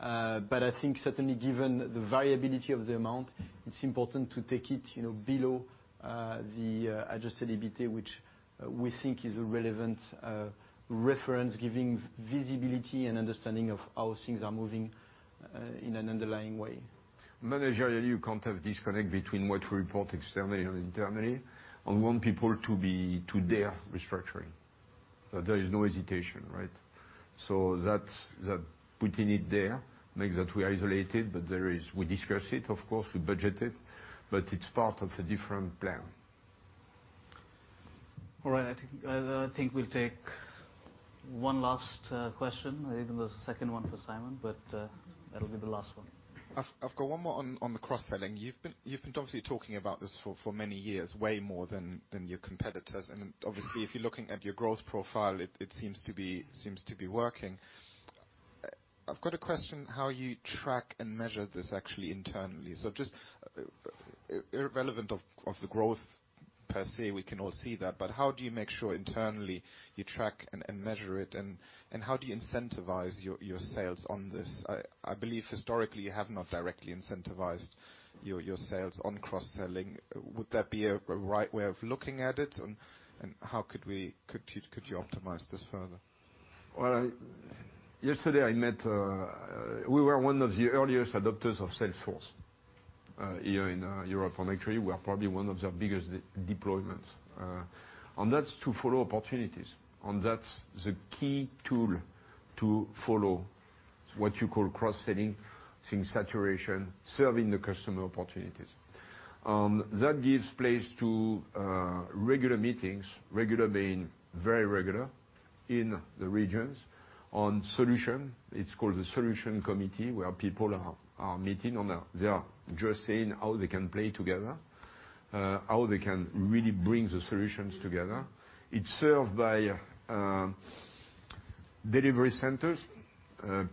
I think certainly given the variability of the amount, it's important to take it below the Adjusted EBITA, which we think is a relevant reference, giving visibility and understanding of how things are moving in an underlying way. Managerially, you can't have disconnect between what we report externally and internally and want people to dare restructuring. That there is no hesitation, right? Putting it there makes that we isolate it, but we discuss it, of course, we budget it, but it's part of a different plan. All right. I think we'll take one last question. Maybe the second one for Simon, but that'll be the last one. I've got one more on the cross-selling. You've been obviously talking about this for many years, way more than your competitors. Obviously, if you're looking at your growth profile, it seems to be working. I've got a question how you track and measure this actually internally. Just irrelevant of the growth per se. We can all see that. How do you make sure internally you track and measure it and how do you incentivize your sales on this? I believe historically you have not directly incentivized your sales on cross-selling. Would that be a right way of looking at it and how could you optimize this further? Well, we were one of the earliest adopters of Salesforce here in Europe and actually, we are probably one of their biggest deployments. That's to follow opportunities, and that's the key tool to follow what you call cross-selling, seeing saturation, serving the customer opportunities. That gives place to regular meetings, regular being very regular in the regions on solution. It's called the solution committee, where people are meeting and they are just seeing how they can play together, how they can really bring the solutions together. It's served by delivery centers. I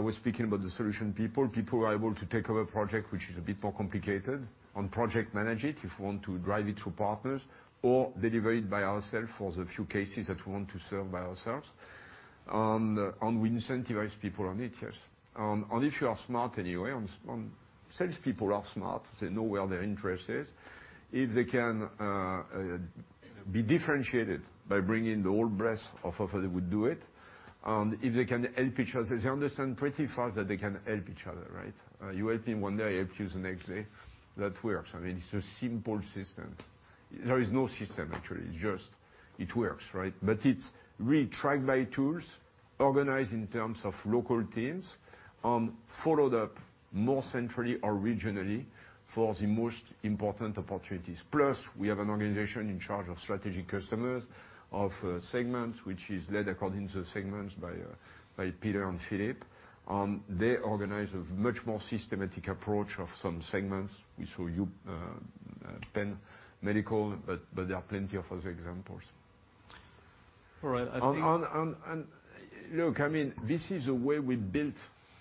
was speaking about the solution people. People who are able to take over a project, which is a bit more complicated, and project manage it if we want to drive it through partners, or deliver it by ourselves for the few cases that we want to serve by ourselves. We incentivize people on it, yes. If you are smart anyway, and salespeople are smart, they know where their interest is. If they can be differentiated by bringing the whole breadth of offer, they would do it. If they can help each other, they understand pretty fast that they can help each other, right? You help me one day, I help you the next day. That works. I mean, it's a simple system. There is no system, actually, it's just it works, right? It's really tracked by tools, organized in terms of local teams, and followed up more centrally or regionally for the most important opportunities. Plus, we have an organization in charge of strategic customers of segments, which is led according to segments by Peter and Philippe. They organize a much more systematic approach of some segments. We saw Ben, medical, but there are plenty of other examples. All right. Look, this is a way we built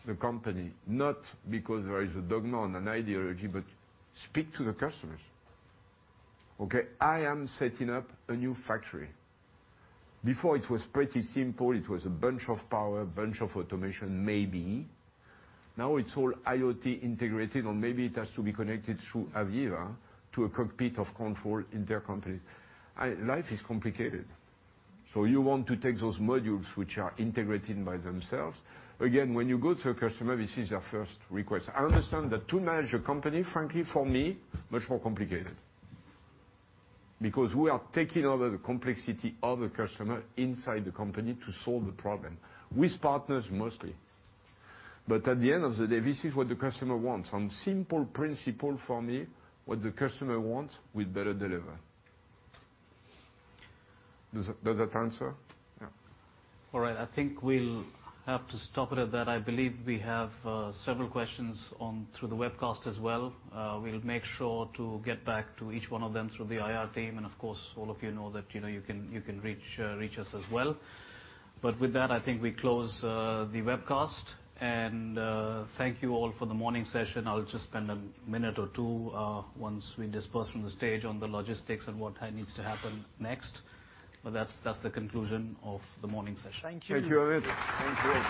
the company not because there is a dogma and an ideology, but speak to the customers. Okay? I am setting up a new factory. Before it was pretty simple. It was a bunch of power, bunch of automation, maybe. Now it's all IoT integrated, or maybe it has to be connected through AVEVA to a cockpit of control in their company. Life is complicated. You want to take those modules, which are integrated by themselves. Again, when you go to a customer, this is their first request. I understand that to manage a company, frankly, for me, much more complicated. We are taking over the complexity of a customer inside the company to solve the problem, with partners mostly. At the end of the day, this is what the customer wants. On simple principle for me, what the customer wants, we better deliver. Does that answer? Yeah. All right. I think we'll have to stop it at that. I believe we have several questions through the webcast as well. We'll make sure to get back to each one of them through the IR team. Of course, all of you know that you can reach us as well. With that, I think we close the webcast. Thank you all for the morning session. I'll just spend a minute or two, once we disperse from the stage, on the logistics and what needs to happen next. That's the conclusion of the morning session. Thank you. Thank you, everyone.